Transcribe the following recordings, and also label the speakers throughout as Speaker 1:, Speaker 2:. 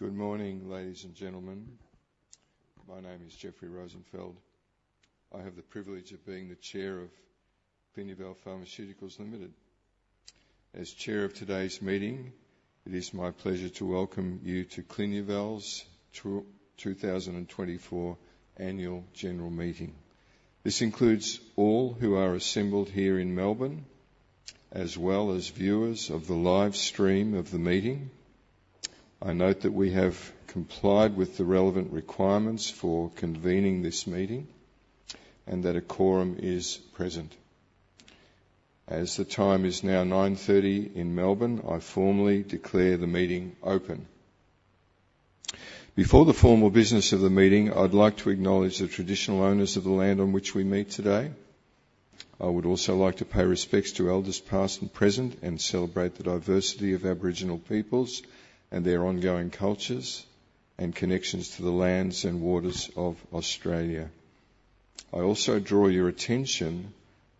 Speaker 1: Good morning, ladies and gentlemen. My name is Jeffrey Rosenfeld. I have the privilege of being the Chair of Clinuvel Pharmaceuticals Limited. As Chair of today's meeting, it is my pleasure to welcome you to Clinuvel's 2024 Annual General Meeting. This includes all who are assembled here in Melbourne, as well as viewers of the live stream of the meeting. I note that we have complied with the relevant requirements for convening this meeting and that a quorum is present. As the time is now 9:30 A.M. in Melbourne, I formally declare the meeting open. Before the formal business of the meeting, I'd like to acknowledge the traditional owners of the land on which we meet today. I would also like to pay respects to elders past and present and celebrate the diversity of Aboriginal peoples and their ongoing cultures and connections to the lands and waters of Australia. I also draw your attention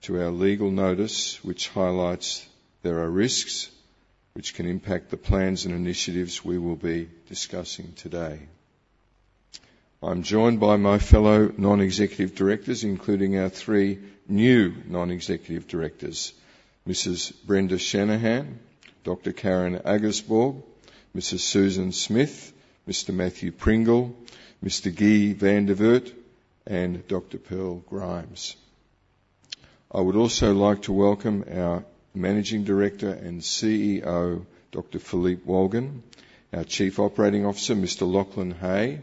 Speaker 1: to our legal notice, which highlights there are risks which can impact the plans and initiatives we will be discussing today. I'm joined by my fellow non-executive directors, including our three new non-executive directors: Mrs. Brenda Shanahan, Dr. Karen Agersborg, Mrs. Susan Smith, Mr. Matthew Pringle, Mr. Guy Van der Auwera, and Dr. Pearl Grimes. I would also like to welcome our Managing Director and CEO, Dr. Philippe Wolgen, our Chief Operating Officer, Mr. Lachlan Hay,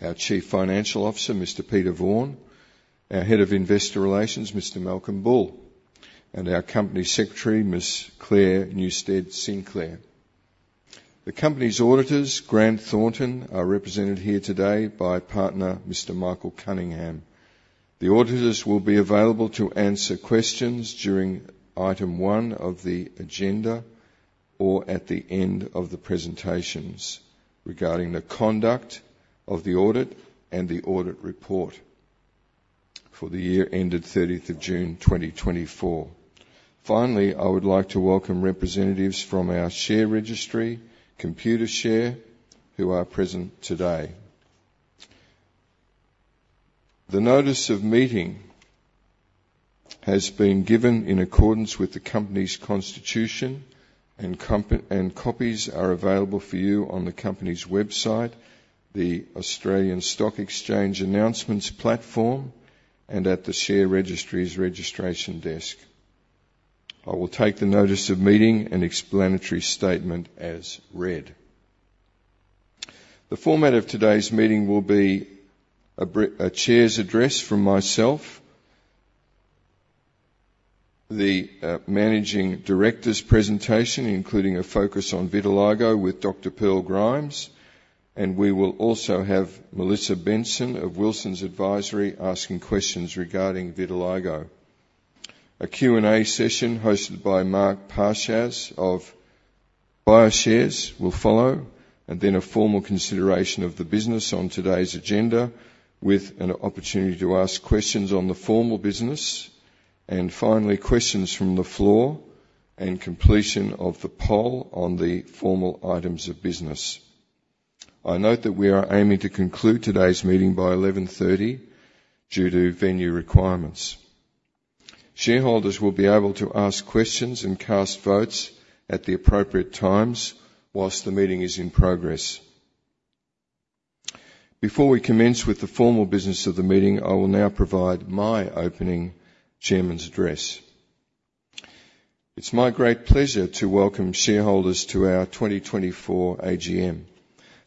Speaker 1: our Chief Financial Officer, Mr. Peter Vaughan, our Head of Investor Relations, Mr. Malcolm Bull, and our Company Secretary, Ms. Clare Neustedt-Sinclair. The Company's auditors, Grant Thornton, are represented here today by partner, Mr. Michael Cunningham. The auditors will be available to answer questions during item one of the agenda or at the end of the presentations regarding the conduct of the audit and the audit report for the year ended 30th of June 2024. Finally, I would like to welcome representatives from our share registry, Computershare, who are present today. The notice of meeting has been given in accordance with the Company's constitution, and copies are available for you on the Company's website, the Australian Stock Exchange Announcements platform, and at the share registry's registration desk. I will take the notice of meeting and explanatory statement as read. The format of today's meeting will be a Chair's address from myself, the Managing Director's presentation, including a focus on vitiligo with Dr. Pearl Grimes, and we will also have Melissa Benson of Wilsons Advisory asking questions regarding vitiligo. A Q&A session hosted by Mark Pachacz of Bioshares will follow, and then a formal consideration of the business on today's agenda with an opportunity to ask questions on the formal business, and finally, questions from the floor and completion of the poll on the formal items of business. I note that we are aiming to conclude today's meeting by 11:30 A.M. due to venue requirements. Shareholders will be able to ask questions and cast votes at the appropriate times whilst the meeting is in progress. Before we commence with the formal business of the meeting, I will now provide my opening Chairman's address. It's my great pleasure to welcome shareholders to our 2024 AGM.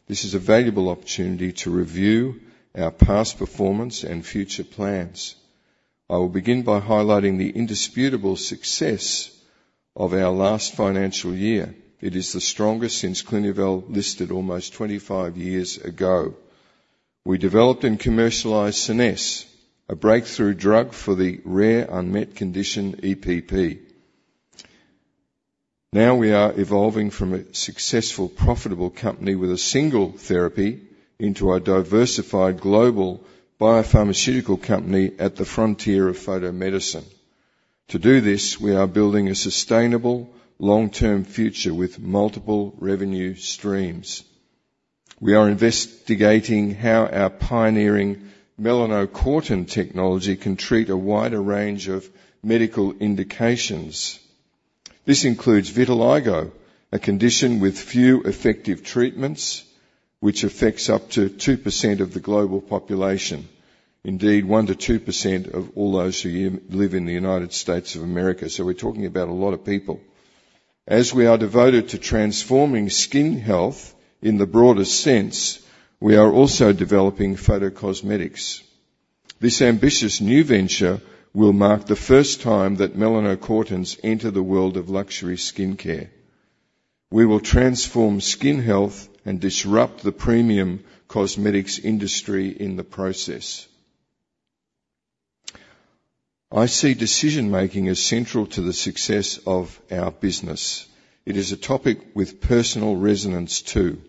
Speaker 1: This is a valuable opportunity to review our past performance and future plans. I will begin by highlighting the indisputable success of our last financial year. It is the strongest since Clinuvel listed almost 25 years ago. We developed and commercialized SCENESSE, a breakthrough drug for the rare unmet condition EPP. Now we are evolving from a successful, profitable company with a single therapy into a diversified global biopharmaceutical company at the frontier of photomedicine. To do this, we are building a sustainable, long-term future with multiple revenue streams. We are investigating how our pioneering melanocortin technology can treat a wider range of medical indications. This includes vitiligo, a condition with few effective treatments, which affects up to 2% of the global population, indeed 1%-2% of all those who live in the United States of America. So we're talking about a lot of people. As we are devoted to transforming skin health in the broadest sense, we are also developing photocosmetics. This ambitious new venture will mark the first time that melanocortins enter the world of luxury skincare. We will transform skin health and disrupt the premium cosmetics industry in the process. I see decision-making as central to the success of our business. It is a topic with personal resonance too.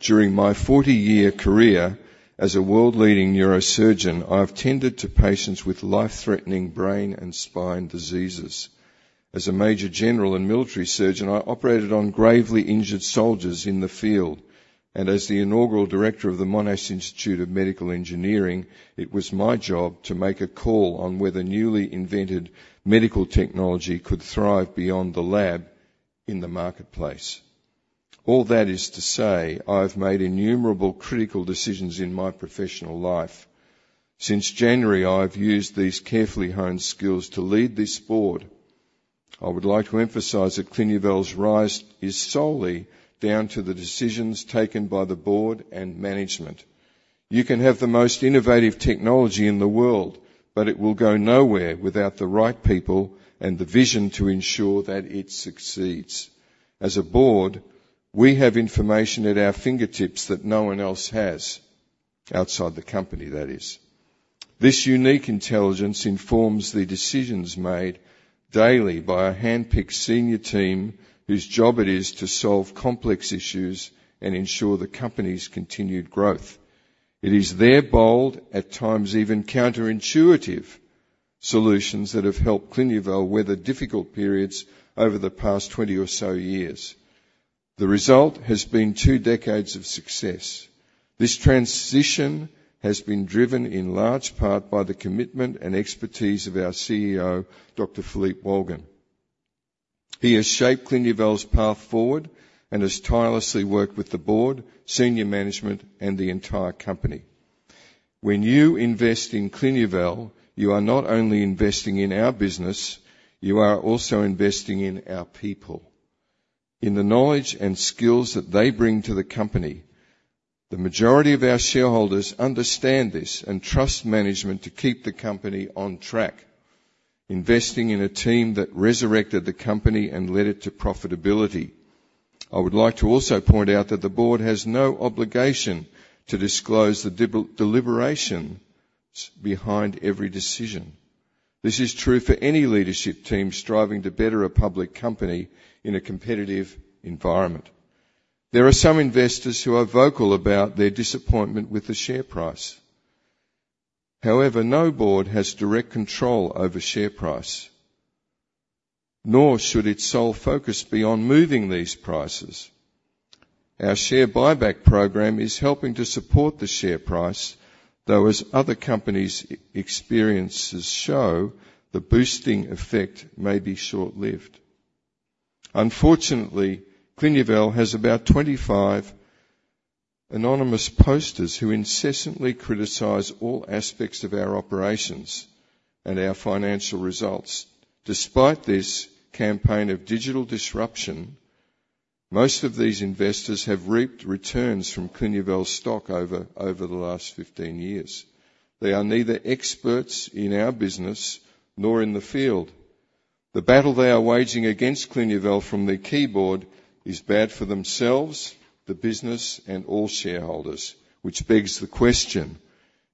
Speaker 1: During my 40-year career as a world-leading neurosurgeon, I have tended to patients with life-threatening brain and spine diseases. As a Major General and military surgeon, I operated on gravely injured soldiers in the field, and as the inaugural director of the Monash Institute of Medical Engineering, it was my job to make a call on whether newly invented medical technology could thrive beyond the lab in the marketplace. All that is to say, I have made innumerable critical decisions in my professional life. Since January, I have used these carefully honed skills to lead this board. I would like to emphasize that Clinuvel's rise is solely down to the decisions taken by the board and management. You can have the most innovative technology in the world, but it will go nowhere without the right people and the vision to ensure that it succeeds. As a board, we have information at our fingertips that no one else has, outside the company, that is. This unique intelligence informs the decisions made daily by a handpicked senior team whose job it is to solve complex issues and ensure the company's continued growth. It is their bold, at times even counterintuitive, solutions that have helped Clinuvel weather difficult periods over the past 20 or so years. The result has been two decades of success. This transition has been driven in large part by the commitment and expertise of our CEO, Dr. Philippe Wolgen. He has shaped Clinuvel's path forward and has tirelessly worked with the board, senior management, and the entire company. When you invest in Clinuvel, you are not only investing in our business. You are also investing in our people. In the knowledge and skills that they bring to the company, the majority of our shareholders understand this and trust management to keep the company on track, investing in a team that resurrected the company and led it to profitability. I would like to also point out that the board has no obligation to disclose the deliberations behind every decision. This is true for any leadership team striving to better a public company in a competitive environment. There are some investors who are vocal about their disappointment with the share price. However, no board has direct control over share price, nor should its sole focus be on moving these prices. Our share buyback program is helping to support the share price, though, as other companies' experiences show, the boosting effect may be short-lived. Unfortunately, Clinuvel has about 25 anonymous posters who incessantly criticize all aspects of our operations and our financial results. Despite this campaign of digital disruption, most of these investors have reaped returns from Clinuvel's stock over the last 15 years. They are neither experts in our business nor in the field. The battle they are waging against Clinuvel from the keyboard is bad for themselves, the business, and all shareholders, which begs the question: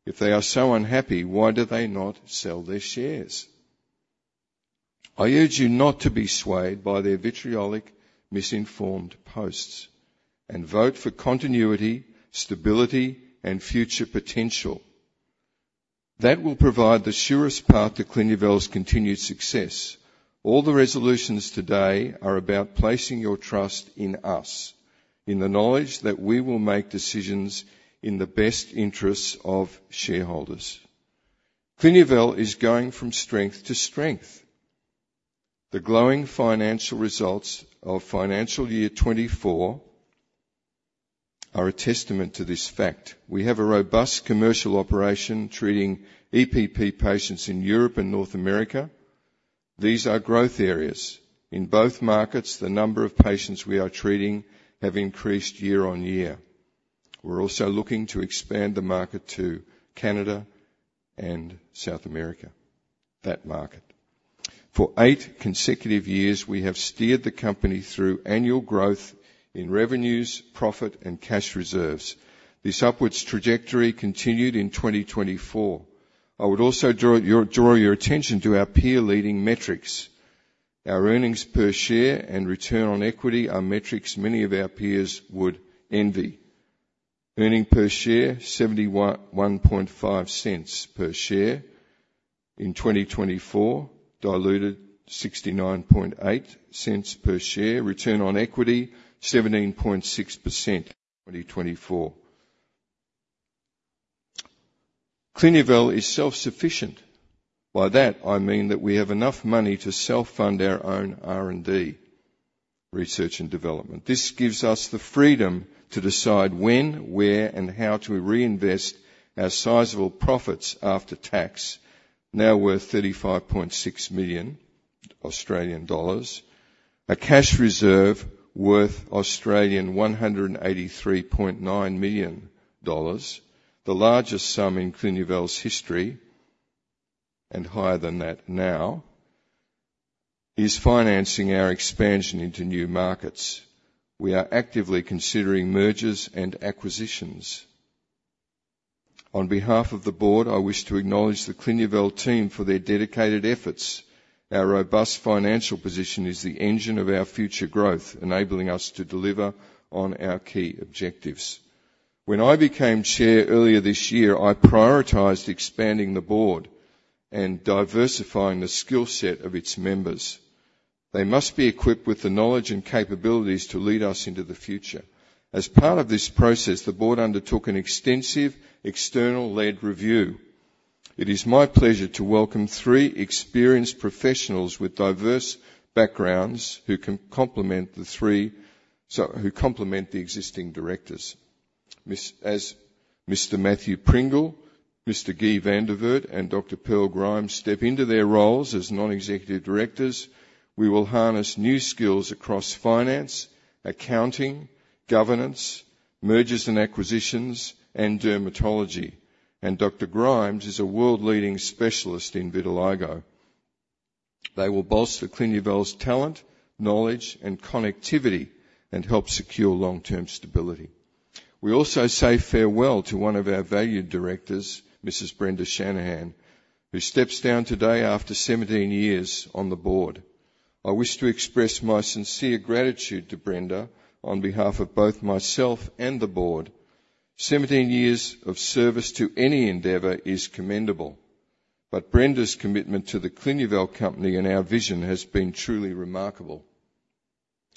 Speaker 1: if they are so unhappy, why do they not sell their shares? I urge you not to be swayed by their vitriolic misinformed posts and vote for continuity, stability, and future potential. That will provide the surest path to Clinuvel's continued success. All the resolutions today are about placing your trust in us, in the knowledge that we will make decisions in the best interests of shareholders. Clinuvel is going from strength to strength. The glowing financial results of financial year 2024 are a testament to this fact. We have a robust commercial operation treating EPP patients in Europe and North America. These are growth areas. In both markets, the number of patients we are treating has increased year on year. We're also looking to expand the market to Canada and South America, that market. For eight consecutive years, we have steered the company through annual growth in revenues, profit, and cash reserves. This upwards trajectory continued in 2024. I would also draw your attention to our peer-leading metrics. Our earnings per share and return on equity are metrics many of our peers would envy. Earnings per share, 0.715 per share in 2024, diluted 0.698 per share. Return on equity, 17.6% in 2024. Clinuvel is self-sufficient. By that, I mean that we have enough money to self-fund our own R&D, research, and development. This gives us the freedom to decide when, where, and how to reinvest our sizable profits after tax, now worth 35.6 million Australian dollars, a cash reserve worth 183.9 million Australian dollars, the largest sum in Clinuvel's history and higher than that now, is financing our expansion into new markets. We are actively considering mergers and acquisitions. On behalf of the board, I wish to acknowledge the Clinuvel team for their dedicated efforts. Our robust financial position is the engine of our future growth, enabling us to deliver on our key objectives. When I became Chair earlier this year, I prioritized expanding the board and diversifying the skill set of its members. They must be equipped with the knowledge and capabilities to lead us into the future. As part of this process, the board undertook an extensive external-led review. It is my pleasure to welcome three experienced professionals with diverse backgrounds who complement the existing directors. As Mr. Matthew Pringle, Mr. Guy van Dievoet, and Dr. Pearl Grimes step into their roles as non-executive directors, we will harness new skills across finance, accounting, governance, mergers and acquisitions, and dermatology. And Dr. Grimes is a world-leading specialist in vitiligo. They will bolster Clinuvel's talent, knowledge, and connectivity and help secure long-term stability. We also say farewell to one of our valued directors, Mrs. Brenda Shanahan, who steps down today after 17 years on the board. I wish to express my sincere gratitude to Brenda on behalf of both myself and the board. 17 years of service to any endeavor is commendable, but Brenda's commitment to the Clinuvel company and our vision has been truly remarkable.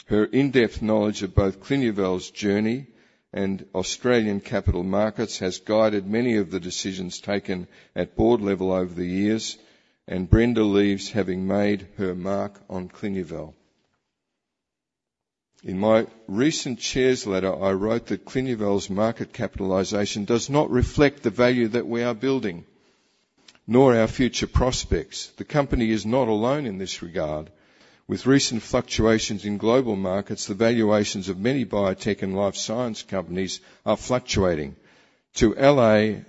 Speaker 1: Her in-depth knowledge of both Clinuvel's journey and Australian capital markets has guided many of the decisions taken at board level over the years, and Brenda leaves having made her mark on Clinuvel. In my recent Chair's letter, I wrote that Clinuvel's market capitalization does not reflect the value that we are building, nor our future prospects. The company is not alone in this regard. With recent fluctuations in global markets, the valuations of many biotech and life science companies are fluctuating. To allay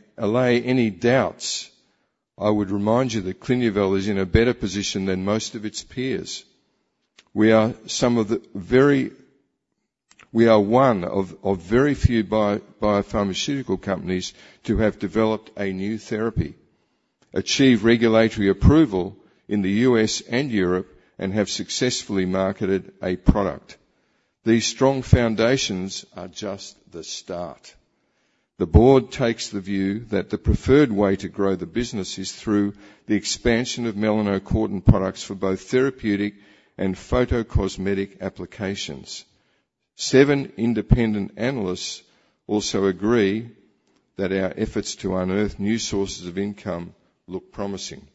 Speaker 1: any doubts, I would remind you that Clinuvel is in a better position than most of its peers. We are one of very few biopharmaceutical companies to have developed a new therapy, achieved regulatory approval in the U.S. and Europe, and have successfully marketed a product. These strong foundations are just the start. The board takes the view that the preferred way to grow the business is through the expansion of melanocortin products for both therapeutic and photocosmetic applications. Seven independent analysts also agree that our efforts to unearth new sources of income look promising.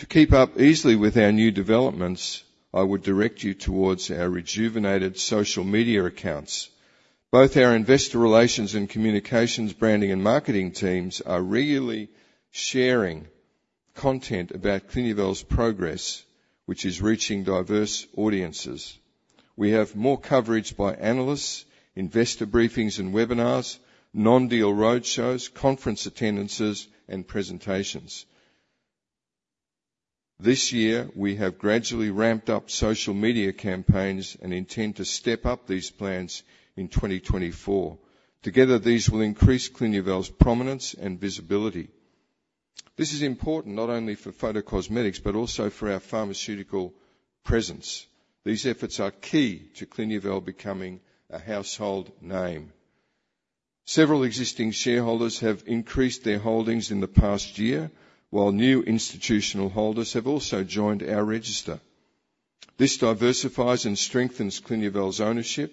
Speaker 1: To keep up easily with our new developments, I would direct you towards our rejuvenated social media accounts. Both our investor relations and communications, branding, and marketing teams are regularly sharing content about Clinuvel's progress, which is reaching diverse audiences. We have more coverage by analysts, investor briefings and webinars, non-deal road shows, conference attendances, and presentations. This year, we have gradually ramped up social media campaigns and intend to step up these plans in 2024. Together, these will increase Clinuvel's prominence and visibility. This is important not only for photocosmetics but also for our pharmaceutical presence. These efforts are key to Clinuvel becoming a household name. Several existing shareholders have increased their holdings in the past year, while new institutional holders have also joined our register. This diversifies and strengthens Clinuvel's ownership.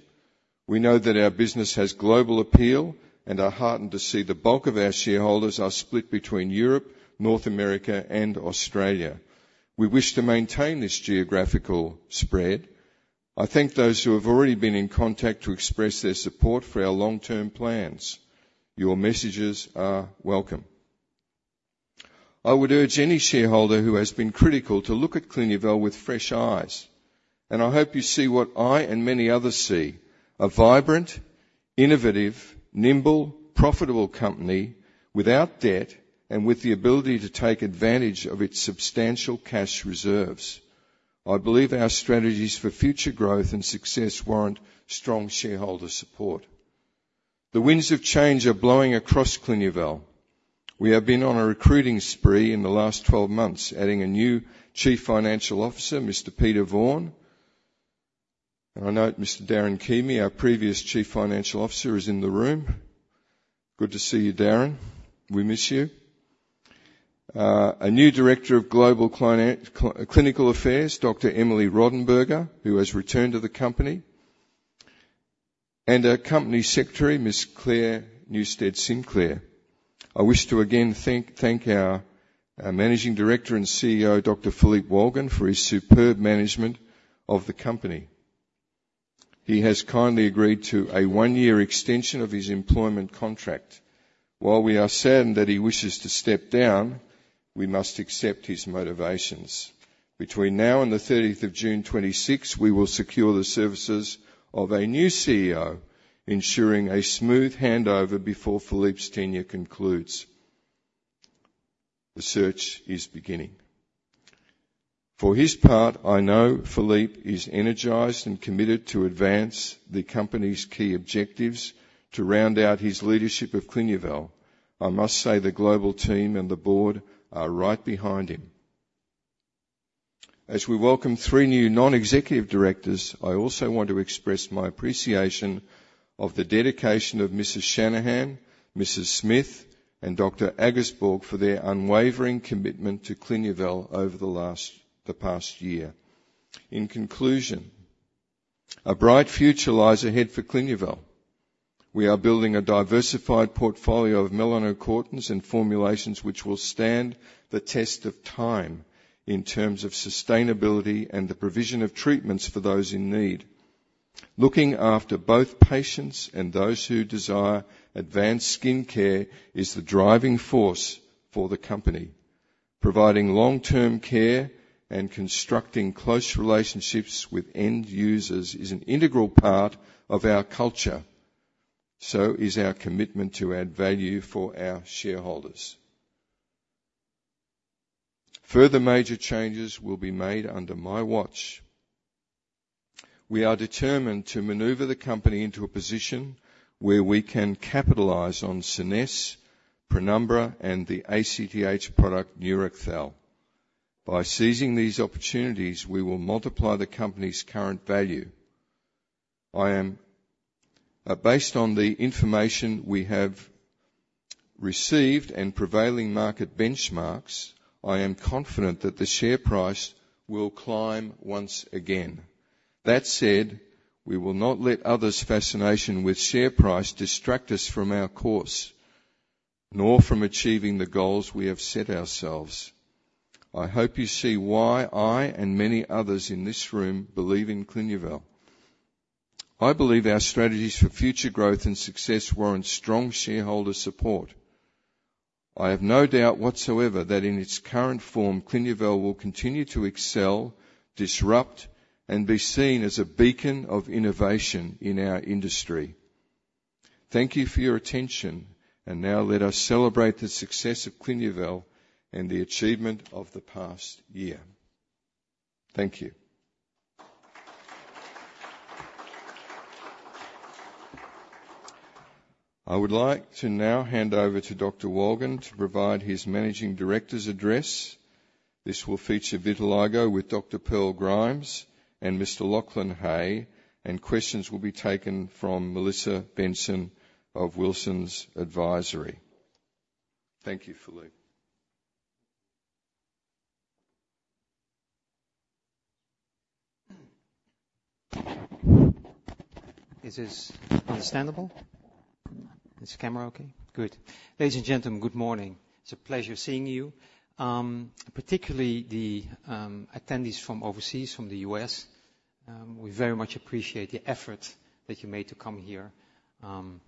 Speaker 1: We know that our business has global appeal and are heartened to see the bulk of our shareholders are split between Europe, North America, and Australia. We wish to maintain this geographical spread. I thank those who have already been in contact to express their support for our long-term plans. Your messages are welcome. I would urge any shareholder who has been critical to look at Clinuvel with fresh eyes, and I hope you see what I and many others see: a vibrant, innovative, nimble, profitable company without debt and with the ability to take advantage of its substantial cash reserves. I believe our strategies for future growth and success warrant strong shareholder support. The winds of change are blowing across Clinuvel. We have been on a recruiting spree in the last 12 months, adding a new Chief Financial Officer, Mr. Peter Vaughan. And I note Mr. Darren Keamy, our previous Chief Financial Officer, is in the room. Good to see you, Darren. We miss you. A new Director of Global Clinical Affairs, Dr. Emily Rodenberger, who has returned to the company, and our Company Secretary, Ms. Clare Neustedt-Sinclair. I wish to again thank our Managing Director and CEO, Dr. Philippe Wolgen, for his superb management of the company. He has kindly agreed to a one-year extension of his employment contract. While we are saddened that he wishes to step down, we must accept his motivations. Between now and the 30th of June 2026, we will secure the services of a new CEO, ensuring a smooth handover before Philippe's tenure concludes. The search is beginning. For his part, I know Philippe is energized and committed to advance the company's key objectives to round out his leadership of Clinuvel. I must say the global team and the board are right behind him. As we welcome three new non-executive directors, I also want to express my appreciation of the dedication of Mrs. Shanahan, Mrs. Smith, and Dr. Agersborg for their unwavering commitment to Clinuvel over the past year. In conclusion, a bright future lies ahead for Clinuvel. We are building a diversified portfolio of melanocortins and formulations which will stand the test of time in terms of sustainability and the provision of treatments for those in need. Looking after both patients and those who desire advanced skin care is the driving force for the company. Providing long-term care and constructing close relationships with end users is an integral part of our culture. So is our commitment to add value for our shareholders. Further major changes will be made under my watch. We are determined to maneuver the company into a position where we can capitalize on SCENESSE, PRÉNUMBRA, and the ACTH product NEURACTHEL. By seizing these opportunities, we will multiply the company's current value. Based on the information we have received and prevailing market benchmarks, I am confident that the share price will climb once again. That said, we will not let others' fascination with share price distract us from our course, nor from achieving the goals we have set ourselves. I hope you see why I and many others in this room believe in Clinuvel. I believe our strategies for future growth and success warrant strong shareholder support. I have no doubt whatsoever that in its current form, Clinuvel will continue to excel, disrupt, and be seen as a beacon of innovation in our industry. Thank you for your attention, and now let us celebrate the success of Clinuvel and the achievement of the past year. Thank you. I would like to now hand over to Dr. Wolgen to provide his Managing Director's address. This will feature vitiligo with Dr. Pearl Grimes and Mr. Lachlan Hay, and questions will be taken from Melissa Benson of Wilsons Advisory. Thank you, Philippe.
Speaker 2: This is understandable. Mr. Cameron? Okay. Good. Ladies and gentlemen, good morning. It's a pleasure seeing you, particularly the attendees from overseas, from the U.S. We very much appreciate the effort that you made to come here, and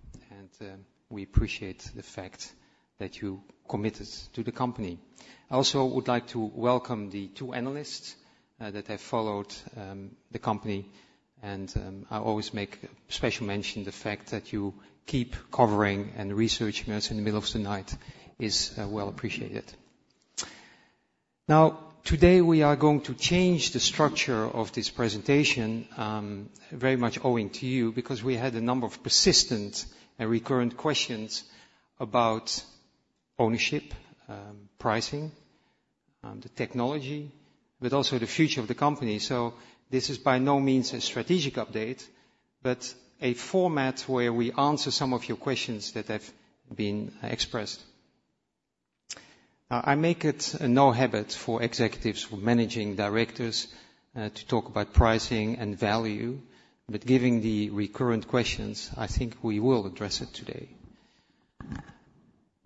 Speaker 2: we appreciate the fact that you committed to the company. I also would like to welcome the two analysts that have followed the company, and I always make a special mention of the fact that you keep covering and researching us in the middle of the night is well appreciated. Now, today we are going to change the structure of this presentation, very much owing to you, because we had a number of persistent and recurrent questions about ownership, pricing, the technology, but also the future of the company, so this is by no means a strategic update, but a format where we answer some of your questions that have been expressed. I make it a no habit for executives, for managing directors, to talk about pricing and value, but given the recurrent questions, I think we will address it today.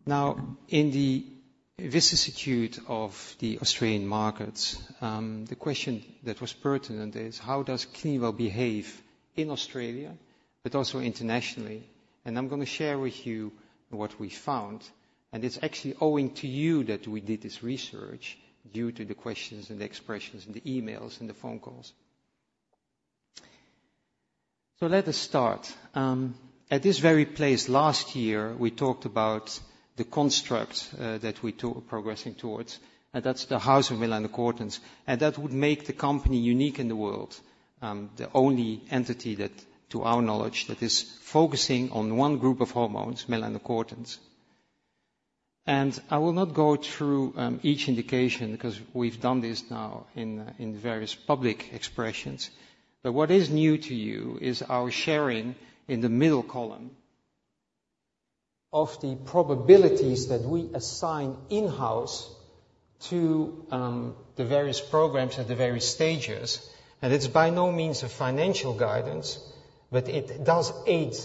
Speaker 2: Now, in the vicissitude of the Australian markets, the question that was pertinent is how does Clinuvel behave in Australia but also internationally? And I'm going to share with you what we found, and it's actually owing to you that we did this research due to the questions and the expressions and the emails and the phone calls. So let us start. At this very place last year, we talked about the construct that we are progressing towards, and that's the harnessing melanocortins, and that would make the company unique in the world, the only entity that, to our knowledge, that is focusing on one group of hormones, melanocortins. I will not go through each indication because we've done this now in various public expressions, but what is new to you is our sharing in the middle column of the probabilities that we assign in-house to the various programs at the various stages. It's by no means a financial guidance, but it does aid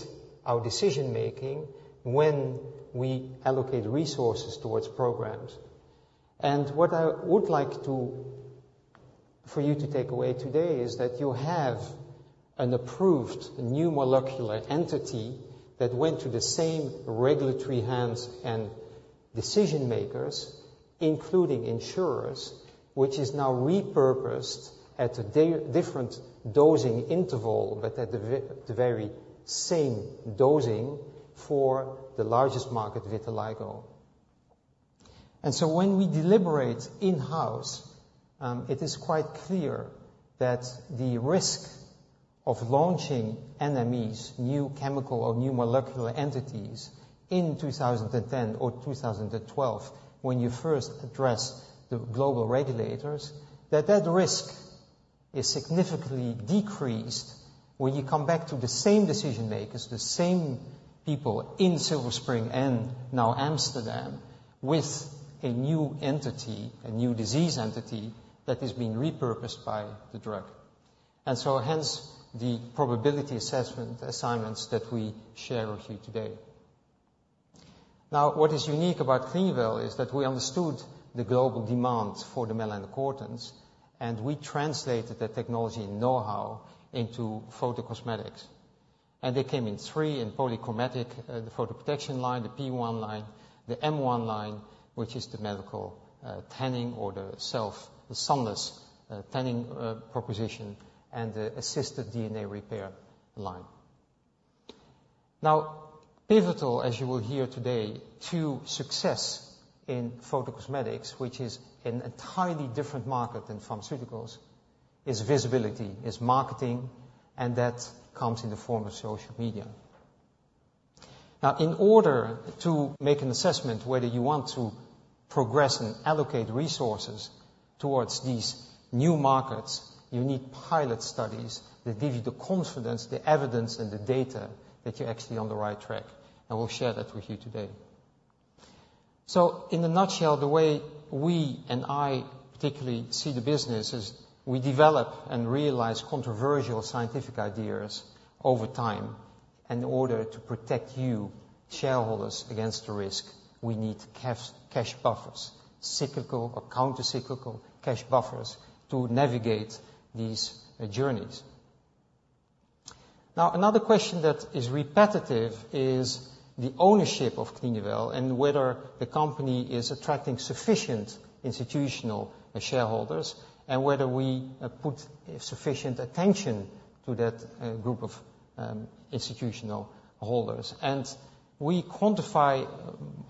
Speaker 2: our decision-making when we allocate resources towards programs. What I would like for you to take away today is that you have an approved new molecular entity that went to the same regulatory hands and decision-makers, including insurers, which is now repurposed at a different dosing interval but at the very same dosing for the largest market, vitiligo. And so when we deliberate in-house, it is quite clear that the risk of launching NMEs, new chemical or new molecular entities, in 2010 or 2012, when you first addressed the global regulators, that that risk is significantly decreased when you come back to the same decision-makers, the same people in Silver Spring and now Amsterdam with a new entity, a new disease entity that is being repurposed by the drug. And so hence the probability assessment assignments that we share with you today. Now, what is unique about Clinuvel is that we understood the global demand for the melanocortins, and we translated that technology and know-how into photocosmetics. And they came in three, in polychromatic, the photoprotection line, the P1 line, the M1 line, which is the medical tanning or the sunless tanning proposition, and the assisted DNA repair line. Now, pivotal, as you will hear today, to success in photocosmetics, which is an entirely different market than pharmaceuticals, is visibility, is marketing, and that comes in the form of social media. Now, in order to make an assessment whether you want to progress and allocate resources towards these new markets, you need pilot studies that give you the confidence, the evidence, and the data that you're actually on the right track, and we'll share that with you today. So in a nutshell, the way we and I particularly see the business is we develop and realize controversial scientific ideas over time, and in order to protect you, shareholders, against the risk, we need cash buffers, cyclical or counter-cyclical cash buffers to navigate these journeys. Now, another question that is repetitive is the ownership of Clinuvel and whether the company is attracting sufficient institutional shareholders and whether we put sufficient attention to that group of institutional holders. We quantify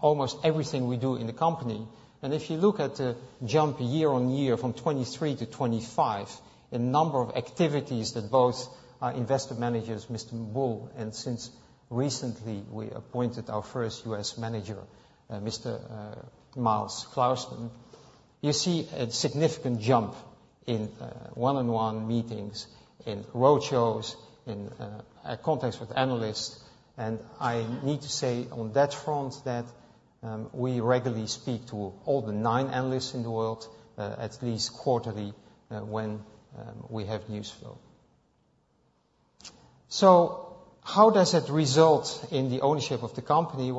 Speaker 2: almost everything we do in the company. If you look at the jump year on year from 2023 to 2025, the number of activities that both our investor managers, Mr. Bull, and since recently we appointed our first U.S. manager, Mr. Miles Klausman, you see a significant jump in one-on-one meetings, in roadshows, in contacts with analysts. I need to say on that front that we regularly speak to all the nine analysts in the world at least quarterly when we have news flow. So how does it result in the ownership of the company?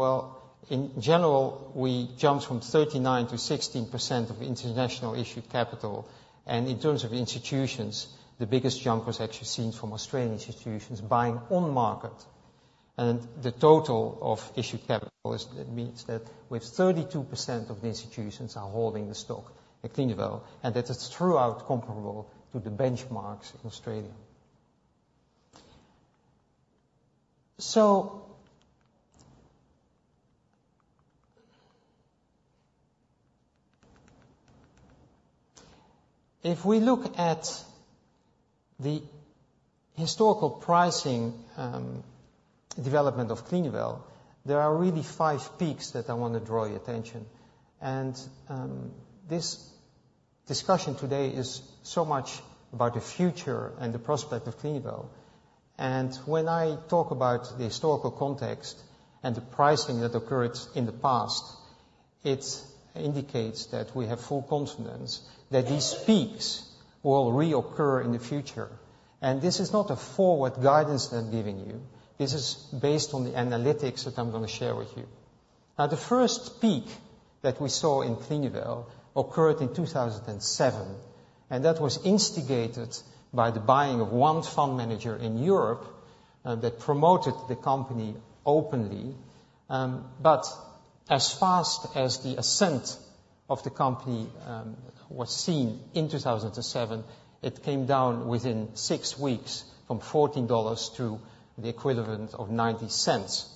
Speaker 2: In general, we jumped from 39% to 16% of international issued capital, and in terms of institutions, the biggest jump was actually seen from Australian institutions buying on market. The total of issued capital means that with 32% of the institutions holding the stock at Clinuvel, and that is throughout comparable to the benchmarks in Australia. If we look at the historical pricing development of Clinuvel, there are really five peaks that I want to draw your attention. This discussion today is so much about the future and the prospect of Clinuvel. When I talk about the historical context and the pricing that occurred in the past, it indicates that we have full confidence that these peaks will reoccur in the future. This is not a forward guidance that I'm giving you. This is based on the analytics that I'm going to share with you. Now, the first peak that we saw in Clinuvel occurred in 2007, and that was instigated by the buying of one fund manager in Europe that promoted the company openly. But as fast as the ascent of the company was seen in 2007, it came down within six weeks from 14 dollars to the equivalent of 0.90.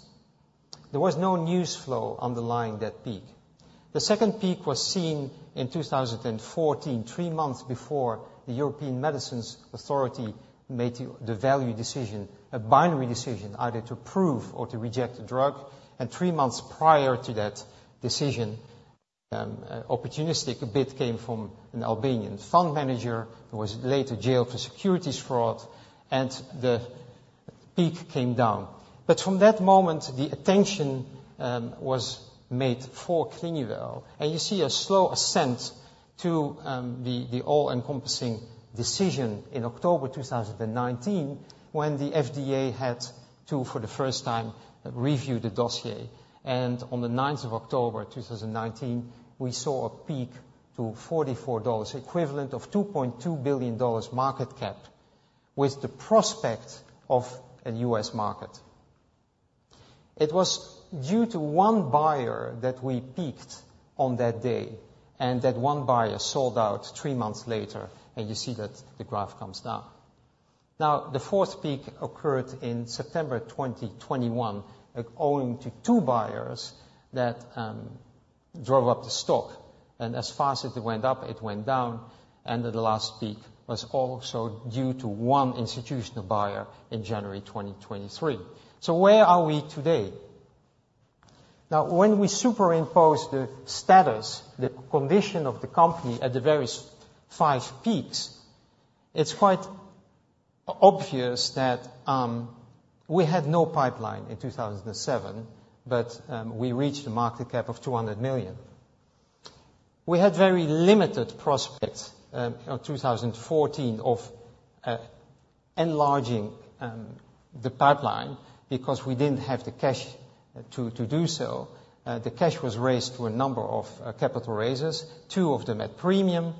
Speaker 2: There was no news flow underlying that peak. The second peak was seen in 2014, three months before the European Medicines Agency made the value decision, a binary decision, either to approve or to reject the drug. And three months prior to that decision, an opportunistic bid came from an Albanian fund manager who was later jailed for securities fraud, and the peak came down. But from that moment, the attention was made for Clinuvel, and you see a slow ascent to the all-encompassing decision in October 2019 when the FDA had to, for the first time, review the dossier. And on the 9th of October 2019, we saw a peak to 44 dollars, equivalent of 2.2 billion dollars market cap, with the prospect of a U.S. market. It was due to one buyer that we peaked on that day, and that one buyer sold out three months later, and you see that the graph comes down. Now, the fourth peak occurred in September 2021, owing to two buyers that drove up the stock, and as fast as it went up, it went down, and the last peak was also due to one institutional buyer in January 2023. So where are we today? Now, when we superimpose the status, the condition of the company at the various five peaks, it's quite obvious that we had no pipeline in 2007, but we reached a market cap of 200 million. We had very limited prospects in 2014 of enlarging the pipeline because we didn't have the cash to do so. The cash was raised through a number of capital raisers, two of them at premium,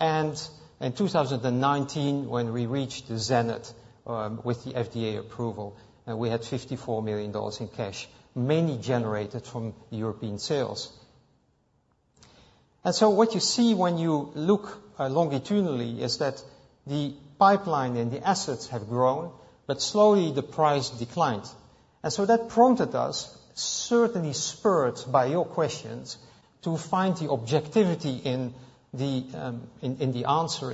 Speaker 2: and in 2019, when we reached the zenith with the FDA approval, we had 54 million dollars in cash, mainly generated from European sales. And so what you see when you look longitudinally is that the pipeline and the assets have grown, but slowly the price declined. And so that prompted us, certainly spurred by your questions, to find the objectivity in the answer,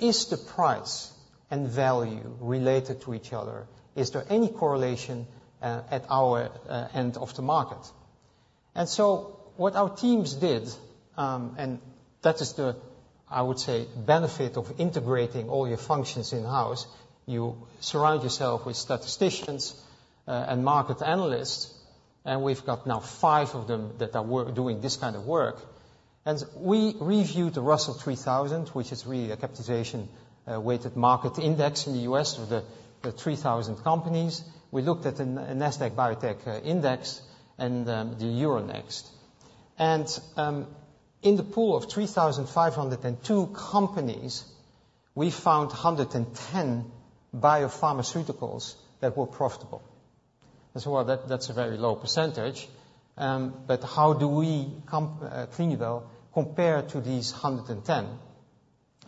Speaker 2: is the price and value related to each other? Is there any correlation at our end of the market? And so what our teams did, and that is the, I would say, benefit of integrating all your functions in-house. You surround yourself with statisticians and market analysts, and we've got now five of them that are doing this kind of work. And we reviewed the Russell 3000, which is really a capitalization-weighted market index in the U.S. with the 3,000 companies. We looked at the NASDAQ Biotech Index and the Euronext. And in the pool of 3,502 companies, we found 110 biopharmaceuticals that were profitable. And so that's a very low percentage, but how do we, Clinuvel, compare to these 110?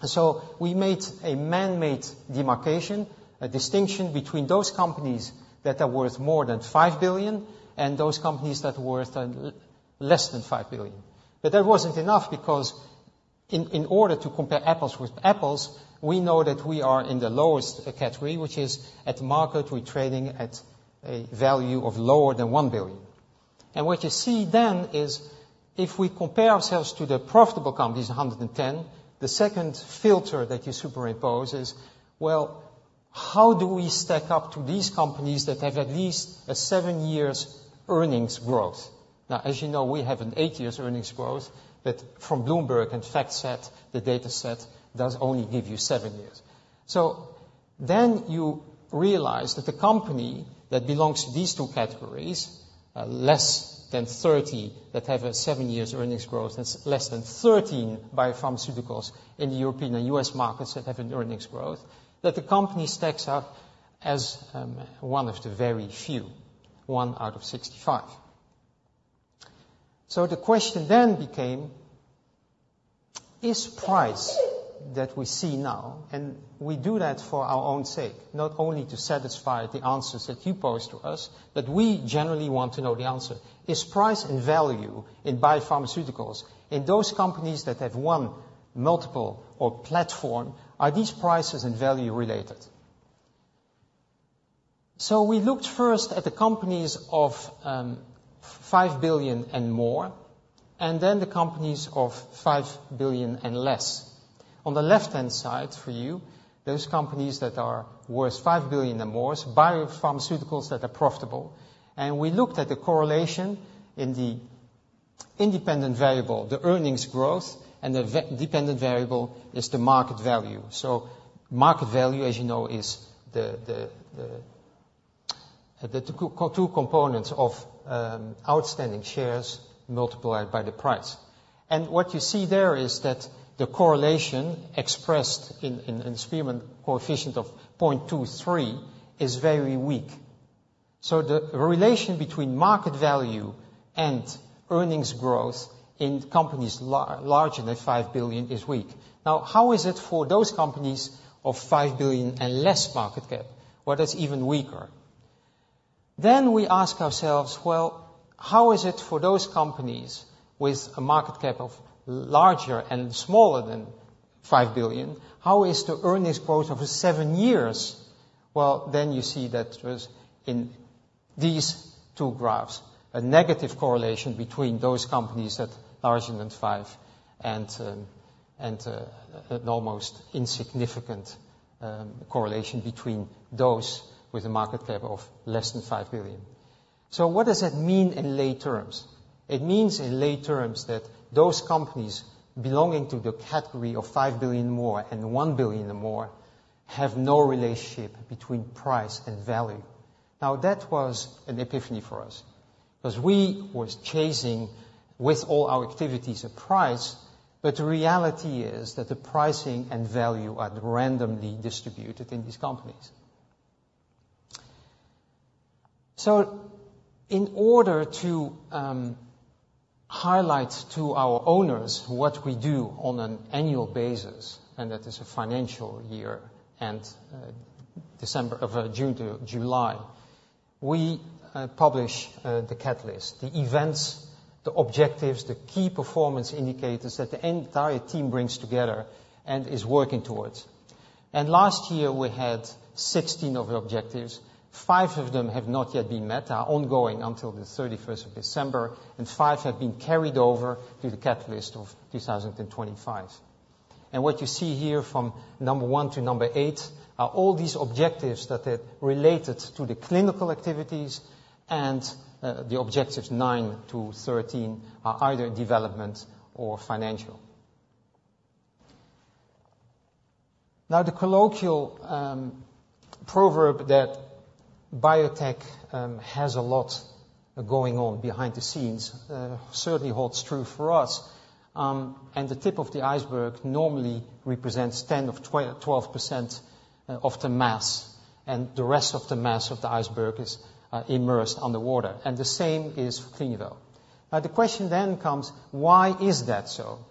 Speaker 2: And so we made a man-made demarcation, a distinction between those companies that are worth more than 5 billion and those companies that are worth less than 5 billion. But that wasn't enough because in order to compare apples with apples, we know that we are in the lowest category, which is at the market. We're trading at a value of lower than 1 billion. And what you see then is if we compare ourselves to the profitable companies, 110, the second filter that you superimpose is, well, how do we stack up to these companies that have at least a seven-year earnings growth. Now, as you know, we have an eight-year earnings growth, but from Bloomberg and FactSet, the data set does only give you seven years. So then you realize that the company that belongs to these two categories, less than 30 that have a seven-year earnings growth, that's less than 13 biopharmaceuticals in the European and U.S. markets that have an earnings growth, that the company stacks up as one of the very few, one out of 65. So the question then became, is price that we see now, and we do that for our own sake, not only to satisfy the answers that you pose to us, but we generally want to know the answer. Is price and value in biopharmaceuticals in those companies that have one multiple or platform, are these prices and value related? So we looked first at the companies of 5 billion and more, and then the companies of 5 billion and less. On the left-hand side for you, those companies that are worth 5 billion and more, biopharmaceuticals that are profitable. And we looked at the correlation in the independent variable, the earnings growth, and the dependent variable is the market value. So market value, as you know, is the two components of outstanding shares multiplied by the price. And what you see there is that the correlation expressed in the Spearman coefficient of 0.23 is very weak. So the relation between market value and earnings growth in companies larger than 5 billion is weak. Now, how is it for those companies of 5 billion and less market cap? Well, that's even weaker. Then we ask ourselves, well, how is it for those companies with a market cap of larger and smaller than 5 billion? How is the earnings growth over seven years? You see that was in these two graphs, a negative correlation between those companies that are larger than 5 billion and an almost insignificant correlation between those with a market cap of less than 5 billion. What does that mean in lay terms? It means in lay terms that those companies belonging to the category of 5 billion and more and 1 billion and more have no relationship between price and value. Now, that was an epiphany for us because we were chasing with all our activities a price, but the reality is that the pricing and value are randomly distributed in these companies. In order to highlight to our owners what we do on an annual basis, and that is a financial year and June to July, we publish the catalyst, the events, the objectives, the key performance indicators that the entire team brings together and is working towards. And last year, we had 16 of the objectives. Five of them have not yet been met, are ongoing until the 31st of December, and five have been carried over to the catalyst of 2025. And what you see here from number one to number eight are all these objectives that are related to the clinical activities, and the objectives nine to 13 are either development or financial. Now, the colloquial proverb that biotech has a lot going on behind the scenes certainly holds true for us. The tip of the iceberg normally represents 10% or 12% of the mass, and the rest of the mass of the iceberg is immersed underwater. The same is for Clinuvel. Now, the question then comes, why is that so?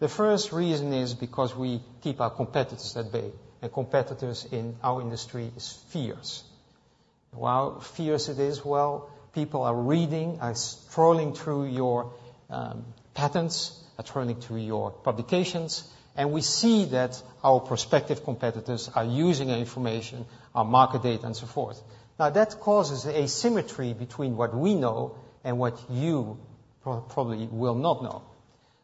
Speaker 2: The first reason is because we keep our competitors at bay, and competitors in our industry are fierce. Well, fierce it is, well, people are reading, are scrolling through your patents, are turning to your publications, and we see that our prospective competitors are using information, our market data, and so forth. Now, that causes asymmetry between what we know and what you probably will not know.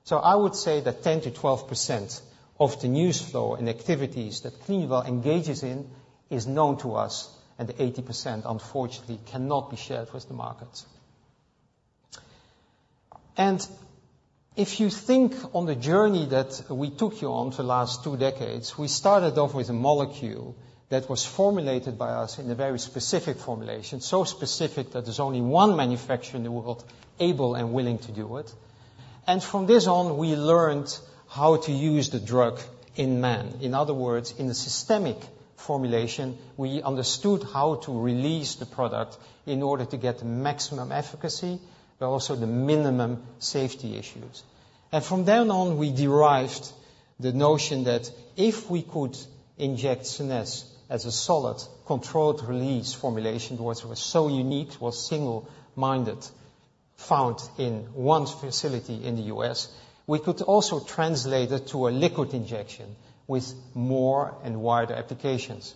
Speaker 2: So I would say that 10%-12% of the news flow and activities that Clinuvel engages in is known to us, and the 80%, unfortunately, cannot be shared with the markets. And if you think on the journey that we took you on for the last two decades, we started off with a molecule that was formulated by us in a very specific formulation, so specific that there's only one manufacturer in the world able and willing to do it. And from this on, we learned how to use the drug in man. In other words, in the systemic formulation, we understood how to release the product in order to get the maximum efficacy, but also the minimum safety issues. And from then on, we derived the notion that if we could inject SCENESSE as a solid controlled-release formulation, which was so unique, was single-minded, found in one facility in the U.S., we could also translate it to a liquid injection with more and wider applications.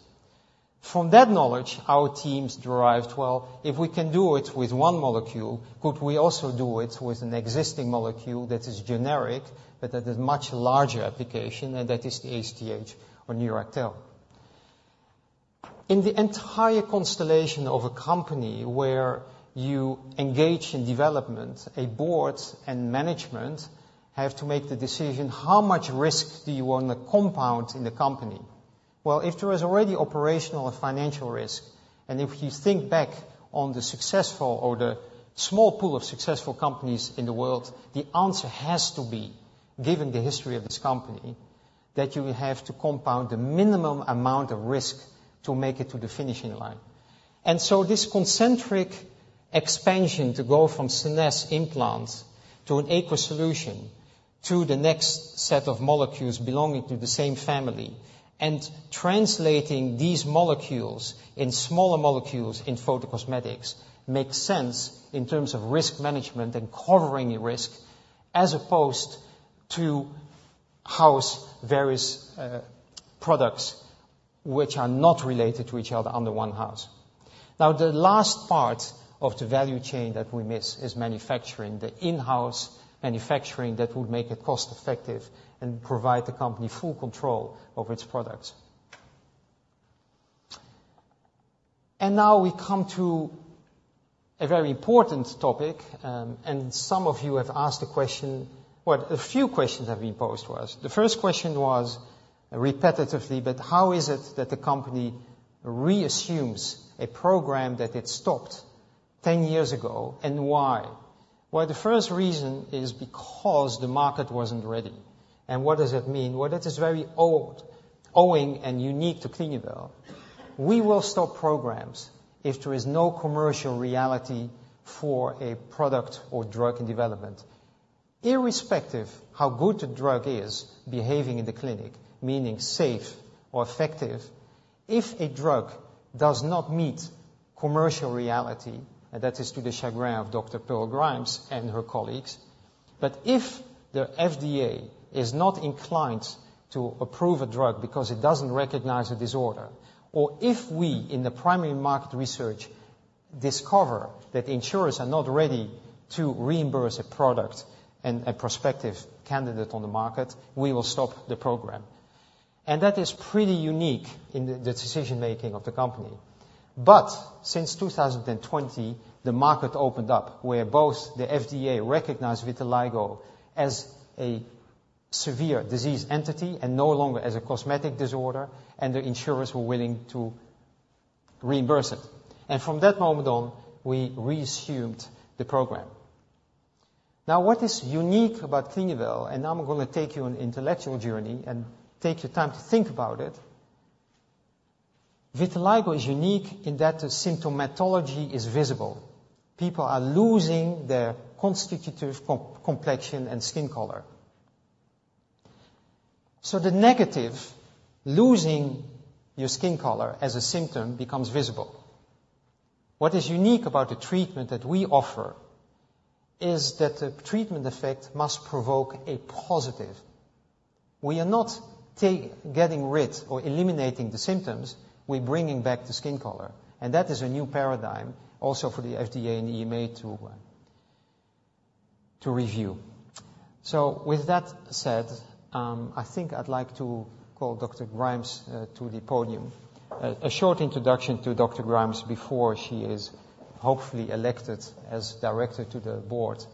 Speaker 2: From that knowledge, our teams derived, well, if we can do it with one molecule, could we also do it with an existing molecule that is generic, but that is much larger application, and that is the ACTH or NEURACTHEL? In the entire constellation of a company where you engage in development, a board and management have to make the decision, how much risk do you want to compound in the company? Well, if there is already operational and financial risk, and if you think back on the successful or the small pool of successful companies in the world, the answer has to be, given the history of this company, that you have to compound the minimum amount of risk to make it to the finishing line. And so this concentric expansion to go from SCENESSE implants to an oral solution to the next set of molecules belonging to the same family and translating these molecules into smaller molecules in photocosmetics makes sense in terms of risk management and covering risk as opposed to having various products which are not related to each other under one house. Now, the last part of the value chain that we miss is manufacturing, the in-house manufacturing that would make it cost-effective and provide the company full control over its products. And now we come to a very important topic, and some of you have asked a question, well, a few questions have been posed to us. The first question was repeatedly, but how is it that the company resumes a program that it stopped 10 years ago, and why? Well, the first reason is because the market wasn't ready. And what does that mean? Well, that is very own and unique to Clinuvel. We will stop programs if there is no commercial reality for a product or drug in development, irrespective of how good the drug is behaving in the clinic, meaning safe or effective. If a drug does not meet commercial reality, and that is to the chagrin of Dr. Pearl Grimes and her colleagues, but if the FDA is not inclined to approve a drug because it doesn't recognize a disorder, or if we in the primary market research discover that insurers are not ready to reimburse a product and a prospective candidate on the market, we will stop the program. And that is pretty unique in the decision-making of the company. Since 2020, the market opened up where both the FDA recognized vitiligo as a severe disease entity and no longer as a cosmetic disorder, and the insurers were willing to reimburse it. From that moment on, we resumed the program. Now, what is unique about Clinuvel, and I'm going to take you on an intellectual journey and take your time to think about it. Vitiligo is unique in that the symptomatology is visible. People are losing their constitutive complexion and skin color. So the negative losing your skin color as a symptom becomes visible. What is unique about the treatment that we offer is that the treatment effect must provoke a positive. We are not getting rid or eliminating the symptoms. We're bringing back the skin color. That is a new paradigm also for the FDA and EMA to review. So with that said, I think I'd like to call Dr. Grimes to the podium. A short introduction to Dr. Grimes before she is hopefully elected as director to the board.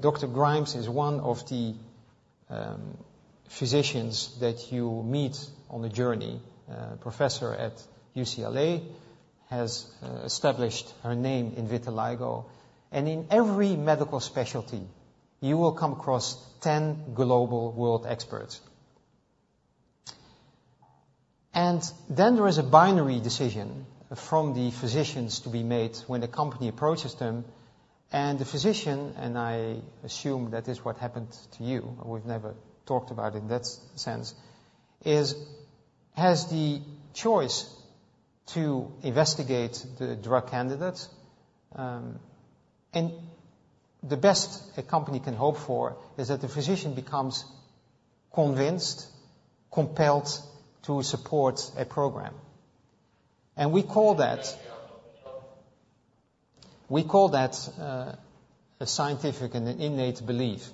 Speaker 2: Dr. Grimes is one of the physicians that you meet on the journey. Professor at UCLA has established her name in vitiligo. And in every medical specialty, you will come across 10 global world experts. And then there is a binary decision from the physicians to be made when a company approaches them. And the physician, and I assume that is what happened to you, we've never talked about it in that sense, has the choice to investigate the drug candidates. And the best a company can hope for is that the physician becomes convinced, compelled to support a program. And we call that a scientific and an innate belief.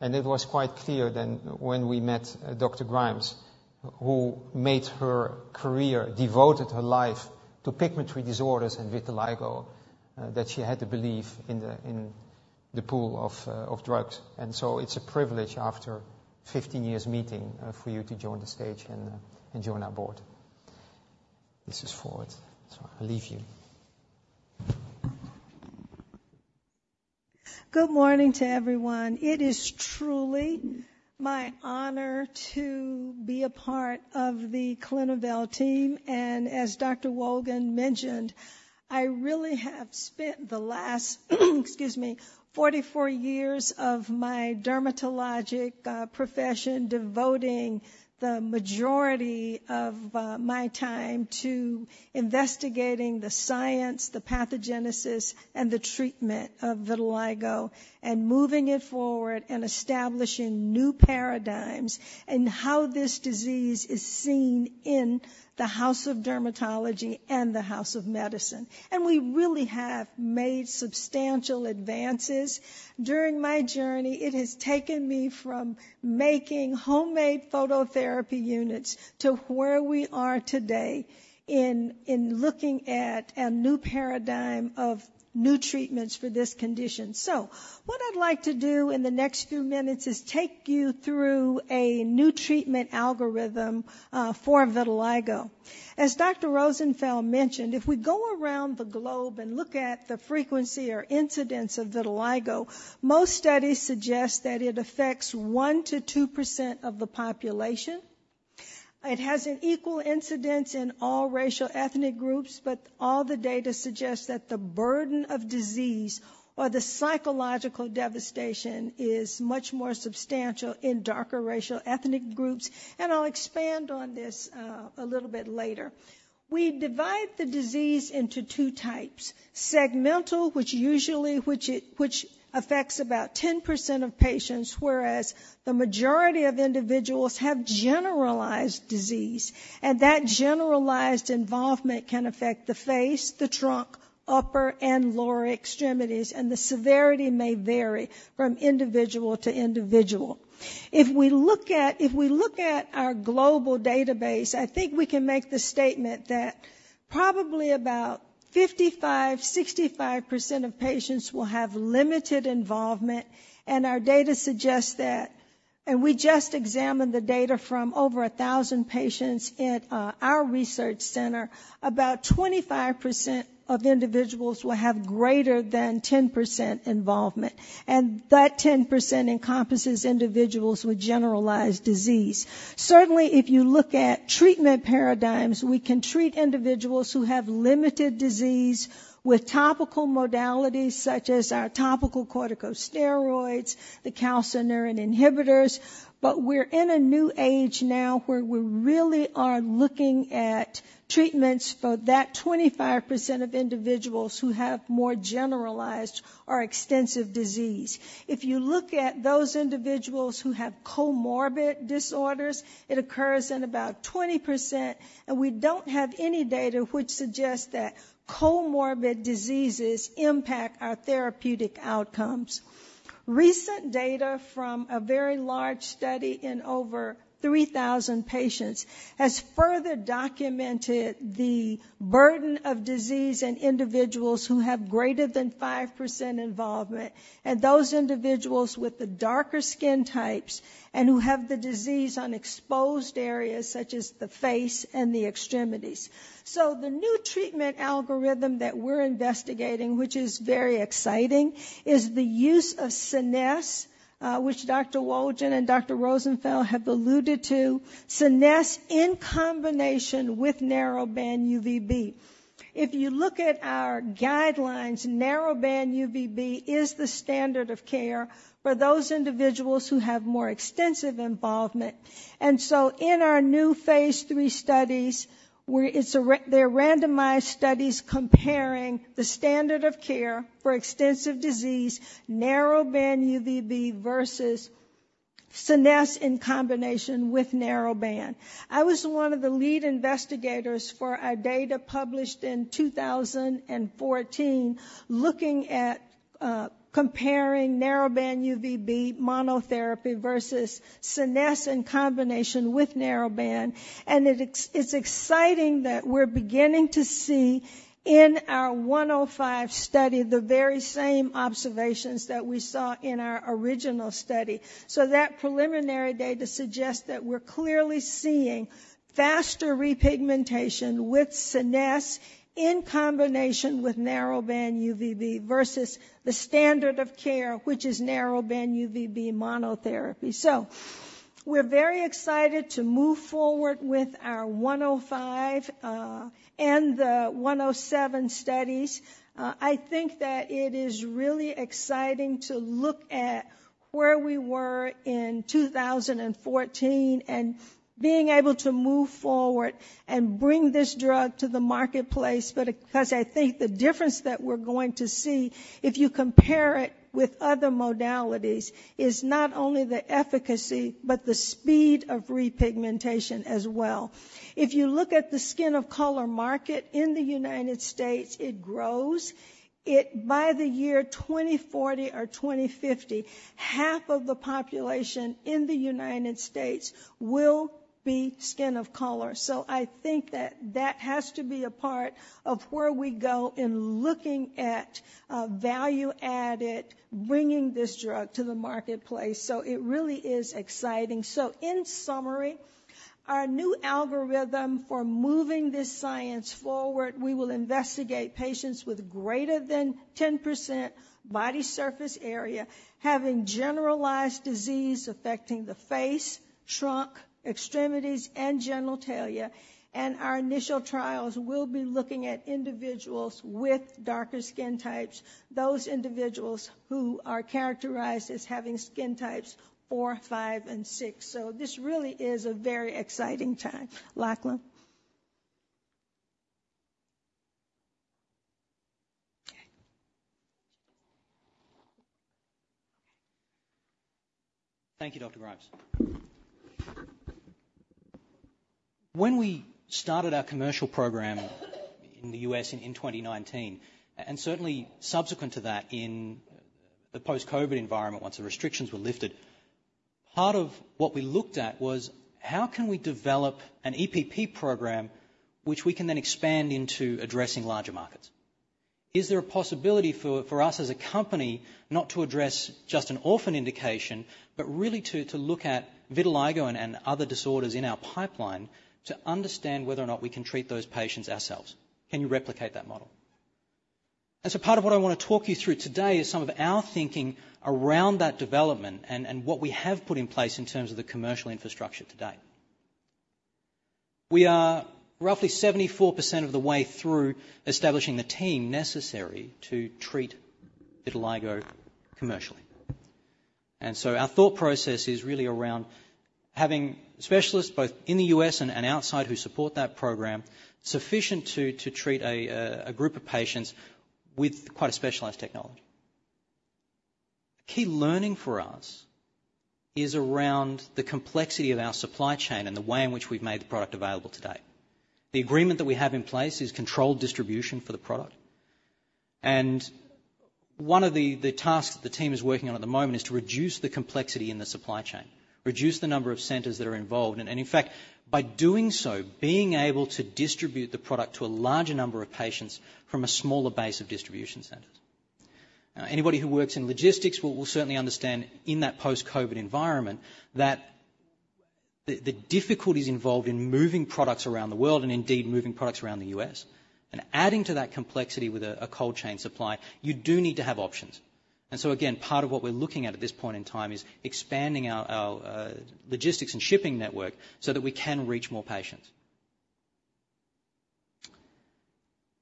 Speaker 2: And it was quite clear then when we met Dr. Grimes, who made her career, devoted her life to pigmentary disorders and vitiligo, that she had to believe in the pool of drugs. And so it's a privilege after 15 years meeting for you to join the stage and join our board. This is forward. So I'll leave you.
Speaker 3: Good morning to everyone. It is truly my honor to be a part of the Clinuvel team, and as Dr. Wolgen mentioned, I really have spent the last, excuse me, 44 years of my dermatologic profession devoting the majority of my time to investigating the science, the pathogenesis, and the treatment of vitiligo, and moving it forward, and establishing new paradigms in how this disease is seen in the house of dermatology and the house of medicine, and we really have made substantial advances. During my journey, it has taken me from making homemade phototherapy units to where we are today in looking at a new paradigm of new treatments for this condition, so what I'd like to do in the next few minutes is take you through a new treatment algorithm for vitiligo. As Dr. Rosenfeld mentioned, if we go around the globe and look at the frequency or incidence of vitiligo, most studies suggest that it affects 1-2% of the population. It has an equal incidence in all racial ethnic groups, but all the data suggests that the burden of disease or the psychological devastation is much more substantial in darker racial ethnic groups. And I'll expand on this a little bit later. We divide the disease into two types: segmental, which usually affects about 10% of patients, whereas the majority of individuals have generalized disease. And that generalized involvement can affect the face, the trunk, upper and lower extremities, and the severity may vary from individual to individual. If we look at our global database, I think we can make the statement that probably about 55%-65% of patients will have limited involvement. Our data suggests that, and we just examined the data from over 1,000 patients at our research center, about 25% of individuals will have greater than 10% involvement. That 10% encompasses individuals with generalized disease. Certainly, if you look at treatment paradigms, we can treat individuals who have limited disease with topical modalities such as our topical corticosteroids, the calcineurin inhibitors. But we're in a new age now where we really are looking at treatments for that 25% of individuals who have more generalized or extensive disease. If you look at those individuals who have comorbid disorders, it occurs in about 20%. We don't have any data which suggests that comorbid diseases impact our therapeutic outcomes. Recent data from a very large study in over 3,000 patients has further documented the burden of disease in individuals who have greater than 5% involvement, and those individuals with the darker skin types and who have the disease on exposed areas such as the face and the extremities, so the new treatment algorithm that we're investigating, which is very exciting, is the use of SCENESSE, which Dr. Wolgen and Dr. Rosenfeld have alluded to, SCENESSE in combination with narrowband UVB. If you look at our guidelines, narrowband UVB is the standard of care for those individuals who have more extensive involvement, and so in our new phase III studies, they're randomized studies comparing the standard of care for extensive disease, narrowband UVB versus SCENESSE in combination with narrowband. I was one of the lead investigators for our data published in 2014 looking at comparing narrowband UVB monotherapy versus SCENESSE in combination with narrowband. It's exciting that we're beginning to see in our 105 study the very same observations that we saw in our original study. That preliminary data suggests that we're clearly seeing faster repigmentation with SCENESSE in combination with narrowband UVB versus the standard of care, which is narrowband UVB monotherapy. We're very excited to move forward with our 105 and the 107 studies. I think that it is really exciting to look at where we were in 2014 and being able to move forward and bring this drug to the marketplace. Because I think the difference that we're going to see if you compare it with other modalities is not only the efficacy, but the speed of repigmentation as well. If you look at the skin of color market in the United States, it grows. By the year 2040 or 2050, half of the population in the United States will be skin of color. So I think that that has to be a part of where we go in looking at value added, bringing this drug to the marketplace, so it really is exciting, so in summary, our new algorithm for moving this science forward, we will investigate patients with greater than 10% body surface area having generalized disease affecting the face, trunk, extremities, and genitalia, and our initial trials will be looking at individuals with darker skin types, those individuals who are characterized as having skin types 4, 5, and 6, so this really is a very exciting time, Lachlan.
Speaker 4: Thank you, Dr. Grimes. When we started our commercial program in the U.S. in 2019, and certainly subsequent to that in the post-COVID environment, once the restrictions were lifted, part of what we looked at was how can we develop an EPP program which we can then expand into addressing larger markets? Is there a possibility for us as a company not to address just an orphan indication, but really to look at vitiligo and other disorders in our pipeline to understand whether or not we can treat those patients ourselves? Can you replicate that model, and so part of what I want to talk you through today is some of our thinking around that development and what we have put in place in terms of the commercial infrastructure today. We are roughly 74% of the way through establishing the team necessary to treat vitiligo commercially. And so our thought process is really around having specialists both in the U.S. and outside who support that program sufficient to treat a group of patients with quite a specialized technology. Key learning for us is around the complexity of our supply chain and the way in which we've made the product available today. The agreement that we have in place is controlled distribution for the product. And one of the tasks that the team is working on at the moment is to reduce the complexity in the supply chain, reduce the number of centers that are involved. And in fact, by doing so, being able to distribute the product to a larger number of patients from a smaller base of distribution centers. Anybody who works in logistics will certainly understand in that post-COVID environment that the difficulties involved in moving products around the world and indeed moving products around the U.S. and adding to that complexity with a cold chain supply. You do need to have options. And so again, part of what we're looking at at this point in time is expanding our logistics and shipping network so that we can reach more patients.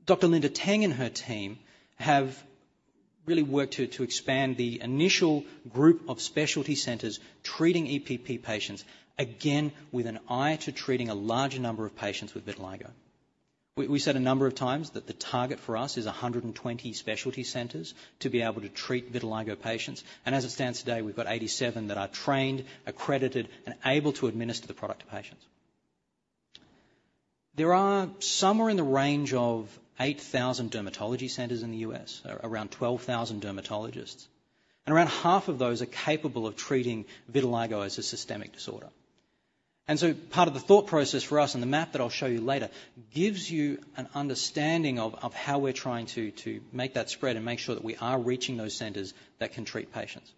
Speaker 4: Dr. Linda Teng and her team have really worked to expand the initial group of specialty centers treating EPP patients, again with an eye to treating a larger number of patients with vitiligo. We said a number of times that the target for us is 120 specialty centers to be able to treat vitiligo patients. And as it stands today, we've got 87 that are trained, accredited, and able to administer the product to patients. There are somewhere in the range of 8,000 dermatology centers in the U.S., around 12,000 dermatologists, and around half of those are capable of treating vitiligo as a systemic disorder. And so part of the thought process for us and the map that I'll show you later gives you an understanding of how we're trying to make that spread and make sure that we are reaching those centers that can treat patients.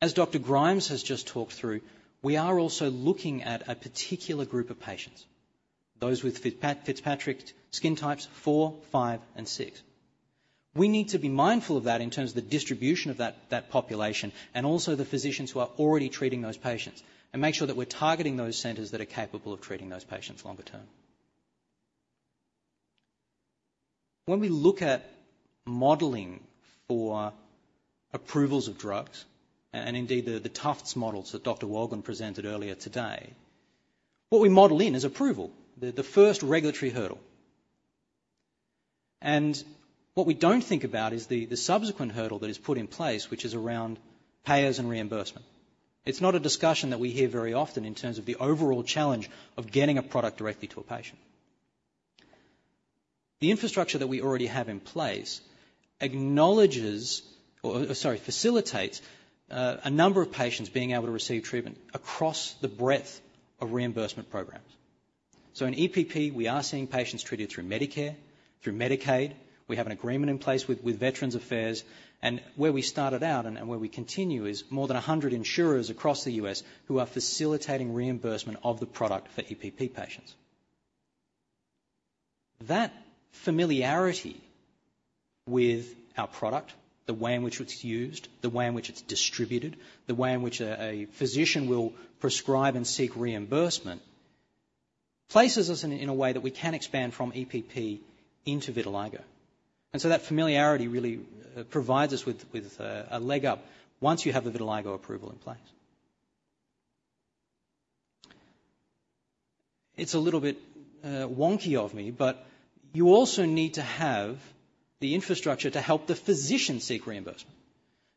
Speaker 4: As Dr. Grimes has just talked through, we are also looking at a particular group of patients, those with Fitzpatrick skin types 4, 5, and 6. We need to be mindful of that in terms of the distribution of that population and also the physicians who are already treating those patients and make sure that we're targeting those centers that are capable of treating those patients longer term. When we look at modeling for approvals of drugs and indeed the Tufts models that Dr. Wolgen presented earlier today, what we model in is approval, the first regulatory hurdle, and what we don't think about is the subsequent hurdle that is put in place, which is around payers and reimbursement. It's not a discussion that we hear very often in terms of the overall challenge of getting a product directly to a patient. The infrastructure that we already have in place acknowledges or, sorry, facilitates a number of patients being able to receive treatment across the breadth of reimbursement programs, so in EPP, we are seeing patients treated through Medicare, through Medicaid. We have an agreement in place with Veterans Affairs, and where we started out and where we continue is more than 100 insurers across the U.S. who are facilitating reimbursement of the product for EPP patients. That familiarity with our product, the way in which it's used, the way in which it's distributed, the way in which a physician will prescribe and seek reimbursement places us in a way that we can expand from EPP into vitiligo. And so that familiarity really provides us with a leg up once you have the vitiligo approval in place. It's a little bit wonky of me, but you also need to have the infrastructure to help the physician seek reimbursement.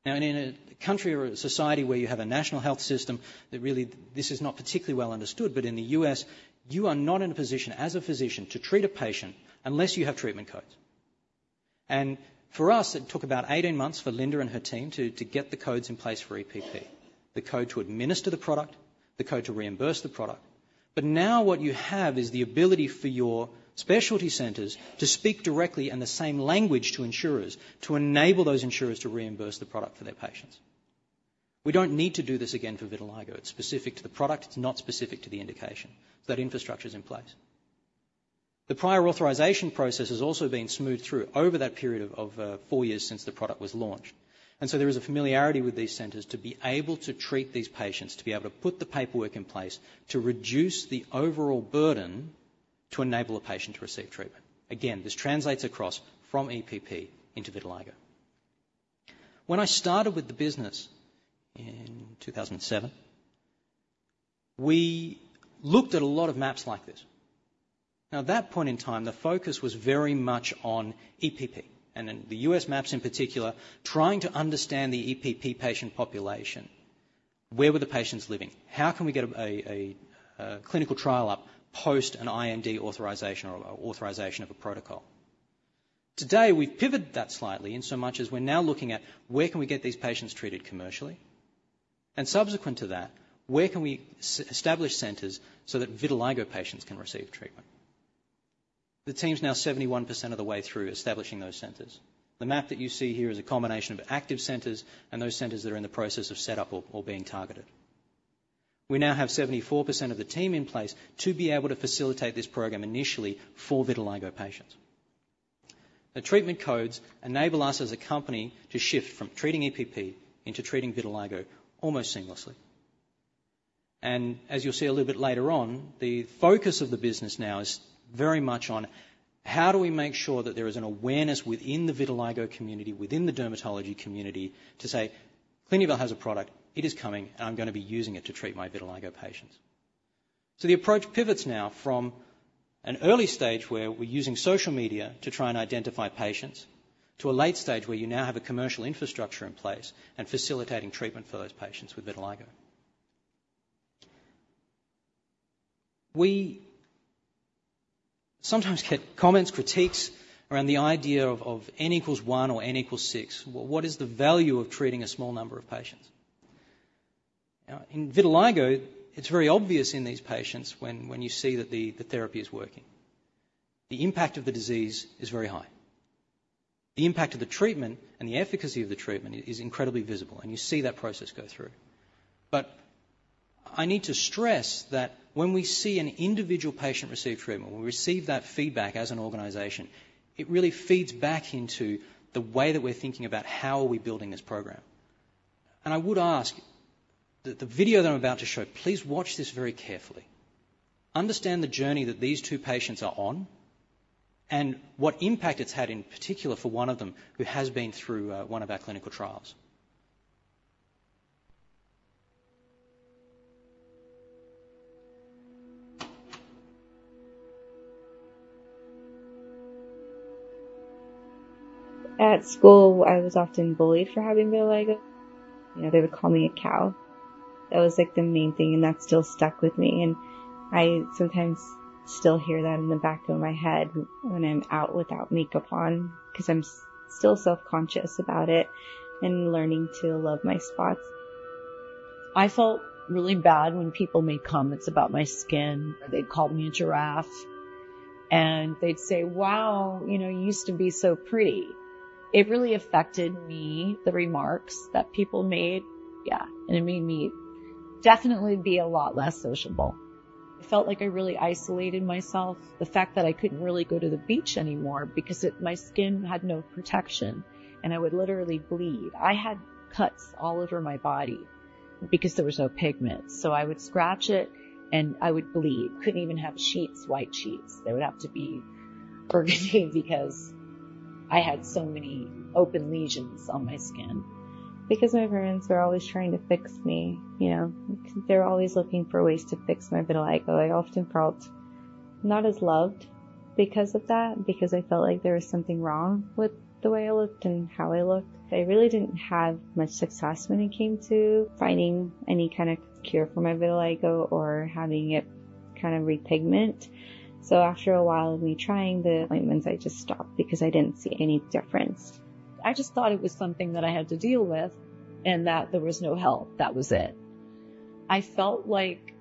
Speaker 4: Now, in a country or a society where you have a national health system, that really this is not particularly well understood, but in the U.S., you are not in a position as a physician to treat a patient unless you have treatment codes. And for us, it took about 18 months for Linda and her team to get the codes in place for EPP, the code to administer the product, the code to reimburse the product. But now what you have is the ability for your specialty centers to speak directly in the same language to insurers to enable those insurers to reimburse the product for their patients. We don't need to do this again for vitiligo. It's specific to the product. It's not specific to the indication. So that infrastructure is in place. The prior authorization process has also been smoothed through over that period of four years since the product was launched. And so there is a familiarity with these centers to be able to treat these patients, to be able to put the paperwork in place to reduce the overall burden to enable a patient to receive treatment. Again, this translates across from EPP into vitiligo. When I started with the business in 2007, we looked at a lot of maps like this. Now, at that point in time, the focus was very much on EPP and in the U.S. maps in particular, trying to understand the EPP patient population, where were the patients living, how can we get a clinical trial up post an IND authorization or authorization of a protocol. Today, we've pivoted that slightly in so much as we're now looking at where can we get these patients treated commercially. And subsequent to that, where can we establish centers so that vitiligo patients can receive treatment. The team's now 71% of the way through establishing those centers. The map that you see here is a combination of active centers and those centers that are in the process of setup or being targeted. We now have 74% of the team in place to be able to facilitate this program initially for vitiligo patients. The treatment codes enable us as a company to shift from treating EPP into treating vitiligo almost seamlessly, and as you'll see a little bit later on, the focus of the business now is very much on how do we make sure that there is an awareness within the vitiligo community, within the dermatology community to say, "Clinuvel has a product. It is coming. I'm going to be using it to treat my vitiligo patients," so the approach pivots now from an early stage where we're using social media to try and identify patients to a late stage where you now have a commercial infrastructure in place and facilitating treatment for those patients with vitiligo. We sometimes get comments, critiques around the idea of N equals one or N equals six. What is the value of treating a small number of patients? In vitiligo, it's very obvious in these patients when you see that the therapy is working. The impact of the disease is very high. The impact of the treatment and the efficacy of the treatment is incredibly visible. And you see that process go through. But I need to stress that when we see an individual patient receive treatment, when we receive that feedback as an organization, it really feeds back into the way that we're thinking about how are we building this program. And I would ask that the video that I'm about to show, please watch this very carefully. Understand the journey that these two patients are on and what impact it's had in particular for one of them who has been through one of our clinical trials.
Speaker 5: At school, I was often bullied for having vitiligo. They would call me a cow. That was the main thing, and that's still stuck with me, and I sometimes still hear that in the back of my head when I'm out without makeup on because I'm still self-conscious about it and learning to love my spots. I felt really bad when people made comments about my skin. They'd call me a giraffe. They'd say, "Wow, you used to be so pretty." It really affected me, the remarks that people made. Yeah. It made me definitely be a lot less sociable. I felt like I really isolated myself, the fact that I couldn't really go to the beach anymore because my skin had no protection and I would literally bleed. I had cuts all over my body because there was no pigment. So I would scratch it and I would bleed. Couldn't even have sheets, white sheets. They would have to be burgundy because I had so many open lesions on my skin. Because my parents were always trying to fix me. They're always looking for ways to fix my vitiligo. I often felt not as loved because of that because I felt like there was something wrong with the way I looked and how I looked. I really didn't have much success when it came to finding any kind of cure for my vitiligo or having it kind of repigment. So after a while of me trying the ointments, I just stopped because I didn't see any difference. I just thought it was something that I had to deal with and that there was no help. That was it. I felt like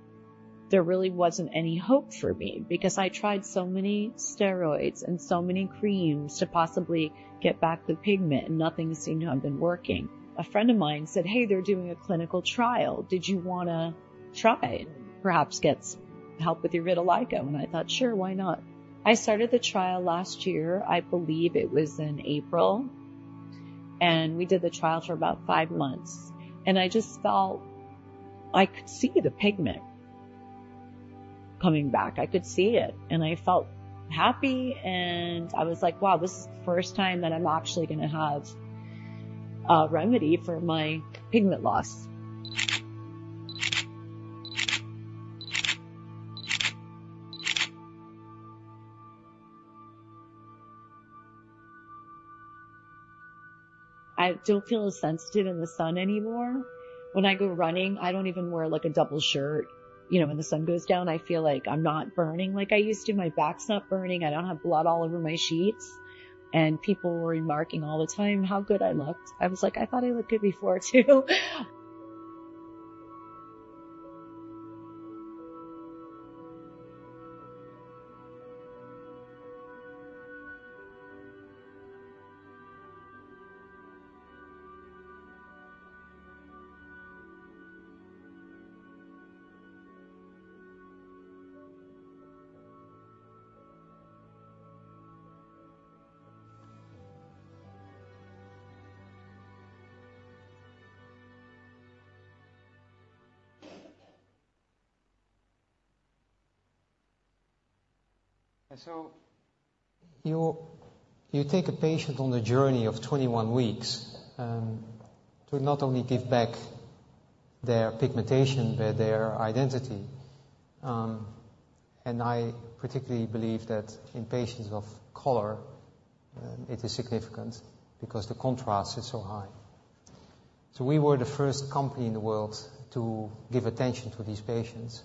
Speaker 5: there really wasn't any hope for me because I tried so many steroids and so many creams to possibly get back the pigment and nothing seemed to have been working. A friend of mine said, "Hey, they're doing a clinical trial. Did you want to try and perhaps get help with your vitiligo?", and I thought, "Sure, why not?" I started the trial last year. I believe it was in April, and we did the trial for about five months, and I just felt I could see the pigment coming back. I could see it, and I felt happy. I was like, "Wow, this is the first time that I'm actually going to have a remedy for my pigment loss." I don't feel as sensitive in the sun anymore. When I go running, I don't even wear a double shirt. When the sun goes down, I feel like I'm not burning like I used to. My back's not burning. I don't have blood all over my sheets. And people were remarking all the time how good I looked. I was like, "I thought I looked good before too.
Speaker 2: And so you take a patient on a journey of 21 weeks to not only give back their pigmentation, but their identity. And I particularly believe that in patients of color, it is significant because the contrast is so high. So we were the first company in the world to give attention to these patients.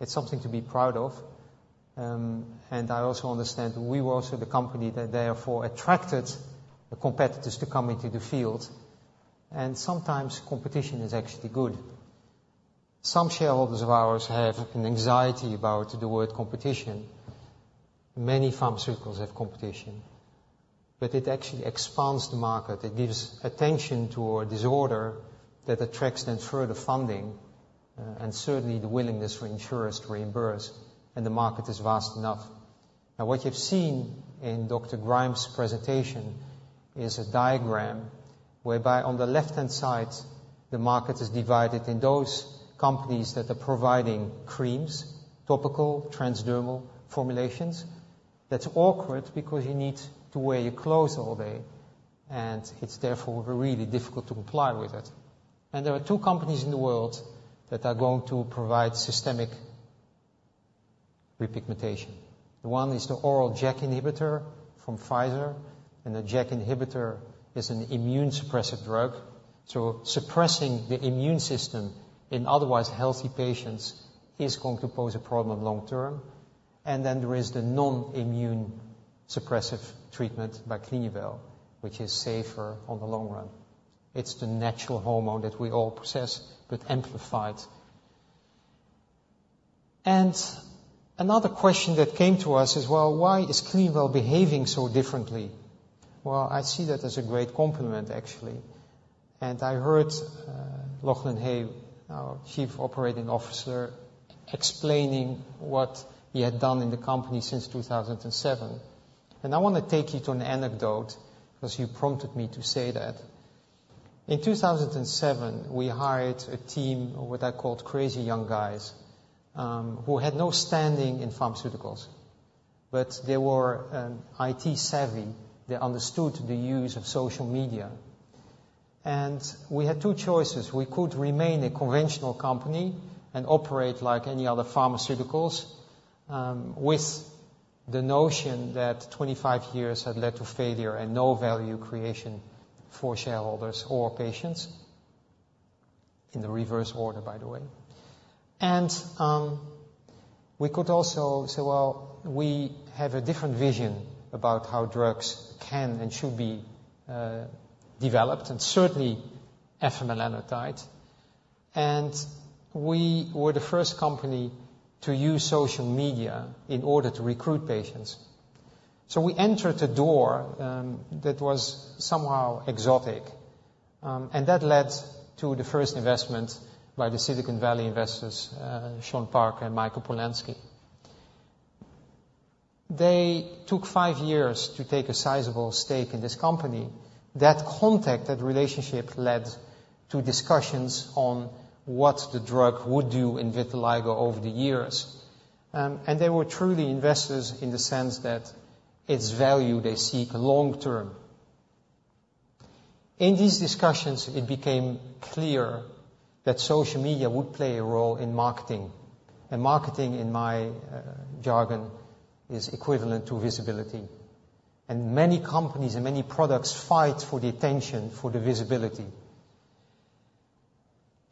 Speaker 2: It's something to be proud of. And I also understand we were also the company that therefore attracted the competitors to come into the field. And sometimes competition is actually good. Some shareholders of ours have an anxiety about the word competition. Many pharmaceuticals have competition. But it actually expands the market. It gives attention to a disorder that attracts then further funding and certainly the willingness for insurers to reimburse and the market is vast enough. Now, what you've seen in Dr. Grimes's presentation is a diagram whereby on the left-hand side, the market is divided in those companies that are providing creams, topical, transdermal formulations. That's awkward because you need to wear your clothes all day. And it's therefore really difficult to comply with it. And there are two companies in the world that are going to provide systemic repigmentation. One is the oral JAK inhibitor from Pfizer. And the JAK inhibitor is an immunosuppressive drug. So suppressing the immune system in otherwise healthy patients is going to pose a problem long term. And then there is the non-immunosuppressive treatment by Clinuvel, which is safer in the long run. It's the natural hormone that we all possess, but amplified. And another question that came to us is, "Well, why is Clinuvel behaving so differently?" Well, I see that as a great compliment, actually. I heard Lachlan Hay, our Chief Operating Officer, explaining what he had done in the company since 2007. I want to take you to an anecdote because you prompted me to say that. In 2007, we hired a team of what I called crazy young guys who had no standing in pharmaceuticals. They were IT-savvy. They understood the use of social media. We had two choices. We could remain a conventional company and operate like any other pharmaceuticals with the notion that 25 years had led to failure and no value creation for shareholders or patients in the reverse order, by the way. We could also say, "Well, we have a different vision about how drugs can and should be developed, and certainly afamelanotide." We were the first company to use social media in order to recruit patients. We entered a door that was somehow exotic. And that led to the first investment by the Silicon Valley investors, Sean Parker and Michael Polansky. They took five years to take a sizable stake in this company. That contact, that relationship led to discussions on what the drug would do in vitiligo over the years. And they were truly investors in the sense that its value they seek long term. In these discussions, it became clear that social media would play a role in marketing. And marketing, in my jargon, is equivalent to visibility. And many companies and many products fight for the attention, for the visibility.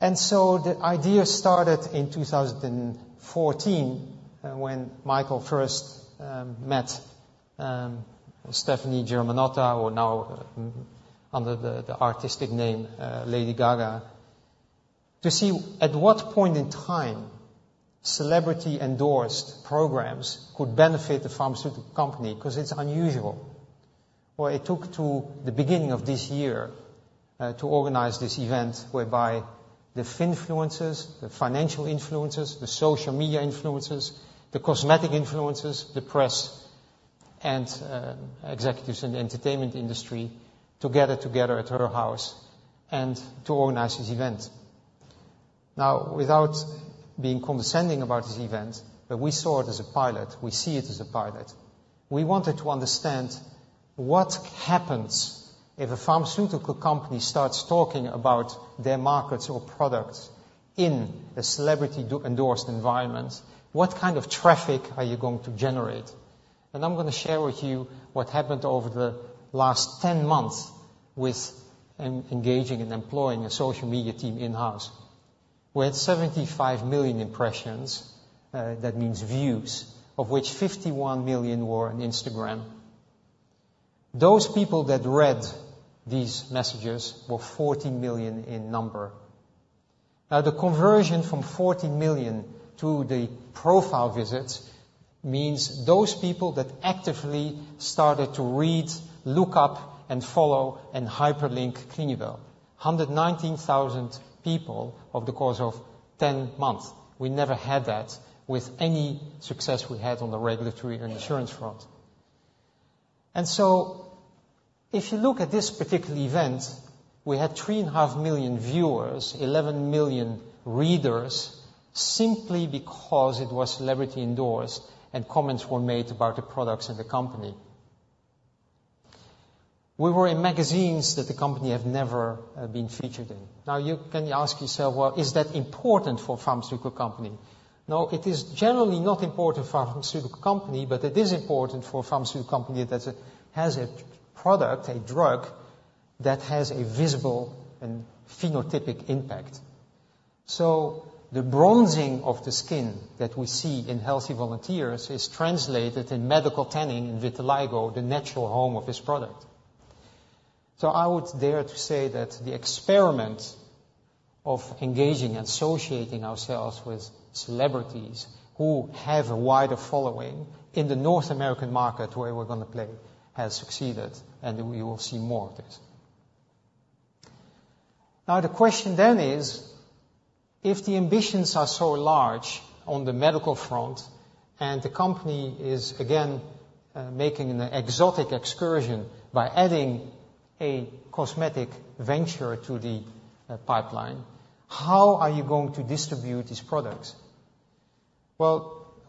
Speaker 2: And so the idea started in 2014 when Michael first met Stefani Germanotta, or now under the artistic name Lady Gaga, to see at what point in time celebrity-endorsed programs could benefit a pharmaceutical company because it's unusual. It took to the beginning of this year to organize this event whereby the finfluencers, the financial influencers, the social media influencers, the cosmetic influencers, the press, and executives in the entertainment industry together at her house and to organize this event. Now, without being condescending about this event, but we saw it as a pilot. We see it as a pilot. We wanted to understand what happens if a pharmaceutical company starts talking about their markets or products in a celebrity-endorsed environment. What kind of traffic are you going to generate? And I'm going to share with you what happened over the last 10 months with engaging and employing a social media team in-house. We had 75 million impressions. That means views, of which 51 million were on Instagram. Those people that read these messages were 40 million in number. Now, the conversion from 40 million to the profile visits means those people that actively started to read, look up, and follow, and hyperlink Clinuvel. 119,000 people over the course of 10 months. We never had that with any success we had on the regulatory and insurance front. And so if you look at this particular event, we had 3.5 million viewers, 11 million readers simply because it was celebrity-endorsed and comments were made about the products and the company. We were in magazines that the company had never been featured in. Now, you can ask yourself, "Well, is that important for a pharmaceutical company?" No, it is generally not important for a pharmaceutical company, but it is important for a pharmaceutical company that has a product, a drug that has a visible and phenotypic impact. The bronzing of the skin that we see in healthy volunteers is translated in medical tanning in vitiligo, the natural home of this product. I would dare to say that the experiment of engaging and associating ourselves with celebrities who have a wider following in the North American market where we're going to play has succeeded, and we will see more of this. Now, the question then is, if the ambitions are so large on the medical front and the company is again making an exotic excursion by adding a cosmetic venture to the pipeline, how are you going to distribute these products?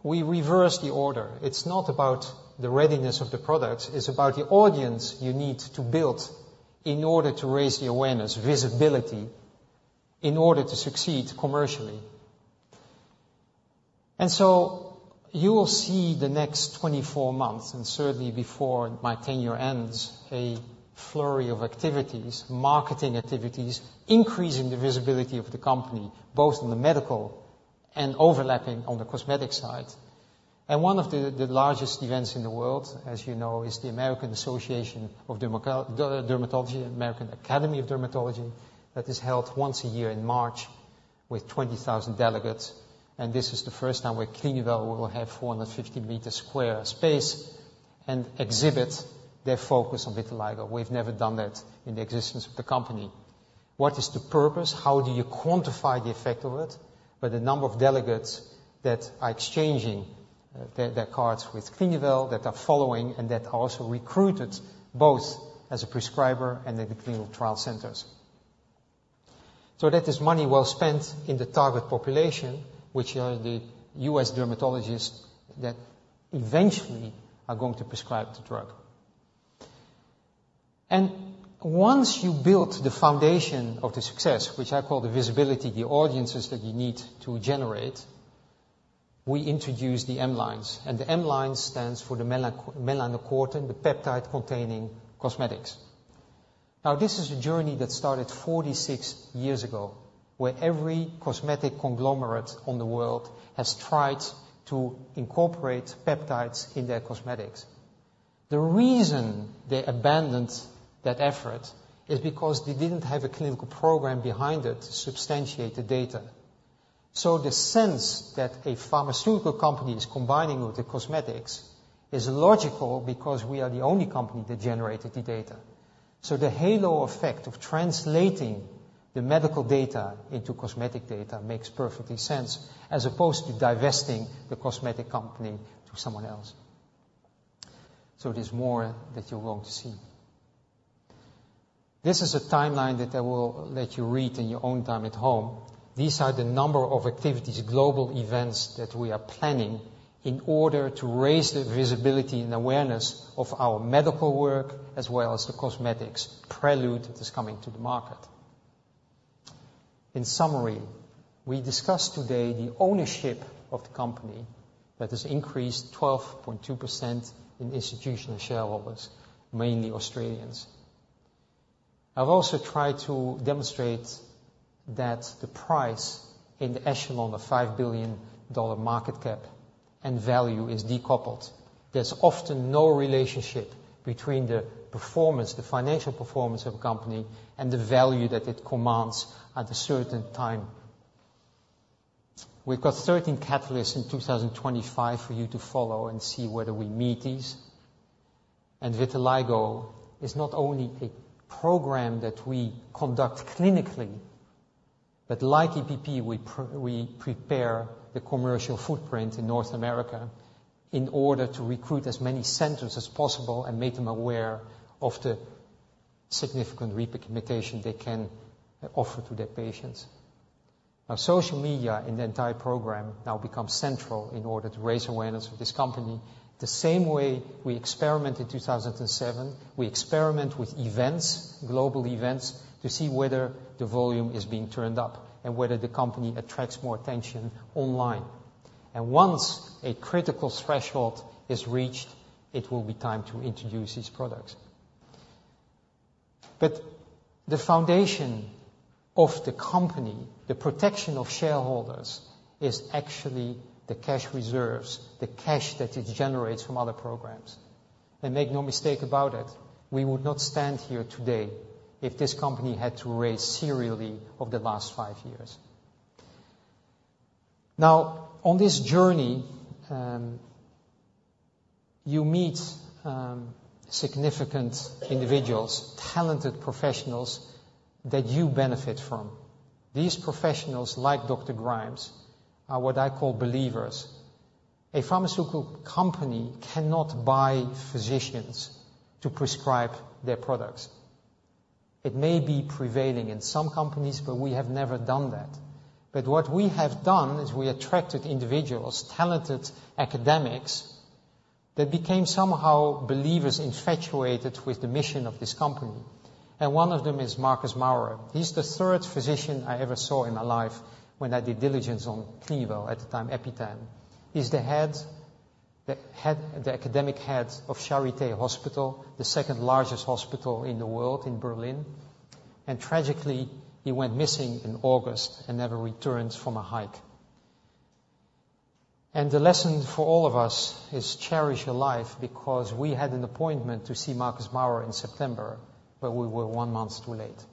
Speaker 2: We reversed the order. It's not about the readiness of the products. It's about the audience you need to build in order to raise the awareness, visibility in order to succeed commercially. And so you will see, in the next 24 months and certainly before my tenure ends, a flurry of activities, marketing activities, increasing the visibility of the company, both on the medical and overlapping on the cosmetic side. One of the largest events in the world, as you know, is the American Academy of Dermatology that is held once a year in March with 20,000 delegates. And this is the first time where Clinuvel will have 450 sq m space and exhibit their focus on vitiligo. We've never done that in the existence of the company. What is the purpose? How do you quantify the effect of it? But the number of delegates that are exchanging their cards with Clinuvel, that are following, and that are also recruited both as a prescriber and at the clinical trial centers. So that is money well spent in the target population, which are the U.S. dermatologists that eventually are going to prescribe the drug. And once you build the foundation of the success, which I call the visibility, the audiences that you need to generate, we introduce the M lines. And the M lines stands for the melanocortin, the peptide-containing cosmetics. Now, this is a journey that started 46 years ago where every cosmetic conglomerate in the world has tried to incorporate peptides in their cosmetics. The reason they abandoned that effort is because they didn't have a clinical program behind it to substantiate the data. So the sense that a pharmaceutical company is combining with the cosmetics is logical because we are the only company that generated the data. So the halo effect of translating the medical data into cosmetic data makes perfectly sense as opposed to divesting the cosmetic company to someone else. So there's more that you're going to see. This is a timeline that I will let you read in your own time at home. These are the number of activities, global events that we are planning in order to raise the visibility and awareness of our medical work as well as the cosmetics prelude that is coming to the market. In summary, we discussed today the ownership of the company that has increased 12.2% in institutional shareholders, mainly Australians. I've also tried to demonstrate that the price in the echelon of 5 billion dollar market cap and value is decoupled. There's often no relationship between the performance, the financial performance of a company, and the value that it commands at a certain time. We've got 13 catalysts in 2025 for you to follow and see whether we meet these. And vitiligo is not only a program that we conduct clinically, but like EPP, we prepare the commercial footprint in North America in order to recruit as many centers as possible and make them aware of the significant repigmentation they can offer to their patients. Now, social media in the entire program now becomes central in order to raise awareness of this company. The same way we experimented in 2007, we experiment with events, global events to see whether the volume is being turned up and whether the company attracts more attention online. And once a critical threshold is reached, it will be time to introduce these products. But the foundation of the company, the protection of shareholders, is actually the cash reserves, the cash that it generates from other programs. And make no mistake about it, we would not stand here today if this company had to raise serially over the last five years. Now, on this journey, you meet significant individuals, talented professionals that you benefit from. These professionals, like Dr. Grimes, are what I call believers. A pharmaceutical company cannot buy physicians to prescribe their products. It may be prevailing in some companies, but we have never done that. But what we have done is we attracted individuals, talented academics that became somehow believers infatuated with the mission of this company. And one of them is Marcus Maurer. He's the third physician I ever saw in my life when I did diligence on Clinuvel at the time, EpiTan. He's the academic head of Charité Hospital, the second largest hospital in the world in Berlin. And tragically, he went missing in August and never returned from a hike. And the lesson for all of us is cherish your life because we had an appointment to see Marcus Maurer in September, but we were one month too late.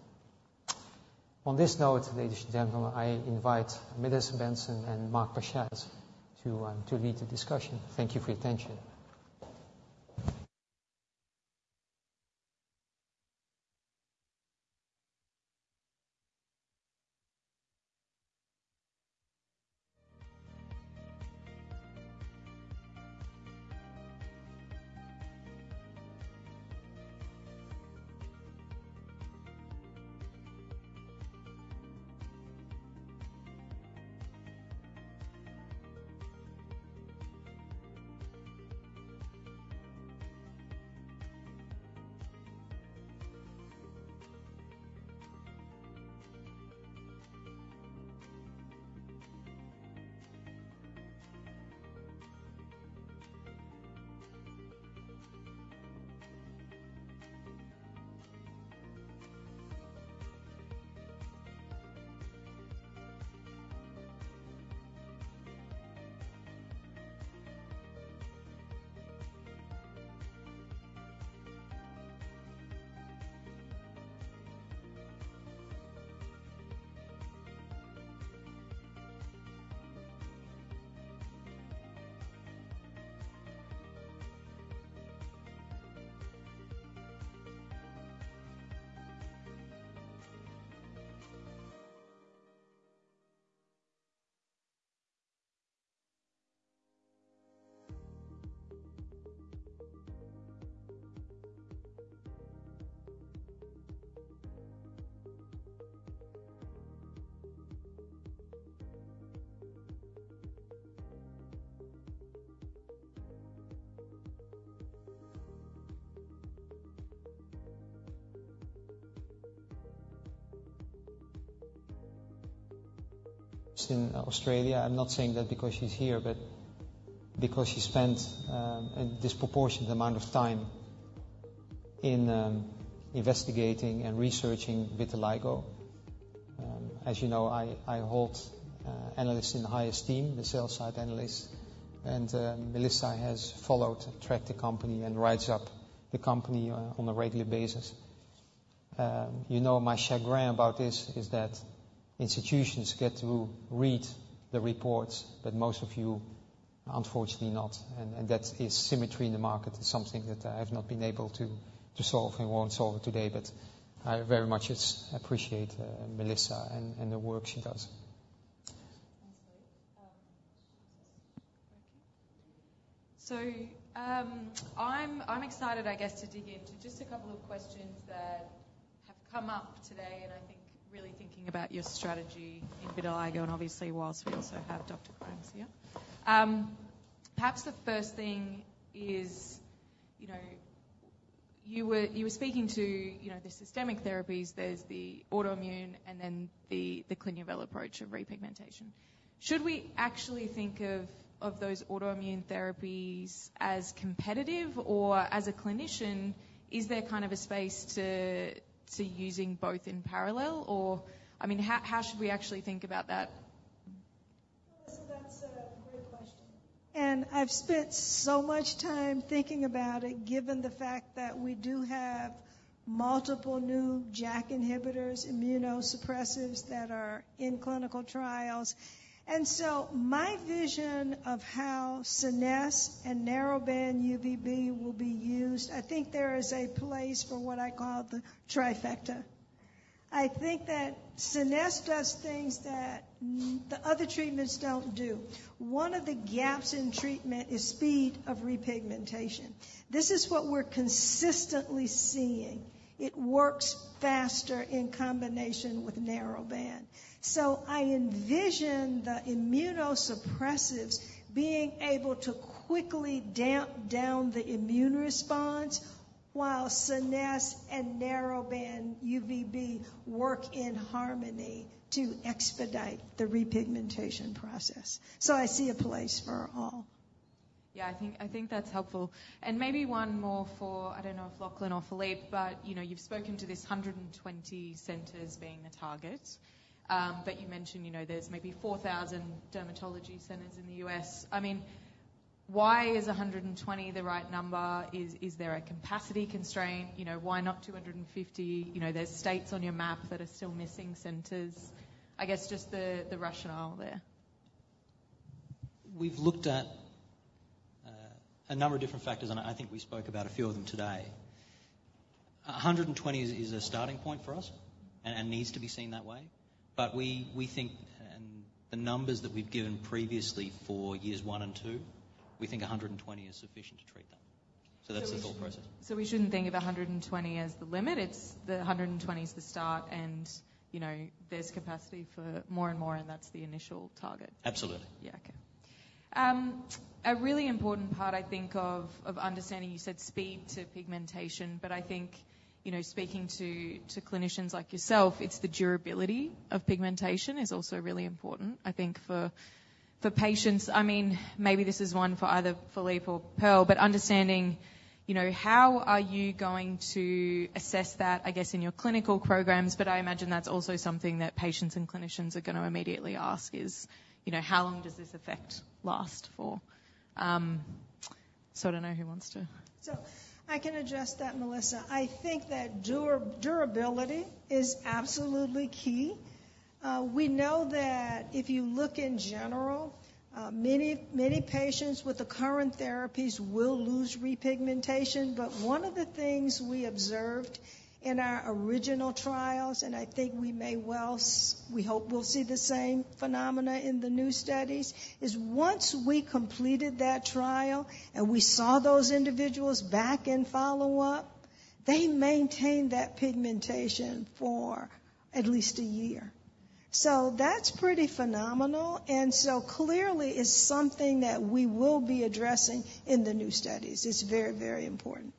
Speaker 2: On this note, ladies and gentlemen, I invite Melissa Benson and Mark Pachacz to lead the discussion. Thank you for your attention. She's in Australia. I'm not saying that because she's here, but because she spent a disproportionate amount of time investigating and researching vitiligo. As you know, I hold analysts in the highest esteem, the sell-side analysts. And Melissa has followed, tracked the company and writes up the company on a regular basis. My chagrin about this is that institutions get to read the reports, but most of you, unfortunately, not. And that is asymmetry in the market, something that I have not been able to solve and won't solve today. But I very much appreciate Melissa and the work she does.
Speaker 6: So I'm excited, I guess, to dig into just a couple of questions that have come up today and I think really thinking about your strategy in vitiligo. And obviously, while we also have Dr. Grimes here, perhaps the first thing is you were speaking to the systemic therapies, there's the autoimmune and then the Clinuvel approach of repigmentation. Should we actually think of those autoimmune therapies as competitive? Or as a clinician, is there kind of a space to using both in parallel? Or I mean, how should we actually think about that?
Speaker 3: So that's a great question. And I've spent so much time thinking about it, given the fact that we do have multiple new JAK inhibitors, immunosuppressives that are in clinical trials. And so my vision of how SCENESSE and narrowband UVB will be used, I think there is a place for what I call the trifecta. I think that SCENESSE does things that the other treatments don't do. One of the gaps in treatment is speed of repigmentation. This is what we're consistently seeing. It works faster in combination with narrowband. So I envision the immunosuppressives being able to quickly damp down the immune response while SCENESSE and narrowband UVB work in harmony to expedite the repigmentation process. So I see a place for all.
Speaker 6: Yeah, I think that's helpful. And maybe one more for, I don't know if Lachlan or Philippe, but you've spoken to this 120 centers being the target. But you mentioned there's maybe 4,000 dermatology centers in the U.S. I mean, why is 120 centers the right number? Is there a capacity constraint? Why not 250 centers? are states on your map that are still missing centers. I guess just the rationale there.
Speaker 4: We've looked at a number of different factors, and I think we spoke about a few of them today. 120 centers is a starting point for us and needs to be seen that way. But we think the numbers that we've given previously for years one and two, we think 120 centers is sufficient to treat them. So that's the thought process.
Speaker 6: So we shouldn't think of 120 centers as the limit. The 120 centers is the start, and there's capacity for more and more, and that's the initial target.
Speaker 4: Absolutely.
Speaker 6: Yeah. Okay. A really important part, I think, of understanding you said speed to pigmentation, but I think speaking to clinicians like yourself, it's the durability of pigmentation is also really important, I think, for patients. I mean, maybe this is one for either Philippe or Pearl, but understanding how are you going to assess that, I guess, in your clinical programs? But I imagine that's also something that patients and clinicians are going to immediately ask is how long does this effect last for? So I don't know who wants to.
Speaker 3: So I can address that, Melissa. I think that durability is absolutely key. We know that if you look in general, many patients with the current therapies will lose repigmentation. But one of the things we observed in our original trials, and I think we may well hope we'll see the same phenomena in the new studies, is once we completed that trial and we saw those individuals back in follow-up, they maintained that pigmentation for at least a year. So that's pretty phenomenal. Clearly, it's something that we will be addressing in the new studies. It's very, very important.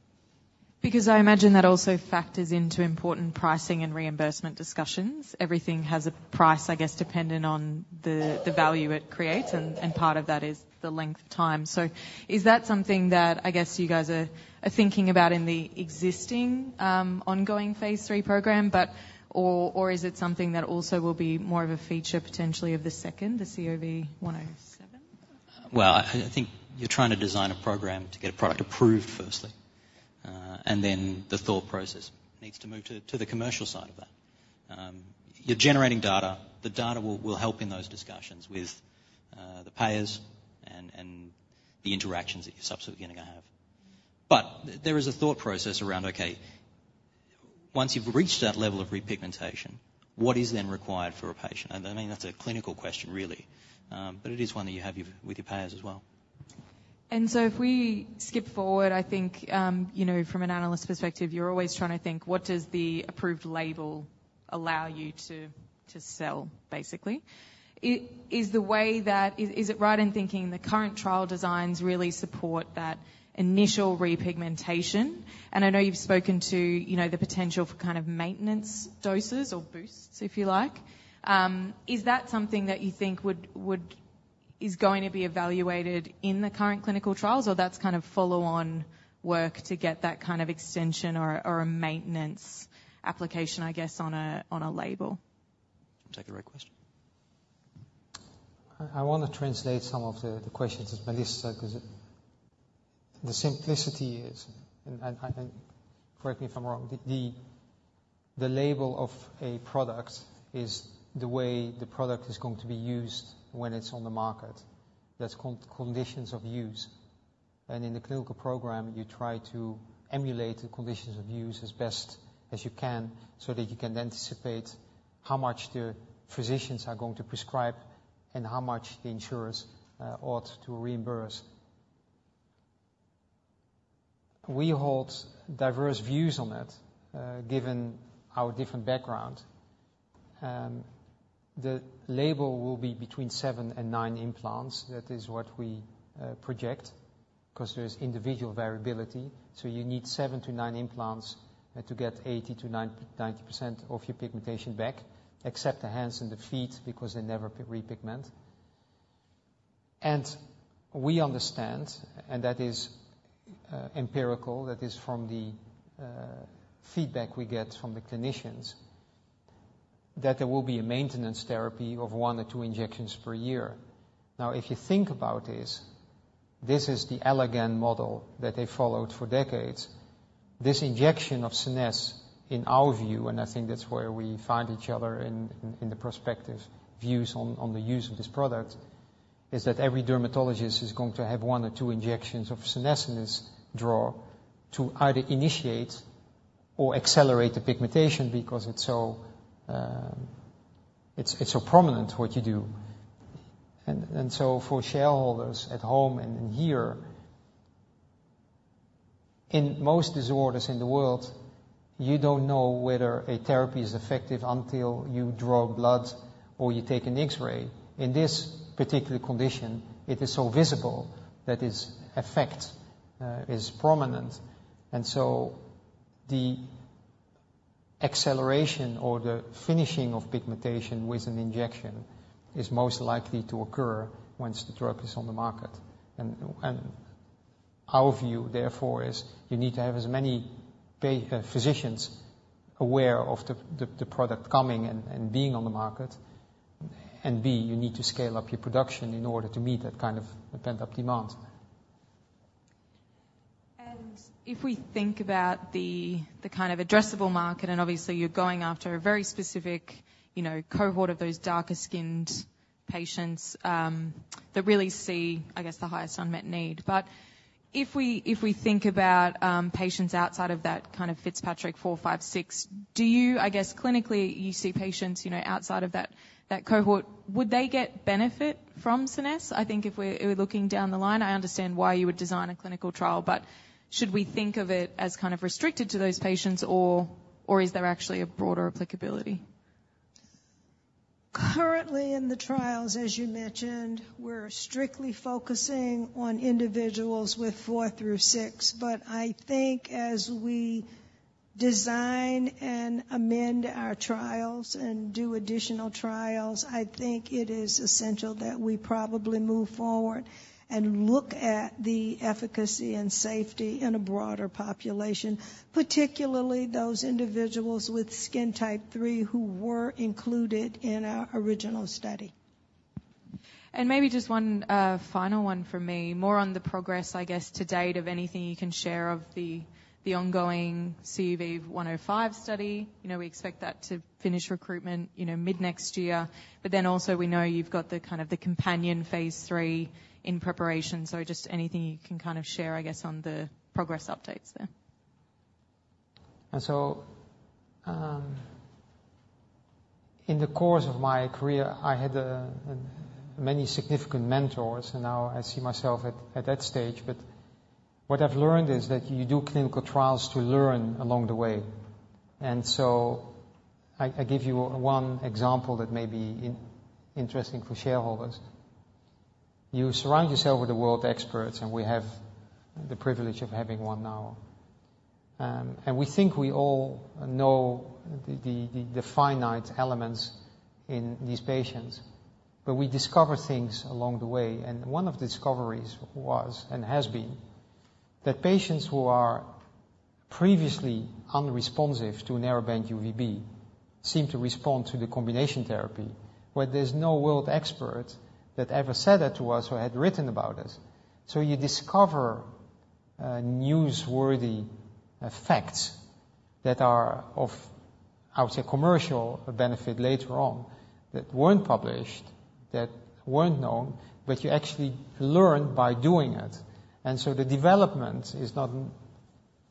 Speaker 6: Because I imagine that also factors into important pricing and reimbursement discussions. Everything has a price, I guess, dependent on the value it creates. Part of that is the length of time. Is that something that I guess you guys are thinking about in the existing ongoing phase III program, or is it something that also will be more of a feature potentially of the second, the CUV-107?
Speaker 4: I think you're trying to design a program to get a product approved firstly, and then the thought process needs to move to the commercial side of that. You're generating data. The data will help in those discussions with the payers and the interactions that you're subsequently going to have. But there is a thought process around, okay, once you've reached that level of repigmentation, what is then required for a patient? I mean, that's a clinical question, really. But it is one that you have with your payers as well.
Speaker 6: And so if we skip forward, I think from an analyst perspective, you're always trying to think, what does the approved label allow you to sell, basically? Is it right in thinking the current trial designs really support that initial repigmentation? And I know you've spoken to the potential for kind of maintenance doses or boosts, if you like. Is that something that you think is going to be evaluated in the current clinical trials, or that's kind of follow-on work to get that kind of extension or a maintenance application, I guess, on a label?
Speaker 4: That's the right question.
Speaker 2: I want to translate some of the questions of Melissa because the simplicity is, and correct me if I'm wrong, the label of a product is the way the product is going to be used when it's on the market. That's called conditions of use. And in the clinical program, you try to emulate the conditions of use as best as you can so that you can anticipate how much the physicians are going to prescribe and how much the insurers ought to reimburse. We hold diverse views on that given our different background. The label will be between seven and nine implants. That is what we project because there's individual variability. So you need seven to nine implants to get 80%-90% of your pigmentation back, except the hands and the feet because they never repigment. We understand, and that is empirical, that is from the feedback we get from the clinicians, that there will be a maintenance therapy of one or two injections per year. Now, if you think about this, this is the elegant model that they followed for decades. This injection of SCENESSE in our view, and I think that's where we find each other in the prospective views on the use of this product, is that every dermatologist is going to have one or two injections of SCENESSE in their drawer to either initiate or accelerate the pigmentation because it's so prominent what you do. And so for shareholders at home and here, in most disorders in the world, you don't know whether a therapy is effective until you draw blood or you take an X-ray. In this particular condition, it is so visible that its effect is prominent. And so the acceleration or the finishing of pigmentation with an injection is most likely to occur once the drug is on the market. And our view, therefore, is you need to have as many physicians aware of the product coming and being on the market. And B, you need to scale up your production in order to meet that kind of pent-up demand.
Speaker 6: And if we think about the kind of addressable market, and obviously, you're going after a very specific cohort of those darker-skinned patients that really see, I guess, the highest unmet need. But if we think about patients outside of that kind of Fitzpatrick four, five, six, do you, I guess, clinically, you see patients outside of that cohort, would they get benefit from SCENESSE? I think if we're looking down the line, I understand why you would design a clinical trial, but should we think of it as kind of restricted to those patients, or is there actually a broader applicability?
Speaker 3: Currently, in the trials, as you mentioned, we're strictly focusing on individuals with four through six. But I think as we design and amend our trials and do additional trials, I think it is essential that we probably move forward and look at the efficacy and safety in a broader population, particularly those individuals with skin type 3 who were included in our original study.
Speaker 6: And maybe just one final one for me, more on the progress, I guess, to date of anything you can share of the ongoing CUV-105 study? We expect that to finish recruitment mid-next year. But then also, we know you've got the kind of companion phase III in preparation. So just anything you can kind of share, I guess, on the progress updates there.
Speaker 2: And so in the course of my career, I had many significant mentors, and now I see myself at that stage. But what I've learned is that you do clinical trials to learn along the way. And so I give you one example that may be interesting for shareholders. You surround yourself with the world experts, and we have the privilege of having one now. And we think we all know the finite elements in these patients, but we discover things along the way. One of the discoveries was and has been that patients who are previously unresponsive to narrowband UVB seem to respond to the combination therapy, where there's no world expert that ever said that to us or had written about us. So you discover newsworthy facts that are of, I would say, commercial benefit later on that weren't published, that weren't known, but you actually learn by doing it. And so the development is not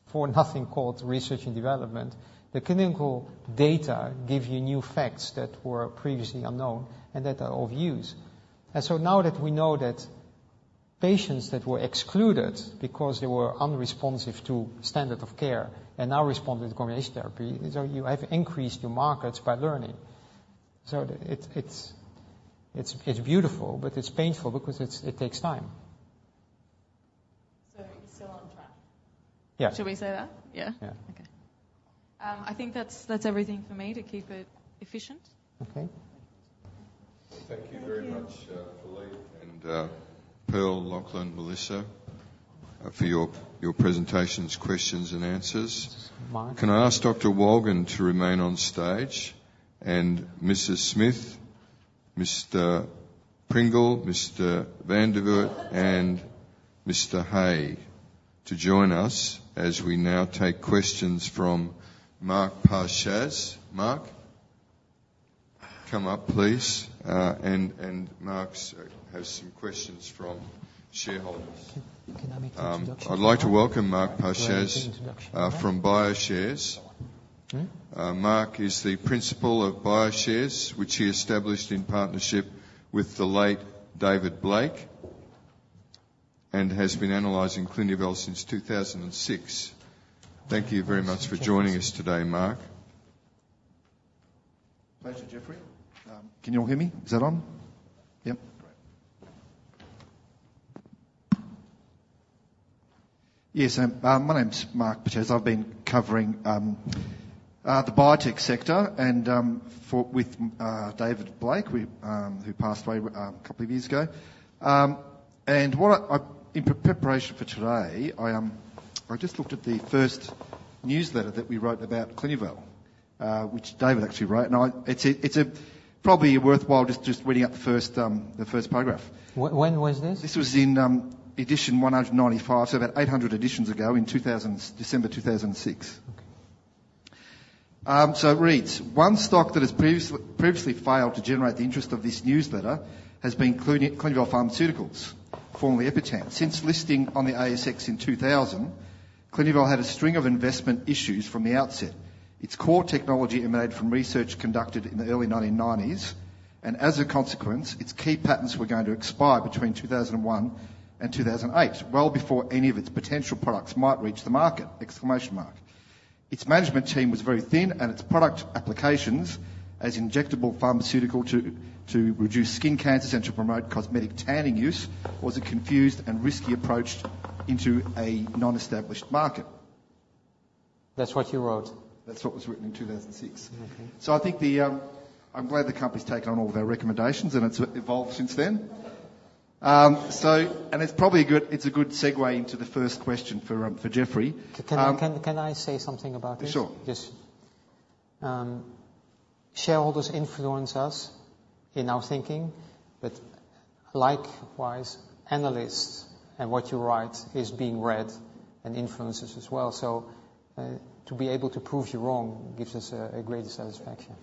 Speaker 2: for nothing called research and development. The clinical data give you new facts that were previously unknown and that are of use. And so now that we know that patients that were excluded because they were unresponsive to standard of care and now respond to the combination therapy, you have increased your markets by learning. So it's beautiful, but it's painful because it takes time.
Speaker 6: So you're still on track?
Speaker 2: Yeah.
Speaker 6: Should we say that? Okay. I think that's everything for me to keep it efficient.
Speaker 2: Okay.
Speaker 1: Thank you very much, Philippe and Pearl, Lachlan, Melissa, for your presentations, questions, and answers. Can I ask Dr. Wolgen to remain on stage? And Mr. Smith, Mr. Pringle, Mr. van Dievoet, and Mr. Hay to join us as we now take questions from Mark Pachacz. Mark, come up, please. And Mark has some questions from shareholders. I'd like to welcome Mark Pachacz from Bioshares. Mark is the principal of Bioshares, which he established in partnership with the late David Blake and has been analyzing Clinuvel since 2006. Thank you very much for joining us today, Mark.
Speaker 7: Pleasure, Jeffrey. Can you all hear me? Is that on?
Speaker 1: Yep. Great.
Speaker 7: Yes. My name's Mark Pachacz. I've been covering the biotech sector with David Blake, who passed away a couple of years ago. In preparation for today, I just looked at the first newsletter that we wrote about Clinuvel, which David actually wrote. And it's probably worthwhile just reading out the first paragraph.
Speaker 2: When was this?
Speaker 7: This was in edition 195, so about 800 editions ago in December 2006. So it reads, "One stock that has previously failed to generate the interest of this newsletter has been Clinuvel Pharmaceuticals, formerly EpiTan. Since listing on the ASX in 2000, Clinuvel had a string of investment issues from the outset. Its core technology emanated from research conducted in the early 1990s. And as a consequence, its key patents were going to expire between 2001 and 2008, well before any of its potential products might reach the market." Its management team was very thin, and its product applications as injectable pharmaceutical to reduce skin cancers and to promote cosmetic tanning use was a confused and risky approach into a non-established market.
Speaker 2: That's what you wrote?
Speaker 7: That's what was written in 2006. So I think I'm glad the company's taken on all of our recommendations, and it's evolved since then. And it's probably a good segue into the first question for Jeffrey.
Speaker 2: Can I say something about this? Sure. Shareholders influence us in our thinking, but likewise, analysts and what you write is being read and influences as well. So to be able to prove you wrong gives us a greater satisfaction.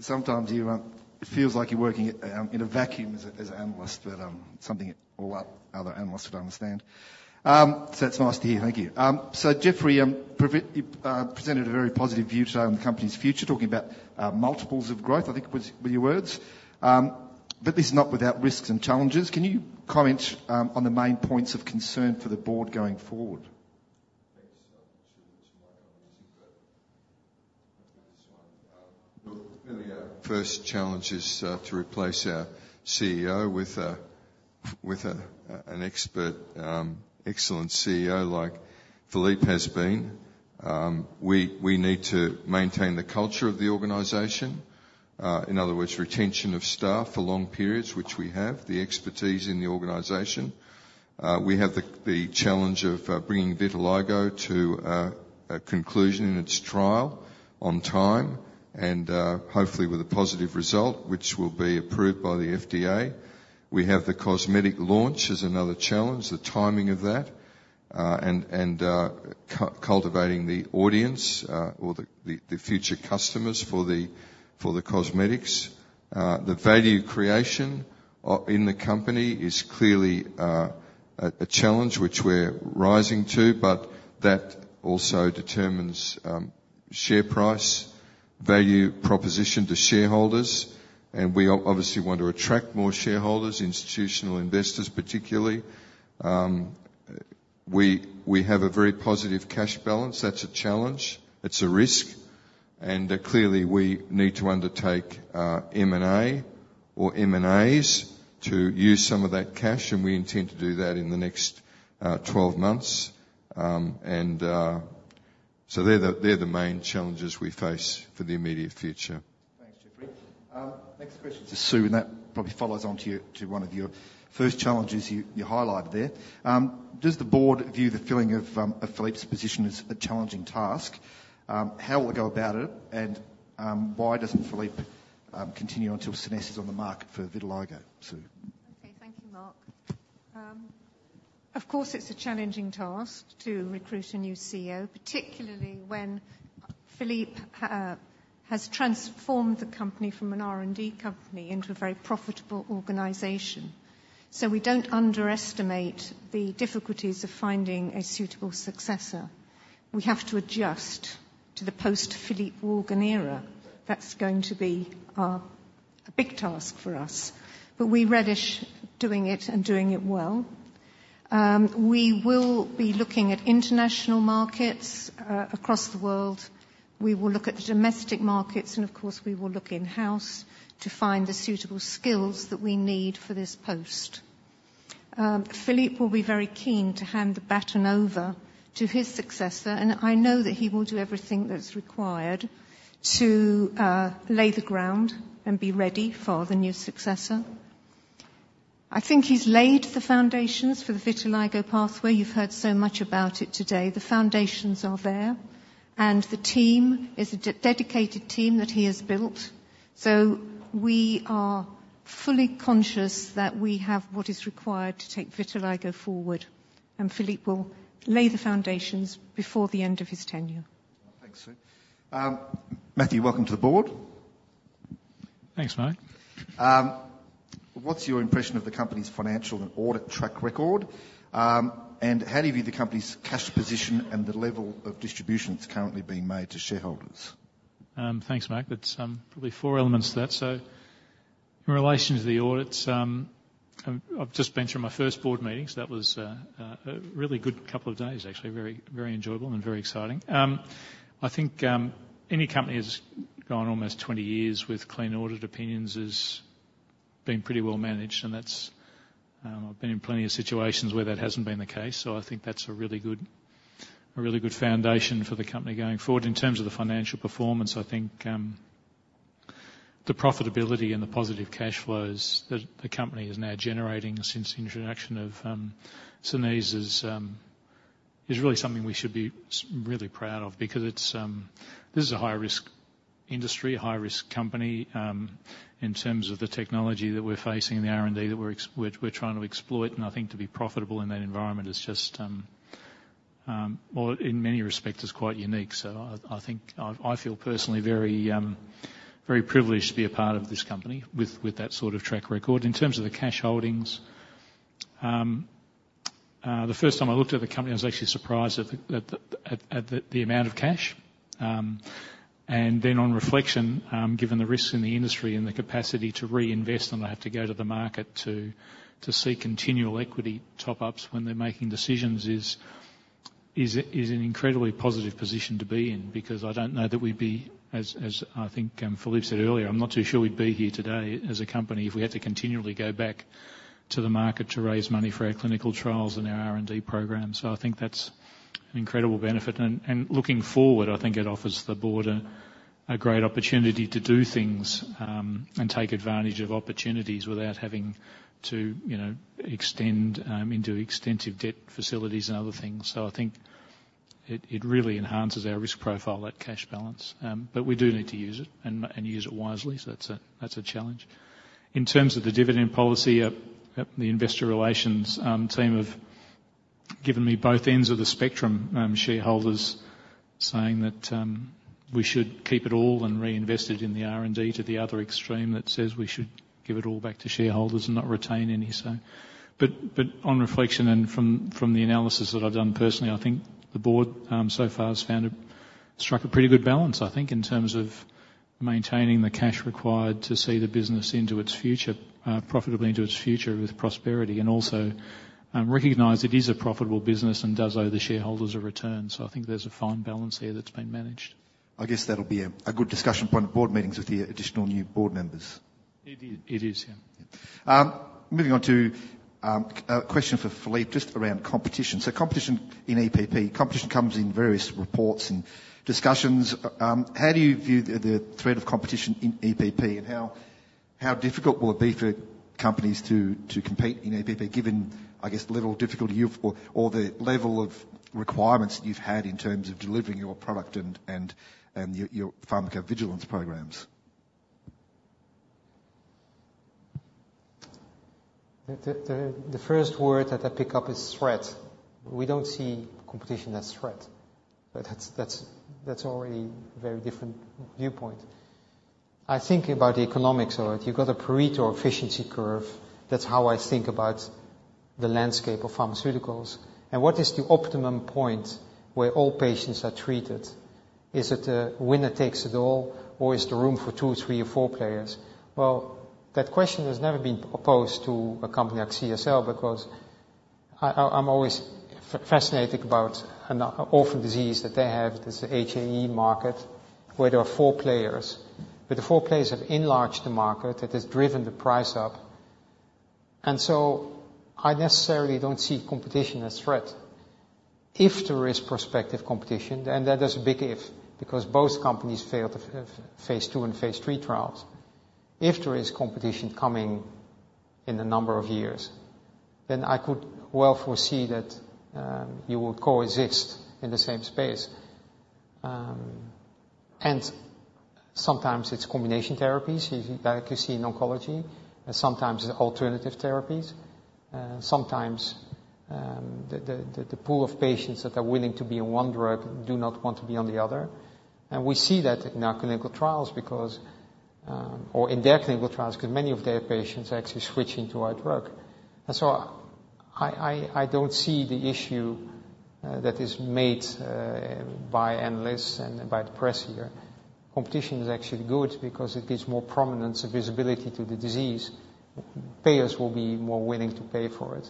Speaker 7: Sometimes it feels like you're working in a vacuum as an analyst, but something a lot of other analysts would understand.
Speaker 2: So it's nice to hear. Thank you.
Speaker 7: So Jeffrey presented a very positive view today on the company's future, talking about multiples of growth, I think were your words. But this is not without risks and challenges. Can you comment on the main points of concern for the board going forward?
Speaker 1: Thanks. I'm sure that you might have a meeting, but this one. Look, first challenge is to replace our CEO with an expert, excellent CEO like Philippe has been. We need to maintain the culture of the organization. In other words, retention of staff for long periods, which we have, the expertise in the organization. We have the challenge of bringing vitiligo to a conclusion in its trial on time and hopefully with a positive result, which will be approved by the FDA. We have the cosmetic launch as another challenge, the timing of that, and cultivating the audience or the future customers for the cosmetics. The value creation in the company is clearly a challenge, which we're rising to, but that also determines share price, value proposition to shareholders, and we obviously want to attract more shareholders, institutional investors particularly. We have a very positive cash balance. That's a challenge. It's a risk, and clearly, we need to undertake M&A or M&As to use some of that cash, and we intend to do that in the next 12 months, and so they're the main challenges we face for the immediate future.
Speaker 7: Thanks, Jeffrey. Next question. Sue, in that probably follows on to one of your first challenges you highlighted there. Does the board view the filling of Philippe's position as a challenging task? How will they go about it? And why doesn't Philippe continue until SCENESSE is on the market for vitiligo?
Speaker 8: Okay. Thank you, Mark. Of course, it's a challenging task to recruit a new CEO, particularly when Philippe has transformed the company from an R&D company into a very profitable organization. So we don't underestimate the difficulties of finding a suitable successor. We have to adjust to the post-Philippe Wolgen era. That's going to be a big task for us. But we relish doing it and doing it well. We will be looking at international markets across the world. We will look at the domestic markets, and of course, we will look in-house to find the suitable skills that we need for this post. Philippe will be very keen to hand the baton over to his successor, and I know that he will do everything that's required to lay the ground and be ready for the new successor. I think he's laid the foundations for the Vitiligo pathway. You've heard so much about it today. The foundations are there, and the team is a dedicated team that he has built. So we are fully conscious that we have what is required to take Vitiligo forward, and Philippe will lay the foundations before the end of his tenure.
Speaker 7: Thanks, Sue. Matthew, welcome to the board.
Speaker 9: Thanks, Mark.
Speaker 7: What's your impression of the company's financial and audit track record? How do you view the company's cash position and the level of distribution that's currently being made to shareholders?
Speaker 9: Thanks, Mark. There's probably four elements to that. So in relation to the audits, I've just been through my first board meeting. So that was a really good couple of days, actually. Very enjoyable and very exciting. I think any company that's gone almost 20 years with clean audit opinions has been pretty well managed, and I've been in plenty of situations where that hasn't been the case. So I think that's a really good foundation for the company going forward. In terms of the financial performance, I think the profitability and the positive cash flows that the company is now generating since the introduction of SCENESSE is really something we should be really proud of because this is a high-risk industry, a high-risk company in terms of the technology that we're facing and the R&D that we're trying to exploit, and I think to be profitable in that environment is just, well, in many respects, quite unique, so I feel personally very privileged to be a part of this company with that sort of track record. In terms of the cash holdings, the first time I looked at the company, I was actually surprised at the amount of cash. And then on reflection, given the risks in the industry and the capacity to reinvest and have to go to the market to see continual equity top-ups when they're making decisions is an incredibly positive position to be in because I don't know that we'd be, as I think Philippe said earlier. I'm not too sure we'd be here today as a company if we had to continually go back to the market to raise money for our clinical trials and our R&D program. So I think that's an incredible benefit. And looking forward, I think it offers the board a great opportunity to do things and take advantage of opportunities without having to extend into extensive debt facilities and other things. So I think it really enhances our risk profile, that cash balance. But we do need to use it and use it wisely. So that's a challenge. In terms of the dividend policy, the investor relations team have given me both ends of the spectrum, shareholders saying that we should keep it all and reinvest it in the R&D to the other extreme that says we should give it all back to shareholders and not retain any. But on reflection and from the analysis that I've done personally, I think the board so far has struck a pretty good balance, I think, in terms of maintaining the cash required to see the business into its future, profitably into its future with prosperity and also recognize it is a profitable business and does owe the shareholders a return. So I think there's a fine balance here that's been managed.
Speaker 7: I guess that'll be a good discussion point at board meetings with the additional new board members.
Speaker 9: It is. Yeah.
Speaker 7: Moving on to a question for Philippe just around competition: so competition in EPP, competition comes in various reports and discussions. How do you view the threat of competition in EPP and how difficult will it be for companies to compete in EPP given, I guess, the level of difficulty or the level of requirements that you've had in terms of delivering your product and your pharmacovigilance programs?
Speaker 2: The first word that I pick up is threat. We don't see competition as threat. That's already a very different viewpoint. I think about the economics of it. You've got a Pareto efficiency curve. That's how I think about the landscape of pharmaceuticals. And what is the optimum point where all patients are treated? Is it a winner takes it all, or is there room for two, three, or four players? That question has never been proposed to a company like CSL because I'm always fascinated about an orphan disease that they have that's the HAE market where there are four players. The four players have enlarged the market. It has driven the price up, and so I necessarily don't see competition as a threat. If there is prospective competition, and that is a big if because both companies failed to phase II and phase III trials, if there is competition coming in a number of years, then I could well foresee that you will coexist in the same space, and sometimes it's combination therapies, like you see in oncology. Sometimes it's alternative therapies. Sometimes the pool of patients that are willing to be on one drug do not want to be on the other. And we see that in our clinical trials or in their clinical trials because many of their patients are actually switching to our drug. And so I don't see the issue that is made by analysts and by the press here. Competition is actually good because it gives more prominence and visibility to the disease. Payers will be more willing to pay for it.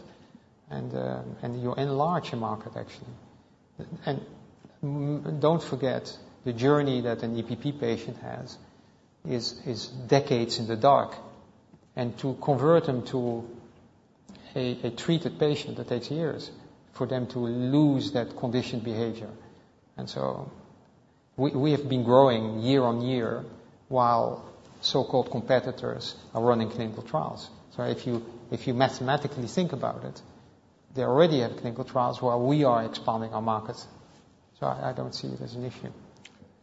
Speaker 2: And you enlarge a market, actually. And don't forget the journey that an EPP patient has is decades in the dark. And to convert them to a treated patient that takes years for them to lose that conditioned behavior. And so we have been growing year on year while so-called competitors are running clinical trials. So if you mathematically think about it, they already have clinical trials while we are expanding our markets. So I don't see it as an issue.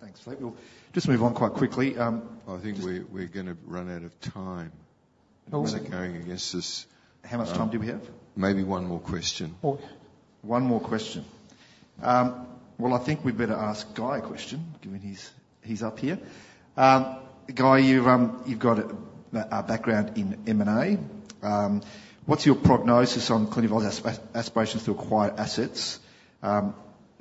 Speaker 7: Thanks, Philippe Wolgen. Just move on quite quickly.
Speaker 1: I think we're going to run out of time. We're going against this.
Speaker 7: How much time do we have?
Speaker 1: Maybe one more question. One more question.
Speaker 7: Well, I think we'd better ask Guy a question given he's up here. Guy, you've got a background in M&A. What's your prognosis on Clinuvel's aspirations to acquire assets?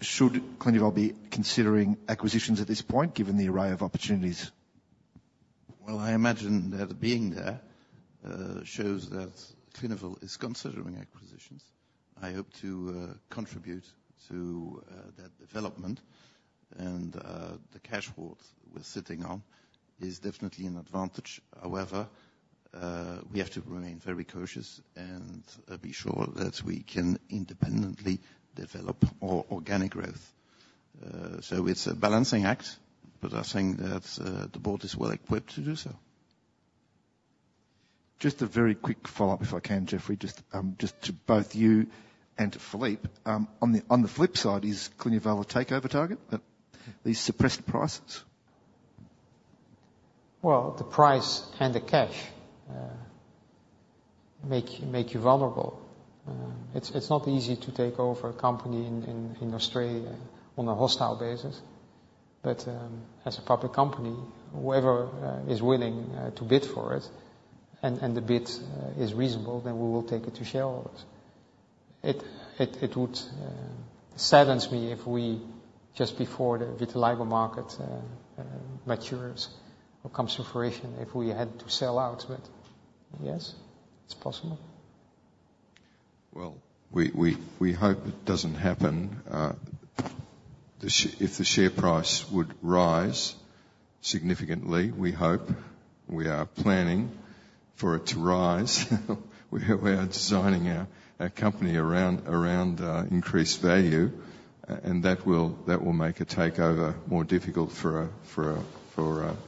Speaker 7: Should Clinuvel be considering acquisitions at this point given the array of opportunities?
Speaker 10: Well, I imagine that being there shows that Clinuvel is considering acquisitions. I hope to contribute to that development. And the cash vault we're sitting on is definitely an advantage. However, we have to remain very cautious and be sure that we can independently develop more organic growth. So it's a balancing act, but I think that the board is well equipped to do so.
Speaker 7: Just a very quick follow-up if I can, Jeffrey, just to both you and Philippe. On the flip side, is Clinuvel a takeover target? These suppressed prices?
Speaker 2: Well, the price and the cash make you vulnerable. It's not easy to take over a company in Australia on a hostile basis. But as a public company, whoever is willing to bid for it and the bid is reasonable, then we will take it to shareholders. It would sadden me if we just before the vitiligo market matures or comes to fruition if we had to sell out. But yes, it's possible.
Speaker 1: Well, we hope it doesn't happen. If the share price would rise significantly, we hope. We are planning for it to rise. We are designing our company around increased value, and that will make a takeover more difficult for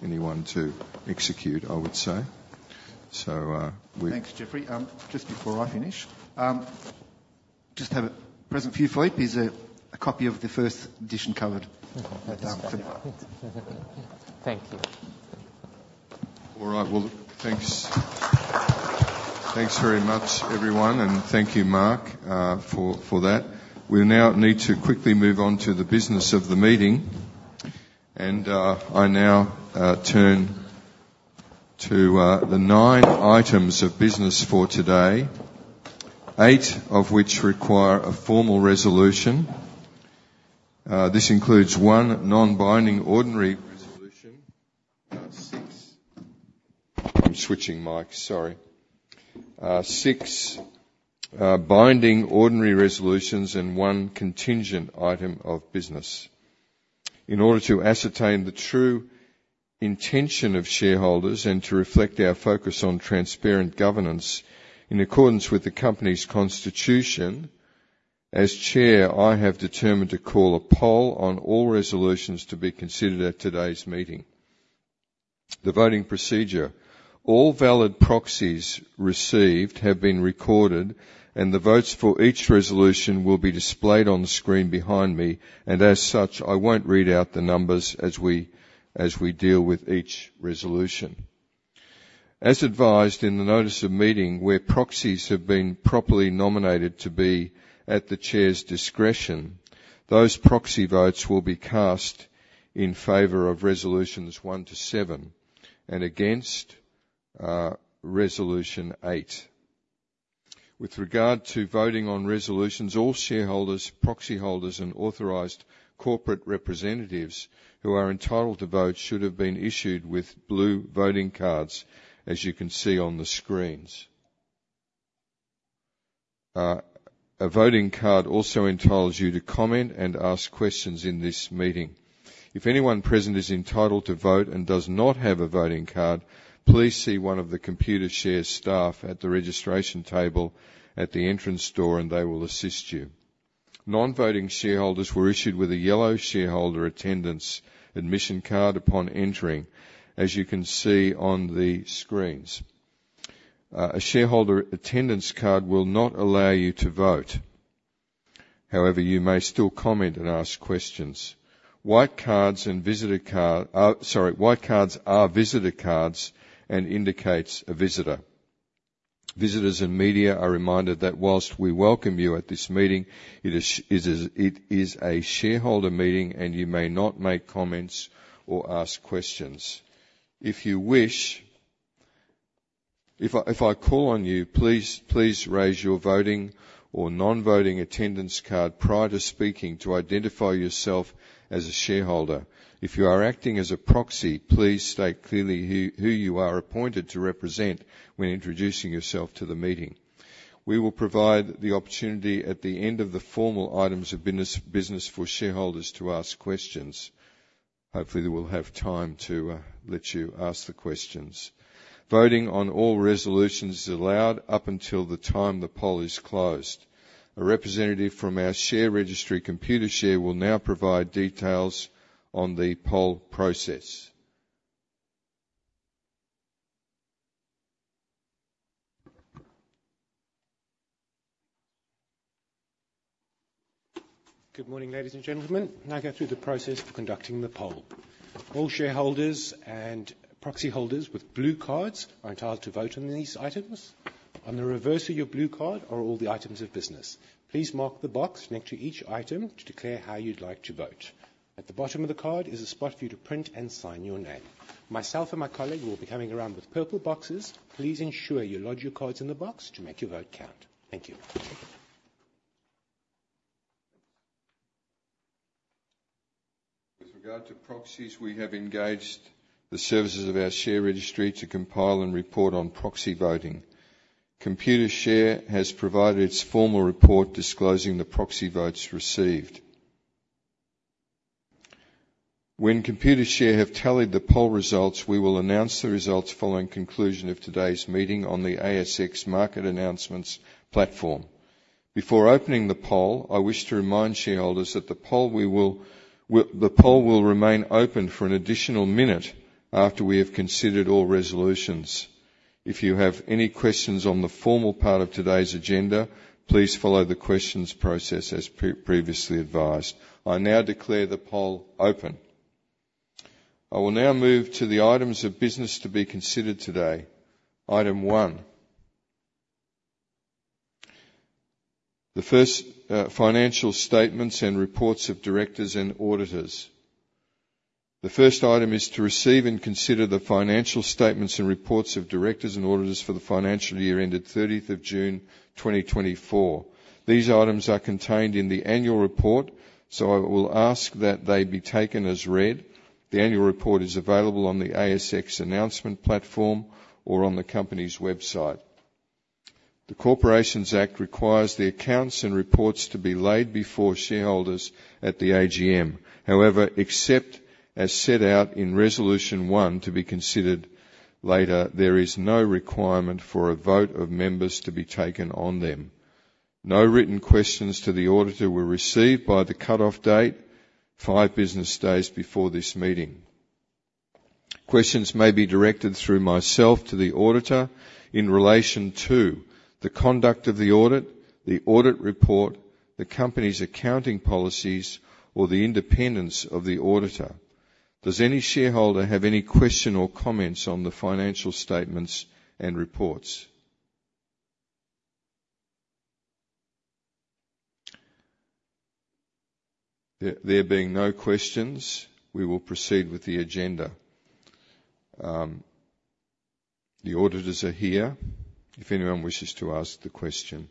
Speaker 1: anyone to execute, I would say. So we're.
Speaker 7: Thanks, Jeffrey. Just before I finish, just to have it present for you, Philippe, is a copy of the first edition covered.
Speaker 2: Thank you.
Speaker 1: All right. Well, thanks very much, everyone, and thank you, Mark, for that. We now need to quickly move on to the business of the meeting, and I now turn to the nine items of business for today, eight of which require a formal resolution. This includes one non-binding ordinary resolution. I'm switching mics. Sorry. Six binding ordinary resolutions and one contingent item of business. In order to ascertain the true intention of shareholders and to reflect our focus on transparent governance in accordance with the company's constitution, as Chair, I have determined to call a poll on all resolutions to be considered at today's meeting. The voting procedure. All valid proxies received have been recorded, and the votes for each resolution will be displayed on the screen behind me. And as such, I won't read out the numbers as we deal with each resolution. As advised in the notice of meeting where proxies have been properly nominated to be at the chair's discretion, those proxy votes will be cast in favor of resolutions one to seven and against resolution eight. With regard to voting on resolutions, all shareholders, proxy holders, and authorized corporate representatives who are entitled to vote should have been issued with blue voting cards, as you can see on the screens. A voting card also entitles you to comment and ask questions in this meeting. If anyone present is entitled to vote and does not have a voting card, please see one of the Computershare staff at the registration table at the entrance door, and they will assist you. Non-voting shareholders were issued with a yellow shareholder attendance admission card upon entering, as you can see on the screens. A shareholder attendance card will not allow you to vote. However, you may still comment and ask questions. White cards are visitor cards and indicate a visitor. Visitors and media are reminded that while we welcome you at this meeting, it is a shareholder meeting, and you may not make comments or ask questions. If you wish, if I call on you, please raise your voting or non-voting attendance card prior to speaking to identify yourself as a shareholder. If you are acting as a proxy, please state clearly who you are appointed to represent when introducing yourself to the meeting. We will provide the opportunity at the end of the formal items of business for shareholders to ask questions. Hopefully, we'll have time to let you ask the questions. Voting on all resolutions is allowed up until the time the poll is closed. A representative from our share registry, Computershare, will now provide details on the poll process.
Speaker 11: Good morning, ladies and gentlemen. Now go through the process for conducting the poll. All shareholders and proxy holders with blue cards are entitled to vote on these items. On the reverse of your blue card are all the items of business. Please mark the box next to each item to declare how you'd like to vote. At the bottom of the card is a spot for you to print and sign your name. Myself and my colleague will be coming around with purple boxes. Please ensure you lodge your cards in the box to make your vote count. Thank you.
Speaker 1: With regard to proxies, we have engaged the services of our share registry to compile and report on proxy voting. Computershare has provided its formal report disclosing the proxy votes received. When Computershare have tallied the poll results, we will announce the results following conclusion of today's meeting on the ASX Market Announcements platform. Before opening the poll, I wish to remind shareholders that the poll will remain open for an additional minute after we have considered all resolutions. If you have any questions on the formal part of today's agenda, please follow the questions process as previously advised. I now declare the poll open. I will now move to the items of business to be considered today. Item one, the first financial statements and reports of directors and auditors. The first item is to receive and consider the financial statements and reports of directors and auditors for the financial year ended 30th of June, 2024. These items are contained in the annual report, so I will ask that they be taken as read. The annual report is available on the ASX Announcement platform or on the company's website. The Corporations Act requires the accounts and reports to be laid before shareholders at the AGM. However, except as set out in resolution one to be considered later, there is no requirement for a vote of members to be taken on them. No written questions to the auditor were received by the cutoff date, five business days before this meeting. Questions may be directed through myself to the auditor in relation to the conduct of the audit, the audit report, the company's accounting policies, or the independence of the auditor. Does any shareholder have any question or comments on the financial statements and reports? There being no questions, we will proceed with the agenda. The auditors are here if anyone wishes to ask the question.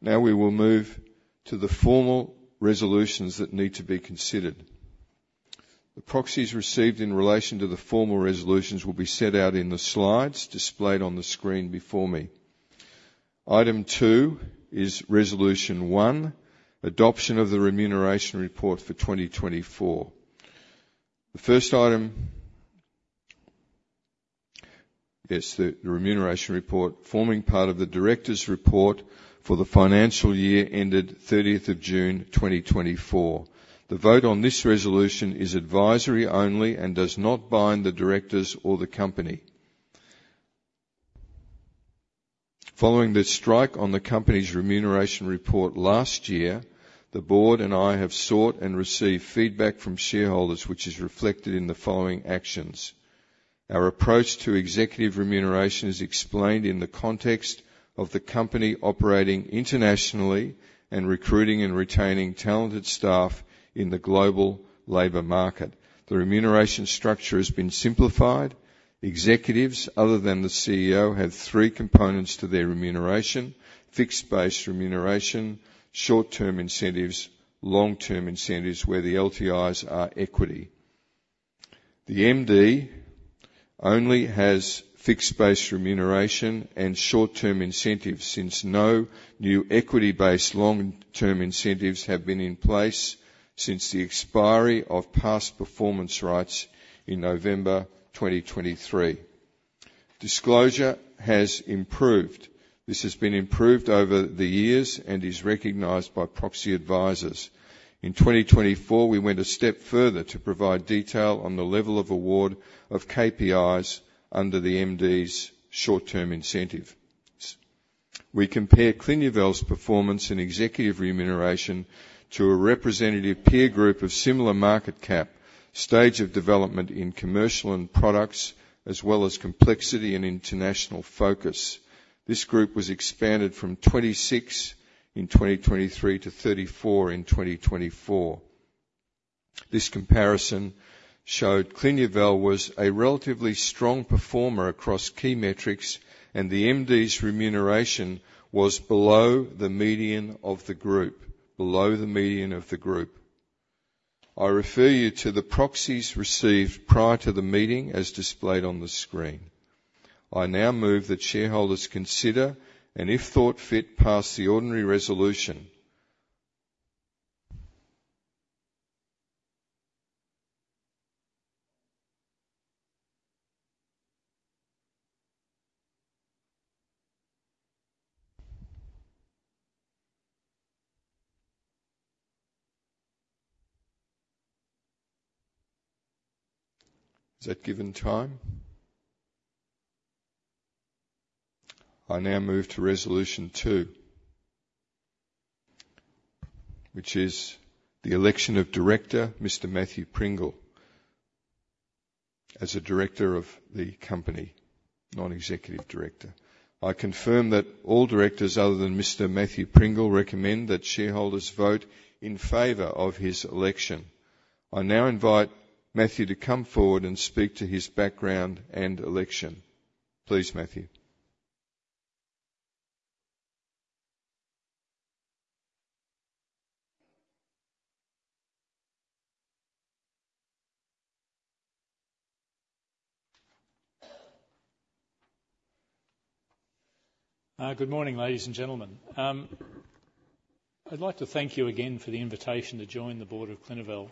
Speaker 1: Now we will move to the formal resolutions that need to be considered. The proxies received in relation to the formal resolutions will be set out in the slides displayed on the screen before me. Item two is resolution one, adoption of the remuneration report for 2024. The first item, yes, the remuneration report, forming part of the directors' report for the financial year ended 30th of June, 2024. The vote on this resolution is advisory only and does not bind the directors or the company. Following the strike on the company's remuneration report last year, the board and I have sought and received feedback from shareholders, which is reflected in the following actions. Our approach to executive remuneration is explained in the context of the company operating internationally and recruiting and retaining talented staff in the global labor market. The remuneration structure has been simplified. Executives, other than the CEO, have three components to their remuneration: fixed-based remuneration, short-term incentives, and long-term incentives, where the LTIs are equity. The MD only has fixed-based remuneration and short-term incentives since no new equity-based long-term incentives have been in place since the expiry of past performance rights in November 2023. Disclosure has improved. This has been improved over the years and is recognized by proxy advisors. In 2024, we went a step further to provide detail on the level of award of KPIs under the MD's short-term incentives. We compare Clinuvel's performance and executive remuneration to a representative peer group of similar market cap, stage of development in commercial and products, as well as complexity and international focus. This group was expanded from 26 in 2023 to 34 in 2024. This comparison showed Clinuvel was a relatively strong performer across key metrics, and the MD's remuneration was below the median of the group, below the median of the group. I refer you to the proxies received prior to the meeting as displayed on the screen. I now move that shareholders consider and, if thought fit, pass the ordinary resolution. Is that given time? I now move to resolution two, which is the election of director, Mr. Matthew Pringle, as a director of the company, non-executive director. I confirm that all directors other than Mr. Matthew Pringle recommend that shareholders vote in favor of his election. I now invite Matthew to come forward and speak to his background and election. Please, Matthew.
Speaker 9: Good morning, ladies and gentlemen. I'd like to thank you again for the invitation to join the board of Clinuvel.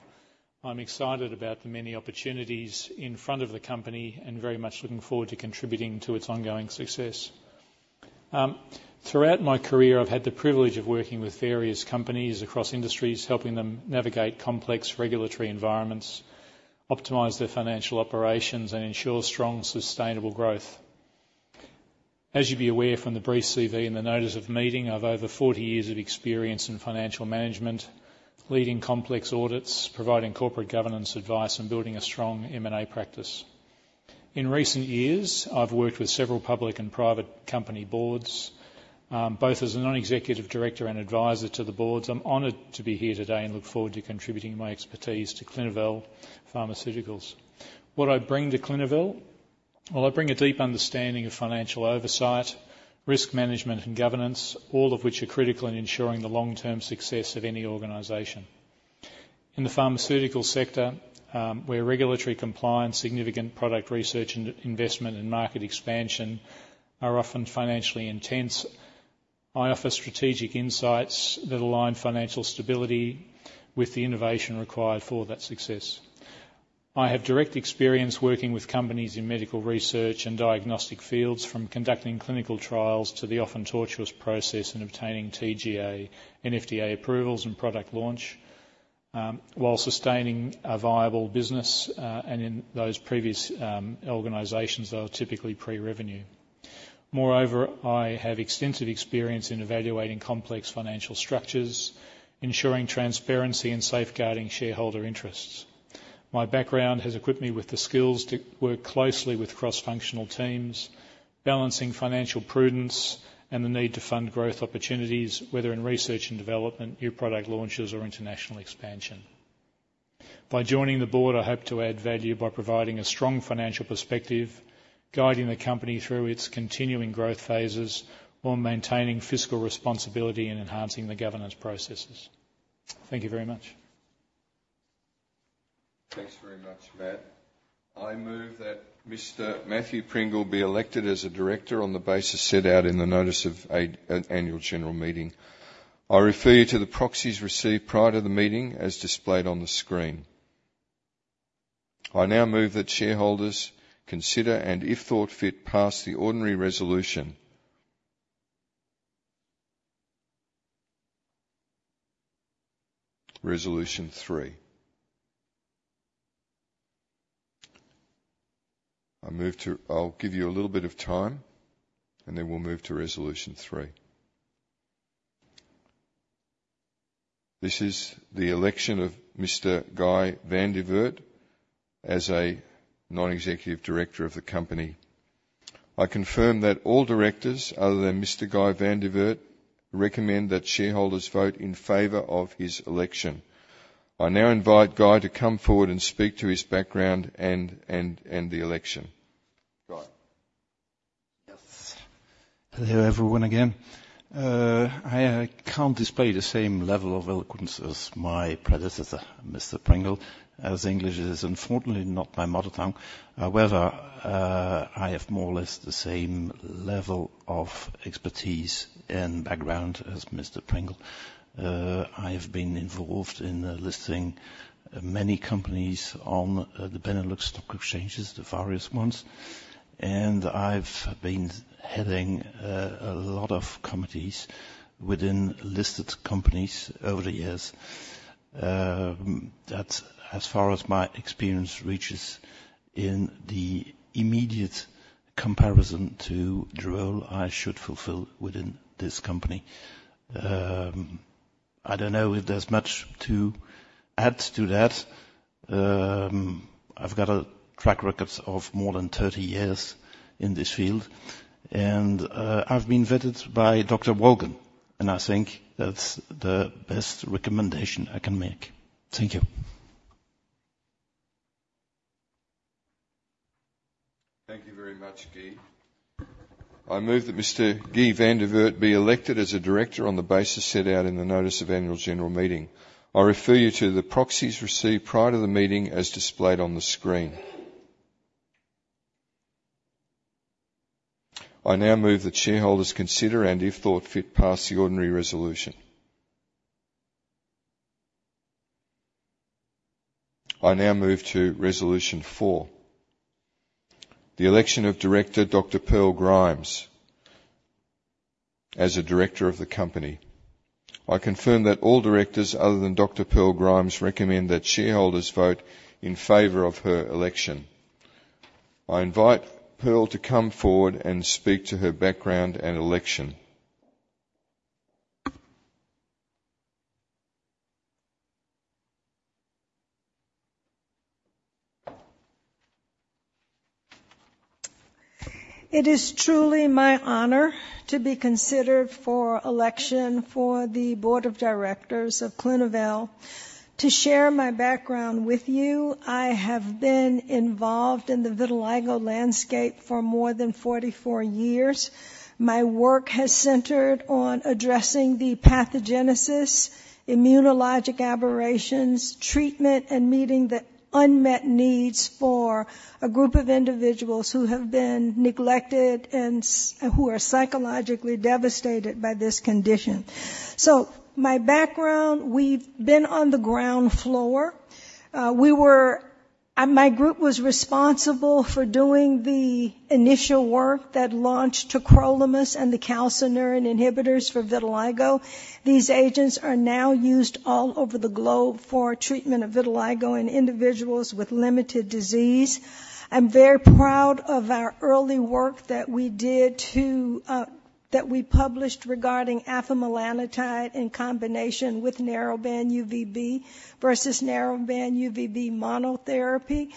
Speaker 9: I'm excited about the many opportunities in front of the company and very much looking forward to contributing to its ongoing success. Throughout my career, I've had the privilege of working with various companies across industries, helping them navigate complex regulatory environments, optimize their financial operations, and ensure strong, sustainable growth. As you'll be aware from the brief CV and the notice of meeting, I have over 40 years of experience in financial management, leading complex audits, providing corporate governance advice, and building a strong M&A practice. In recent years, I've worked with several public and private company boards, both as a non-executive director and advisor to the boards. I'm honored to be here today and look forward to contributing my expertise to Clinuvel Pharmaceuticals. What I bring to Clinuvel? Well, I bring a deep understanding of financial oversight, risk management, and governance, all of which are critical in ensuring the long-term success of any organization. In the pharmaceutical sector, where regulatory compliance, significant product research, and investment and market expansion are often financially intense, I offer strategic insights that align financial stability with the innovation required for that success. I have direct experience working with companies in medical research and diagnostic fields, from conducting clinical trials to the often tortuous process in obtaining TGA, FDA approvals, and product launch, while sustaining a viable business. And in those previous organizations, they were typically pre-revenue. Moreover, I have extensive experience in evaluating complex financial structures, ensuring transparency, and safeguarding shareholder interests. My background has equipped me with the skills to work closely with cross-functional teams, balancing financial prudence and the need to fund growth opportunities, whether in research and development, new product launches, or international expansion. By joining the board, I hope to add value by providing a strong financial perspective, guiding the company through its continuing growth phases, while maintaining fiscal responsibility and enhancing the governance processes. Thank you very much.
Speaker 1: Thanks very much, Matt. I move that Mr. Matthew Pringle be elected as a director on the basis set out in the Notice of Annual General Meeting. I refer you to the proxies received prior to the meeting as displayed on the screen. I now move that shareholders consider and, if thought fit, pass the ordinary resolution, Resolution Three. I'll give you a little bit of time, and then we'll move to resolution three. This is the election of Mr. Guy van Dievoet as a non-executive director of the company. I confirm that all directors, other than Mr. Guy van Dievoet, recommend that shareholders vote in favor of his election. I now invite Guy to come forward and speak to his background and the election. Guy.
Speaker 10: Yes. Hello everyone again. I can't display the same level of eloquence as my predecessor, Mr. Pringle, as English is, unfortunately, not my mother tongue. However, I have more or less the same level of expertise and background as Mr. Pringle. I have been involved in listing many companies on the Benelux stock exchanges, the various ones, and I've been heading a lot of committees within listed companies over the years. As far as my experience reaches in the immediate comparison to the role I should fulfill within this company, I don't know if there's much to add to that. I've got a track record of more than 30 years in this field, and I've been vetted by Dr. Wolgen, and I think that's the best recommendation I can make. Thank you.
Speaker 1: Thank you very much, Guy. I move that Mr. Guy van Dievoet be elected as a director on the basis set out in the notice of annual general meeting. I refer you to the proxies received prior to the meeting as displayed on the screen. I now move that shareholders consider and, if thought fit, pass the ordinary resolution. I now move to resolution four, the election of director Dr. Pearl Grimes as a director of the company. I confirm that all directors, other than Dr. Pearl Grimes, recommend that shareholders vote in favor of her election. I invite Pearl to come forward and speak to her background and election.
Speaker 3: It is truly my honor to be considered for election for the board of directors of Clinuvel. To share my background with you, I have been involved in the vitiligo landscape for more than 44 years. My work has centered on addressing the pathogenesis, immunologic aberrations, treatment, and meeting the unmet needs for a group of individuals who have been neglected and who are psychologically devastated by this condition. So my background, we've been on the ground floor. My group was responsible for doing the initial work that launched tacrolimus and the calcineurin inhibitors for vitiligo. These agents are now used all over the globe for treatment of vitiligo in individuals with limited disease. I'm very proud of our early work that we did that we published regarding afamelanotide in combination with narrowband UVB versus narrowband UVB monotherapy,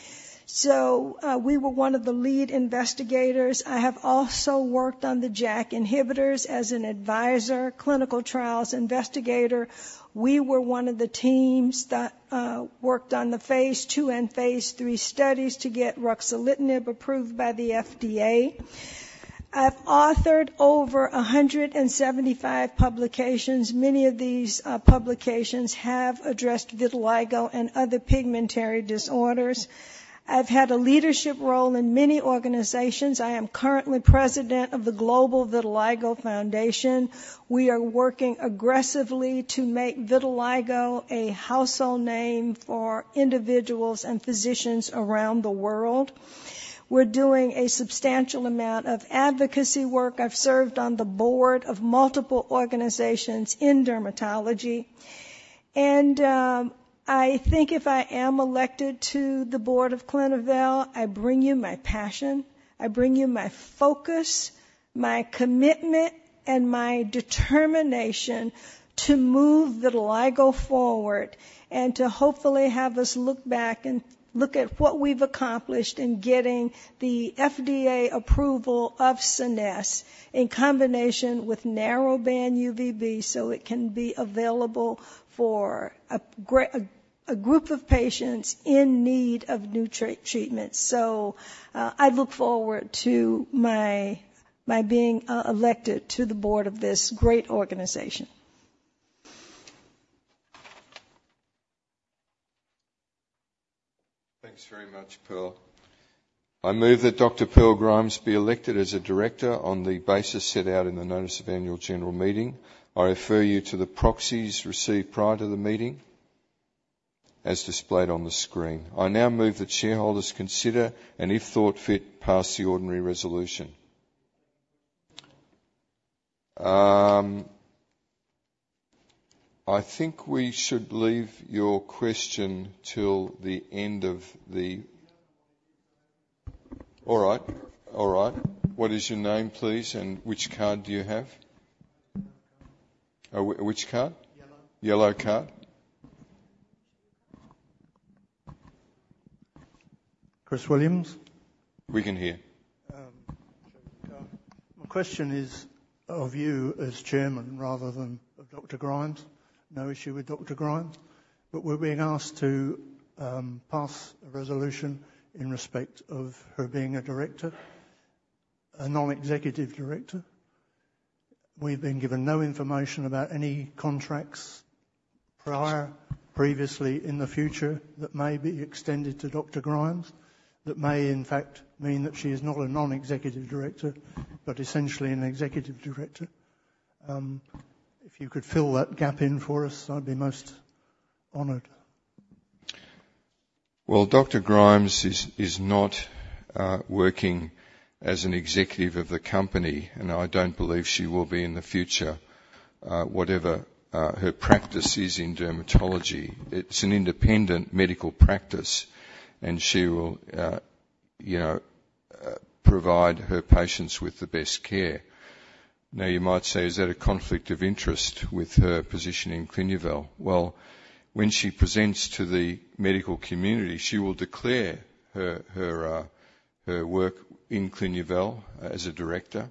Speaker 3: so we were one of the lead investigators. I have also worked on the JAK inhibitors as an advisor, clinical trials investigator. We were one of the teams that worked on the phase II and phase III studies to get ruxolitinib approved by the FDA. I've authored over 175 publications. Many of these publications have addressed vitiligo and other pigmentary disorders. I've had a leadership role in many organizations. I am currently president of the Global Vitiligo Foundation. We are working aggressively to make vitiligo a household name for individuals and physicians around the world. We're doing a substantial amount of advocacy work. I've served on the board of multiple organizations in dermatology. And I think if I am elected to the board of Clinuvel, I bring you my passion. I bring you my focus, my commitment, and my determination to move vitiligo forward and to hopefully have us look back and look at what we've accomplished in getting the FDA approval of SCENESSE in combination with narrowband UVB so it can be available for a group of patients in need of new treatments. So I look forward to my being elected to the board of this great organization.
Speaker 1: Thanks very much, Pearl. I move that Dr. Pearl Grimes be elected as a director on the basis set out in the notice of annual general meeting. I refer you to the proxies received prior to the meeting as displayed on the screen. I now move that shareholders consider and, if thought fit, pass the ordinary resolution. I think we should leave your question till the end, all right. All right. What is your name, please? And which card do you have? Which card?
Speaker 12: Yellow.
Speaker 1: Yellow card.
Speaker 12: Chris Williams.
Speaker 1: We can hear.
Speaker 12: My question is of you as Chairman rather than of Dr. Grimes. No issue with Dr. Grimes. But we're being asked to pass a resolution in respect of her being a director, a non-executive director. We've been given no information about any contracts prior, previously, in the future that may be extended to Dr. Grimes, that may, in fact, mean that she is not a non-executive director, but essentially an executive director. If you could fill that gap in for us, I'd be most honored.
Speaker 1: Well, Dr. Grimes is not working as an executive of the company, and I don't believe she will be in the future, whatever her practice is in dermatology. It's an independent medical practice, and she will provide her patients with the best care. Now, you might say, "Is that a conflict of interest with her position in Clinuvel?" Well, when she presents to the medical community, she will declare her work in Clinuvel as a director.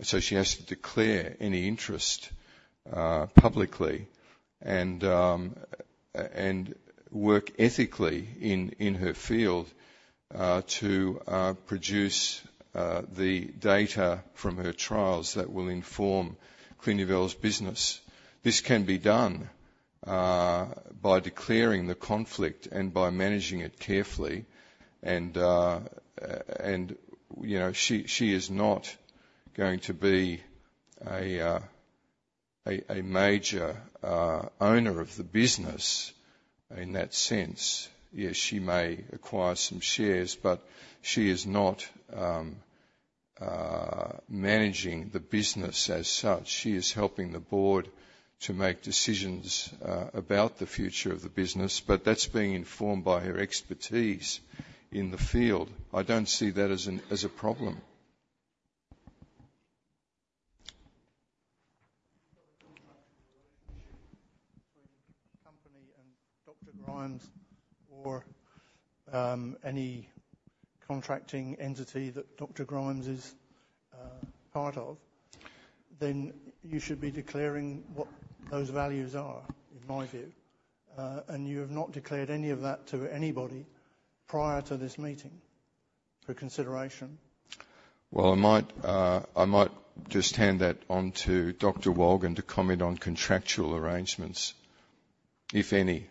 Speaker 1: So she has to declare any interest publicly and work ethically in her field to produce the data from her trials that will inform Clinuvel's business. This can be done by declaring the conflict and by managing it carefully. And she is not going to be a major owner of the business in that sense. Yes, she may acquire some shares, but she is not managing the business as such. She is helping the board to make decisions about the future of the business, but that's being informed by her expertise in the field. I don't see that as a problem.
Speaker 12: Contracting relationship between the company and Dr. Grimes or any contracting entity that Dr. Grimes is part of, then you should be declaring what those values are, in my view. You have not declared any of that to anybody prior to this meeting for consideration.
Speaker 1: I might just hand that on to Dr. Wolgen to comment on contractual arrangements, if any.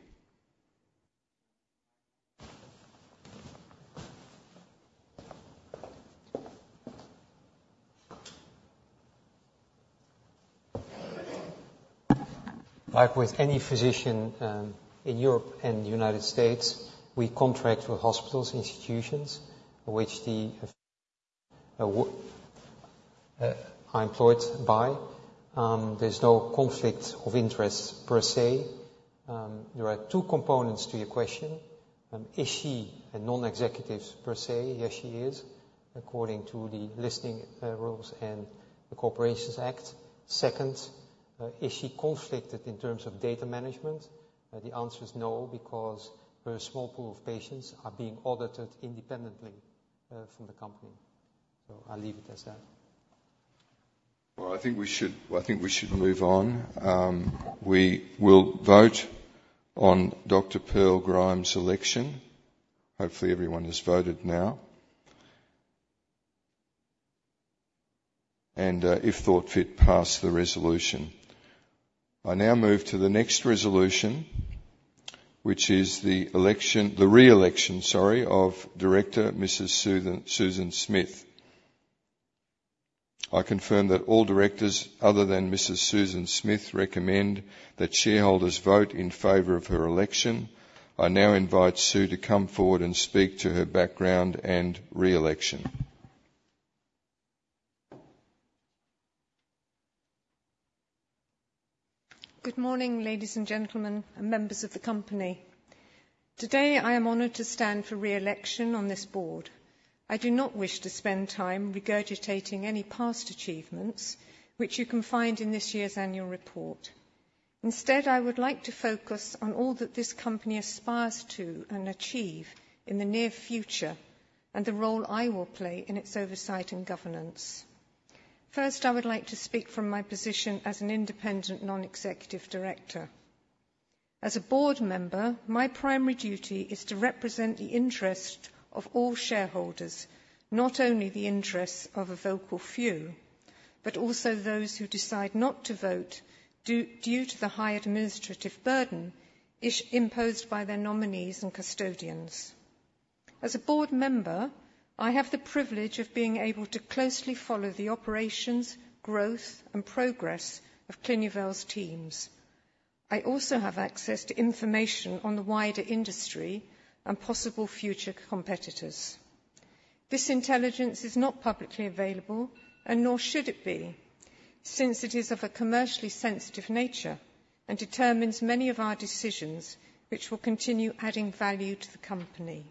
Speaker 2: Like with any physician in Europe and the United States, we contract with hospitals, institutions, which I'm employed by. There's no conflict of interest per se. There are two components to your question. Is she a non-executive per se? Yes, she is, according to the listing rules and the Corporations Act. Second, is she conflicted in terms of data management? The answer is no because her small pool of patients are being audited independently from the company. I'll leave it as that.
Speaker 1: I think we should move on. We will vote on Dr. Pearl Grimes' election. Hopefully, everyone has voted now, and if thought fit, pass the resolution. I now move to the next resolution, which is the re-election, sorry, of Director Mrs. Susan Smith. I confirm that all directors, other than Mrs. Susan Smith, recommend that shareholders vote in favor of her election. I now invite Sue to come forward and speak to her background and re-election.
Speaker 8: Good morning, ladies and gentlemen, and members of the company. Today, I am honored to stand for re-election on this board. I do not wish to spend time regurgitating any past achievements, which you can find in this year's annual report. Instead, I would like to focus on all that this company aspires to and achieve in the near future and the role I will play in its oversight and governance. First, I would like to speak from my position as an independent non-executive director. As a board member, my primary duty is to represent the interest of all shareholders, not only the interests of a vocal few, but also those who decide not to vote due to the high administrative burden imposed by their nominees and custodians. As a board member, I have the privilege of being able to closely follow the operations, growth, and progress of Clinuvel's teams. I also have access to information on the wider industry and possible future competitors. This intelligence is not publicly available, and nor should it be, since it is of a commercially sensitive nature and determines many of our decisions, which will continue adding value to the company.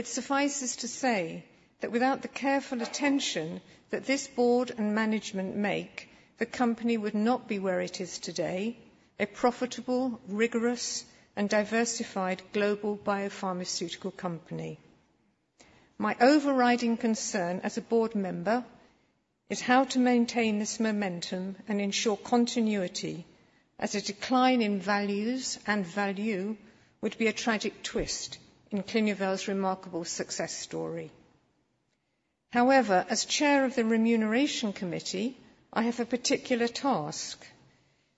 Speaker 8: It suffices to say that without the careful attention that this board and management make, the company would not be where it is today, a profitable, rigorous, and diversified global biopharmaceutical company. My overriding concern as a board member is how to maintain this momentum and ensure continuity, as a decline in values and value would be a tragic twist in Clinuvel's remarkable success story. However, as chair of the remuneration committee, I have a particular task.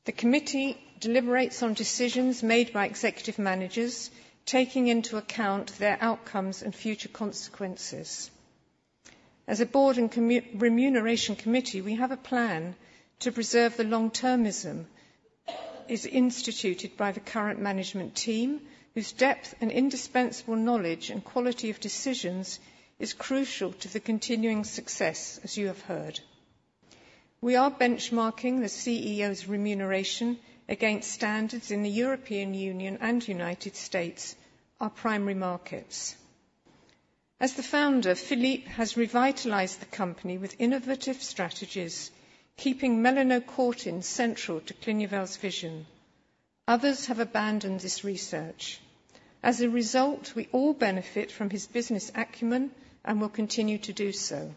Speaker 8: The committee deliberates on decisions made by executive managers, taking into account their outcomes and future consequences. As a board and remuneration committee, we have a plan to preserve the long-termism instituted by the current management team, whose depth and indispensable knowledge and quality of decisions is crucial to the continuing success, as you have heard. We are benchmarking the CEO's remuneration against standards in the European Union and United States, our primary markets. As the founder, Philippe has revitalized the company with innovative strategies, keeping melanocortin central to Clinuvel's vision. Others have abandoned this research. As a result, we all benefit from his business acumen and will continue to do so.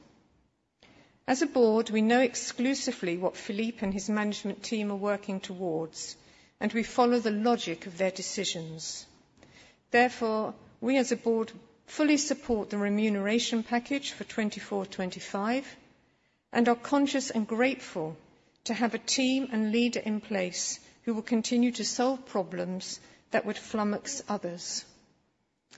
Speaker 8: As a board, we know exclusively what Philippe and his management team are working towards, and we follow the logic of their decisions. Therefore, we as a board fully support the remuneration package for 2024/25 and are conscious and grateful to have a team and leader in place who will continue to solve problems that would flummox others.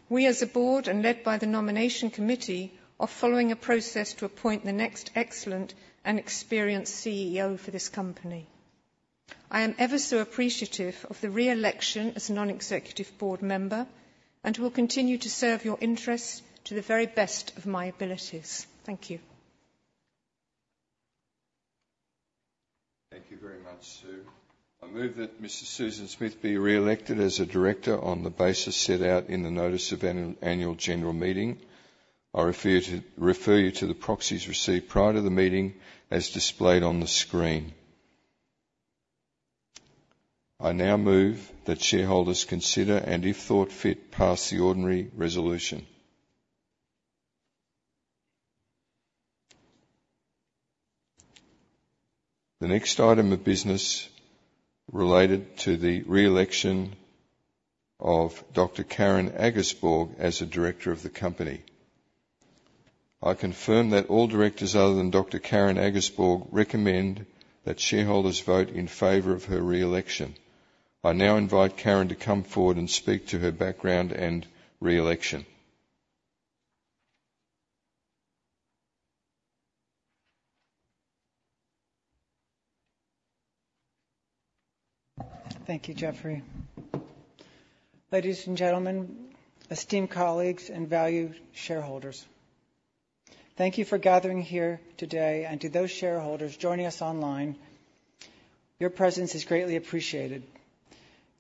Speaker 8: We as a board and led by the nomination committee are following a process to appoint the next excellent and experienced CEO for this company. I am ever so appreciative of the re-election as a non-executive board member and will continue to serve your interests to the very best of my abilities. Thank you.
Speaker 1: Thank you very much, Sue. I move that Mrs. Susan Smith be re-elected as a director on the basis set out in the notice of annual general meeting. I refer you to the proxies received prior to the meeting as displayed on the screen. I now move that shareholders consider and, if thought fit, pass the ordinary resolution. The next item of business related to the re-election of Dr. Karen Agersborg as a director of the company. I confirm that all directors other than Dr. Karen Agersborg recommend that shareholders vote in favor of her re-election. I now invite Karen to come forward and speak to her background and re-election.
Speaker 13: Thank you, Jeffrey. Ladies and gentlemen, esteemed colleagues, and valued shareholders. Thank you for gathering here today, and to those shareholders joining us online, your presence is greatly appreciated.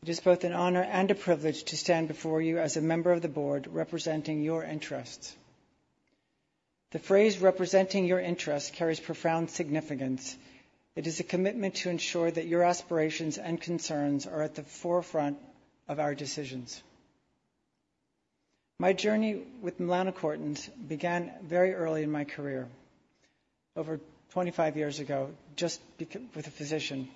Speaker 13: It is both an honor and a privilege to stand before you as a member of the board representing your interests. The phrase "representing your interests" carries profound significance. It is a commitment to ensure that your aspirations and concerns are at the forefront of our decisions. My journey with melanocortins began very early in my career, over 25 years ago, just with a physician.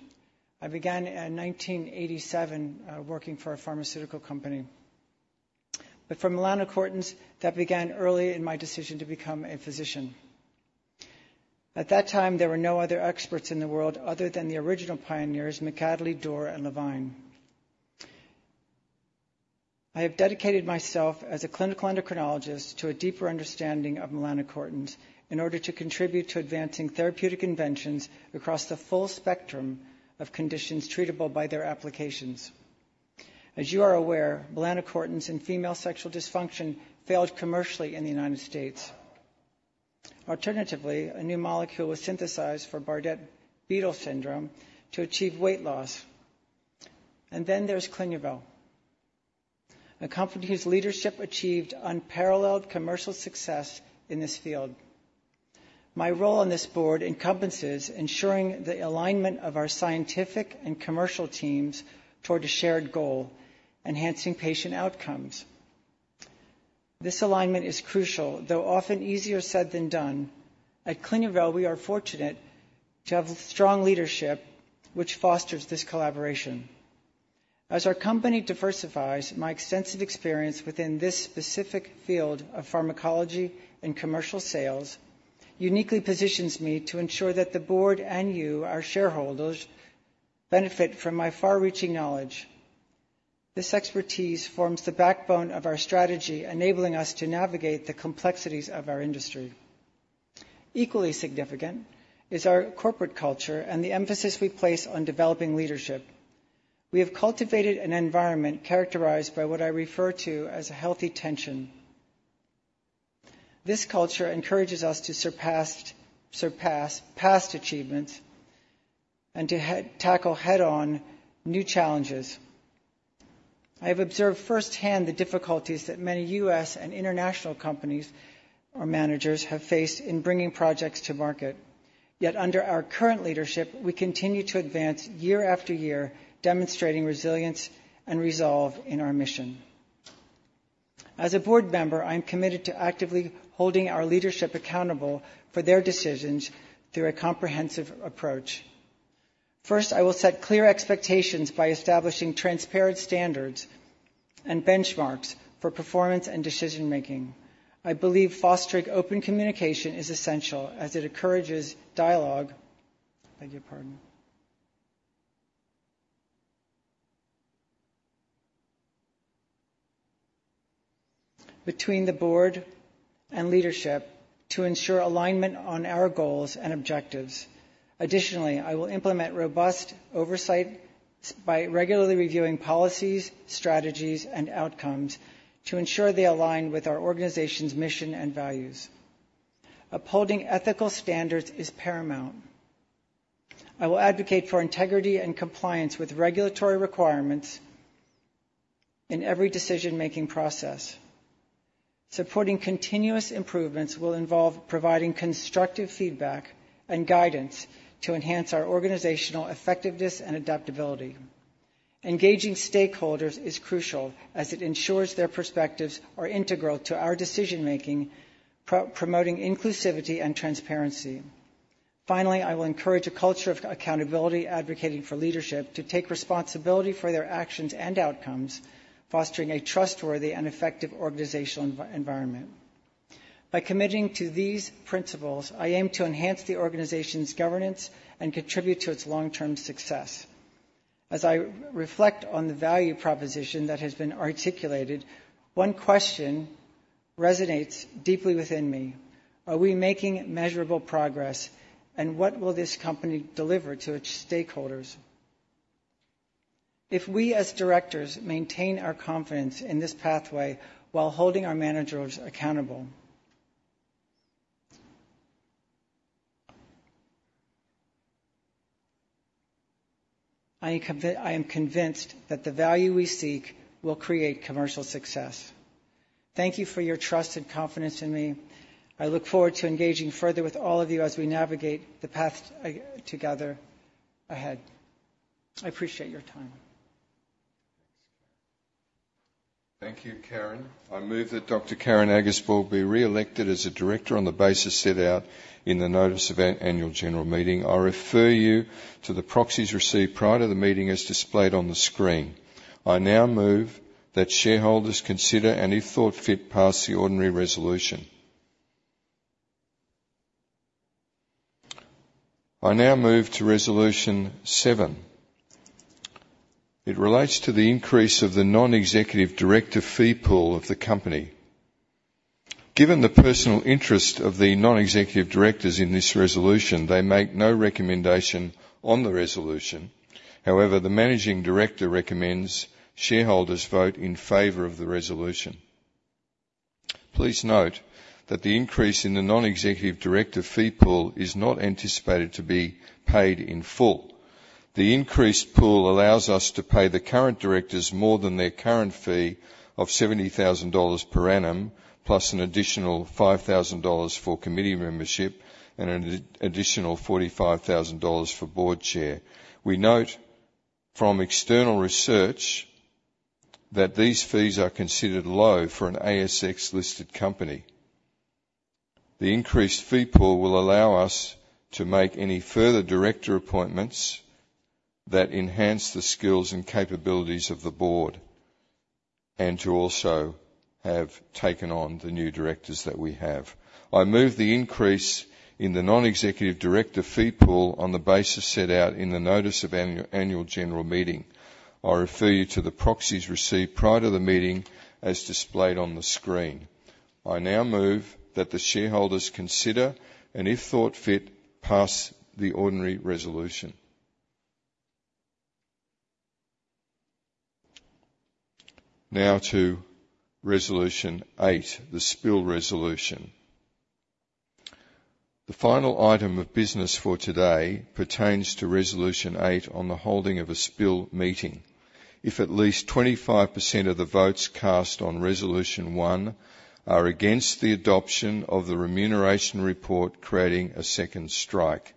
Speaker 13: I began in 1987 working for a pharmaceutical company. But for melanocortins, that began early in my decision to become a physician. At that time, there were no other experts in the world other than the original pioneers, Mac Hadley, Dorr, and Levine. I have dedicated myself as a clinical endocrinologist to a deeper understanding of melanocortins in order to contribute to advancing therapeutic inventions across the full spectrum of conditions treatable by their applications. As you are aware, melanocortins in female sexual dysfunction failed commercially in the United States. Alternatively, a new molecule was synthesized for Bardet-Biedl syndrome to achieve weight loss. And then there's Clinuvel, a company whose leadership achieved unparalleled commercial success in this field. My role on this board encompasses ensuring the alignment of our scientific and commercial teams toward a shared goal, enhancing patient outcomes. This alignment is crucial, though often easier said than done. At Clinuvel, we are fortunate to have strong leadership, which fosters this collaboration. As our company diversifies, my extensive experience within this specific field of pharmacology and commercial sales uniquely positions me to ensure that the board and you, our shareholders, benefit from my far-reaching knowledge. This expertise forms the backbone of our strategy, enabling us to navigate the complexities of our industry. Equally significant is our corporate culture and the emphasis we place on developing leadership. We have cultivated an environment characterized by what I refer to as a healthy tension. This culture encourages us to surpass past achievements and to tackle head-on new challenges. I have observed firsthand the difficulties that many U.S. and international companies or managers have faced in bringing projects to market. Yet under our current leadership, we continue to advance year after year, demonstrating resilience and resolve in our mission. As a board member, I'm committed to actively holding our leadership accountable for their decisions through a comprehensive approach. First, I will set clear expectations by establishing transparent standards and benchmarks for performance and decision-making. I believe fostering open communication is essential as it encourages dialogue between the board and leadership to ensure alignment on our goals and objectives. Additionally, I will implement robust oversight by regularly reviewing policies, strategies, and outcomes to ensure they align with our organization's mission and values. Upholding ethical standards is paramount. I will advocate for integrity and compliance with regulatory requirements in every decision-making process. Supporting continuous improvements will involve providing constructive feedback and guidance to enhance our organizational effectiveness and adaptability. Engaging stakeholders is crucial as it ensures their perspectives are integral to our decision-making, promoting inclusivity and transparency. Finally, I will encourage a culture of accountability, advocating for leadership to take responsibility for their actions and outcomes, fostering a trustworthy and effective organizational environment. By committing to these principles, I aim to enhance the organization's governance and contribute to its long-term success. As I reflect on the value proposition that has been articulated, one question resonates deeply within me. Are we making measurable progress, and what will this company deliver to its stakeholders? If we, as directors, maintain our confidence in this pathway while holding our managers accountable, I am convinced that the value we seek will create commercial success. Thank you for your trust and confidence in me. I look forward to engaging further with all of you as we navigate the path together ahead. I appreciate your time.
Speaker 1: Thank you, Karen. I move that Dr. Karen Agersborg be re-elected as a director on the basis set out in the notice of annual general meeting. I refer you to the proxies received prior to the meeting as displayed on the screen. I now move that shareholders consider and, if thought fit, pass the ordinary resolution. I now move to resolution seven. It relates to the increase of the non-executive director fee pool of the company. Given the personal interest of the non-executive directors in this resolution, they make no recommendation on the resolution. However, the Managing Director recommends shareholders vote in favor of the resolution. Please note that the increase in the non-executive director fee pool is not anticipated to be paid in full. The increased pool allows us to pay the current directors more than their current fee of 70,000 dollars per annum, plus an additional 5,000 dollars for committee membership and an additional 45,000 dollars for board chair. We note from external research that these fees are considered low for an ASX-listed company. The increased fee pool will allow us to make any further director appointments that enhance the skills and capabilities of the board and to also have taken on the new directors that we have. I move the increase in the non-executive director fee pool on the basis set out in the notice of annual general meeting. I refer you to the proxies received prior to the meeting as displayed on the screen. I now move that the shareholders consider and, if thought fit, pass the ordinary resolution. Now to resolution eight, the Spill resolution. The final item of business for today pertains to resolution eight on the holding of a spill meeting. If at least 25% of the votes cast on resolution one are against the adoption of the remuneration report, creating a second strike.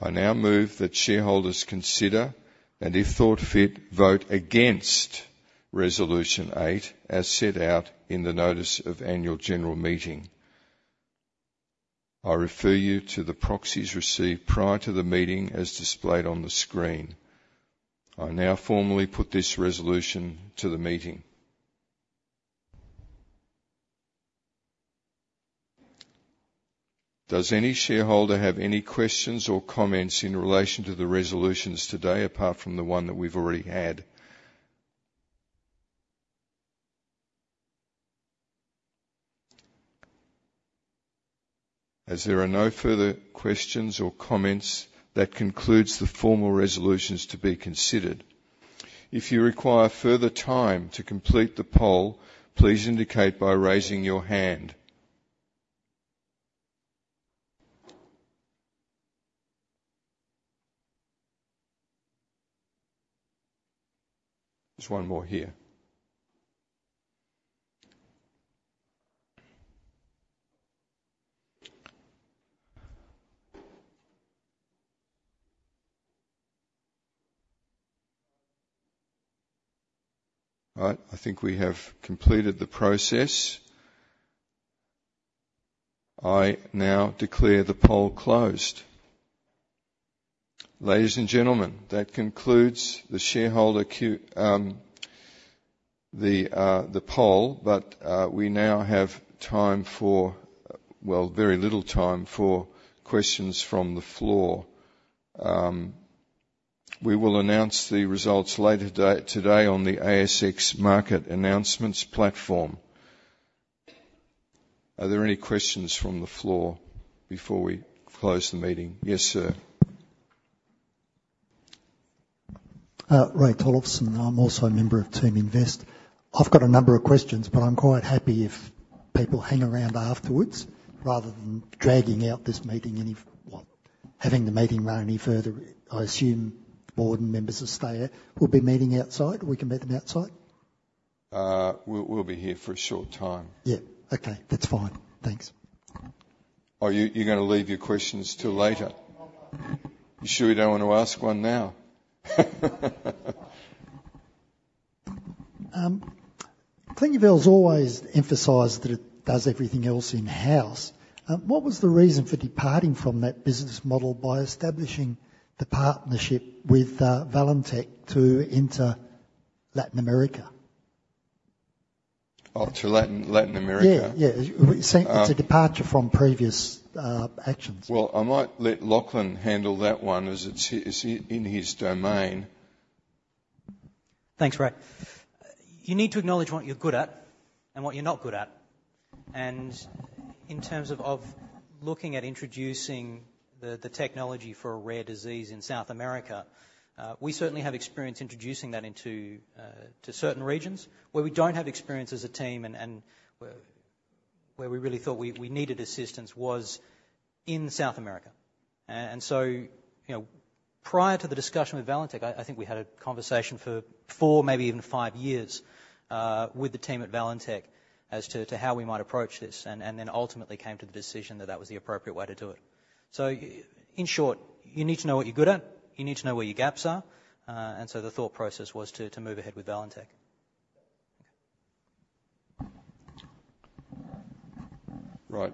Speaker 1: I now move that shareholders consider and, if thought fit, vote against resolution eight as set out in the notice of annual general meeting. I refer you to the proxies received prior to the meeting as displayed on the screen. I now formally put this resolution to the meeting. Does any shareholder have any questions or comments in relation to the resolutions today apart from the one that we've already had? As there are no further questions or comments, that concludes the formal resolutions to be considered. If you require further time to complete the poll, please indicate by raising your hand. There's one more here. All right. I think we have completed the process. I now declare the poll closed. Ladies and gentlemen, that concludes the shareholder poll, but we now have time for, well, very little time for questions from the floor. We will announce the results later today on the ASX Market Announcements platform. Are there any questions from the floor before we close the meeting?
Speaker 14: Yes, sir. Ray Tolleson, I'm also a member of Team Invest. I've got a number of questions, but I'm quite happy if people hang around afterwards rather than dragging out this meeting any further. I assume board members will stay. We'll be meeting outside. We can meet them outside?
Speaker 1: We'll be here for a short time.
Speaker 14: Yeah. Okay. That's fine. Thanks.
Speaker 1: Oh, you're going to leave your questions till later? You surely don't want to ask one now?
Speaker 14: Clinuvel has always emphasized that it does everything else in-house. What was the reason for departing from that business model by establishing the partnership with Valentech to enter Latin America?
Speaker 1: Oh, to Latin America?
Speaker 14: Yeah. Yeah. It's a departure from previous actions. Well, I might let Lachlan handle that one as it's in his domain.
Speaker 4: Thanks, Ray. You need to acknowledge what you're good at and what you're not good at. And in terms of looking at introducing the technology for a rare disease in South America, we certainly have experience introducing that into certain regions. Where we don't have experience as a team and where we really thought we needed assistance was in South America. And so prior to the discussion with Valentech, I think we had a conversation for four, maybe even five years with the team at Valentech as to how we might approach this, and then ultimately came to the decision that that was the appropriate way to do it. So in short, you need to know what you're good at. You need to know where your gaps are. And so the thought process was to move ahead with Valentech.
Speaker 1: Right.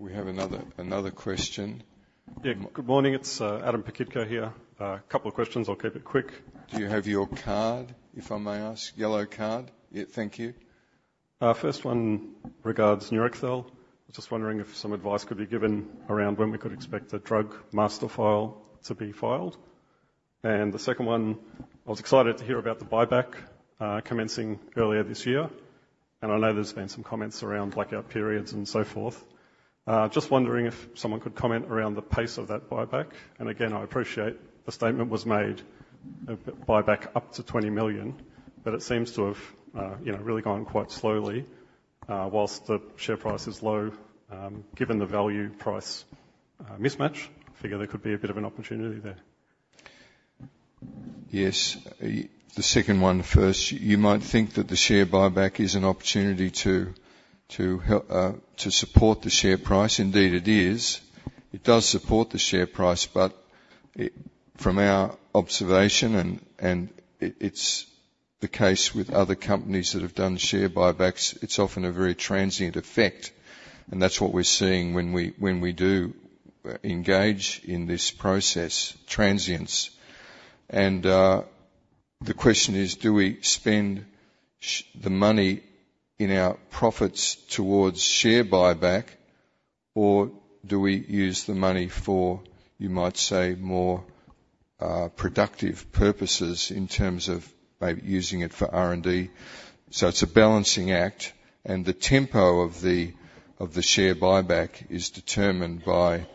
Speaker 1: We have another question.
Speaker 15: Yeah. Good morning. It's Adam Pachitko here. A couple of questions. I'll keep it quick.
Speaker 1: Do you have your card, if I may ask? Yellow card. Yeah. Thank you.
Speaker 15: First one regards NEURACTHEL. I was just wondering if some advice could be given around when we could expect the Drug Master File to be filed. The second one, I was excited to hear about the buyback commencing earlier this year. I know there's been some comments around blackout periods and so forth. Just wondering if someone could comment around the pace of that buyback. Again, I appreciate the statement was made of buyback up to 20 million, but it seems to have really gone quite slowly while the share price is low. Given the value-price mismatch, I figure there could be a bit of an opportunity there.
Speaker 1: Yes. The second one first. You might think that the share buyback is an opportunity to support the share price. Indeed, it is. It does support the share price, but from our observation, and it's the case with other companies that have done share buybacks, it's often a very transient effect. That's what we're seeing when we do engage in this process, transience. The question is, do we spend the money in our profits towards share buyback, or do we use the money for, you might say, more productive purposes in terms of maybe using it for R&D? It's a balancing act. The tempo of the share buyback is determined by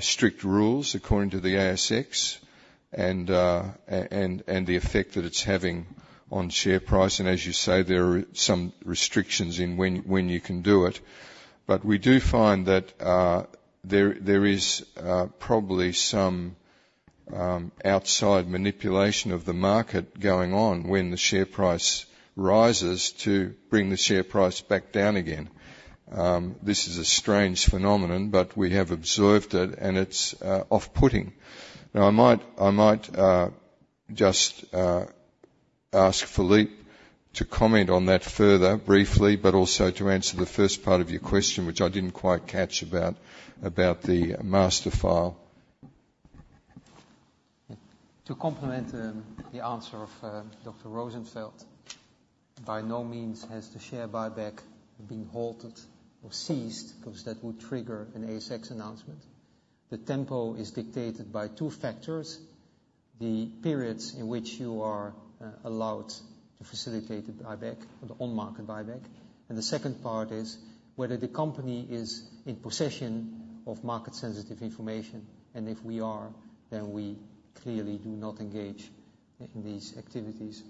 Speaker 1: strict rules according to the ASX and the effect that it's having on share price. As you say, there are some restrictions in when you can do it. We do find that there is probably some outside manipulation of the market going on when the share price rises to bring the share price back down again. This is a strange phenomenon, but we have observed it, and it's off-putting. Now, I might just ask Philippe to comment on that further briefly, but also to answer the first part of your question, which I didn't quite catch about the Drug Master File.
Speaker 2: To complement the answer of Dr. Rosenfeld, by no means has the share buyback been halted or ceased because that would trigger an ASX announcement. The tempo is dictated by two factors: the periods in which you are allowed to facilitate a buyback, the on-market buyback. And the second part is whether the company is in possession of market-sensitive information. And if we are, then we clearly do not engage in these activities.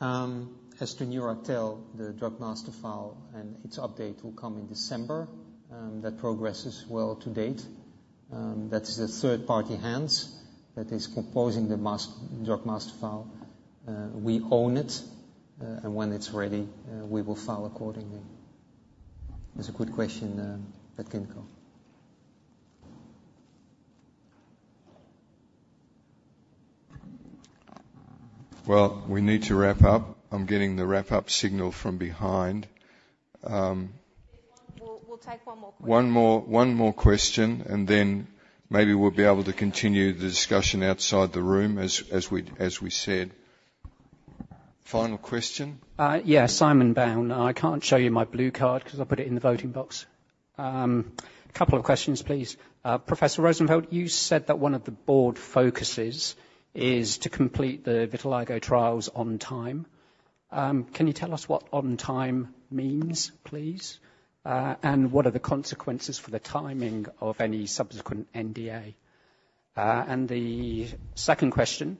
Speaker 2: As to NEURACTHEL, the Drug Master File and its update will come in December. That progress is well to date. That's the third-party hands that is composing the Drug Master File. We own it. And when it's ready, we will file accordingly. That's a good question, Pachitko.
Speaker 1: Well, we need to wrap up. I'm getting the wrap-up signal from behind. We'll take one more question. One more question, and then maybe we'll be able to continue the discussion outside the room, as we said. Final question?
Speaker 16: Yeah. Simon Bown. I can't show you my blue card because I put it in the voting box. A couple of questions, please. Professor Rosenfeld, you said that one of the board focuses is to complete the vitiligo trials on time. Can you tell us what on time means, please? And what are the consequences for the timing of any subsequent NDA? And the second question,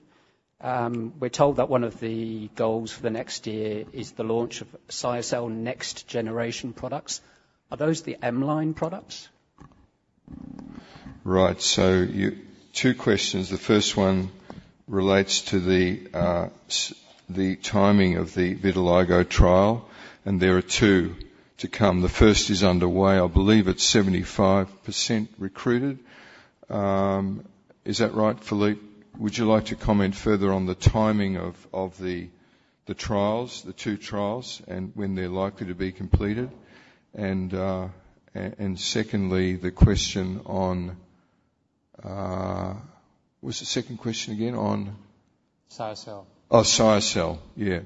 Speaker 16: we're told that one of the goals for the next year is the launch of CYACÊLLE next-generation products. Are those the M-line products?
Speaker 1: Right. So two questions. The first one relates to the timing of the vitiligo trial. There are two to come. The first is underway. I believe it's 75% recruited. Is that right, Philippe? Would you like to comment further on the timing of the trials, the two trials, and when they're likely to be completed? And secondly, the question on what's the second question again?
Speaker 16: On CYACÊLLE.
Speaker 1: Oh, CYACÊLLE. Yeah.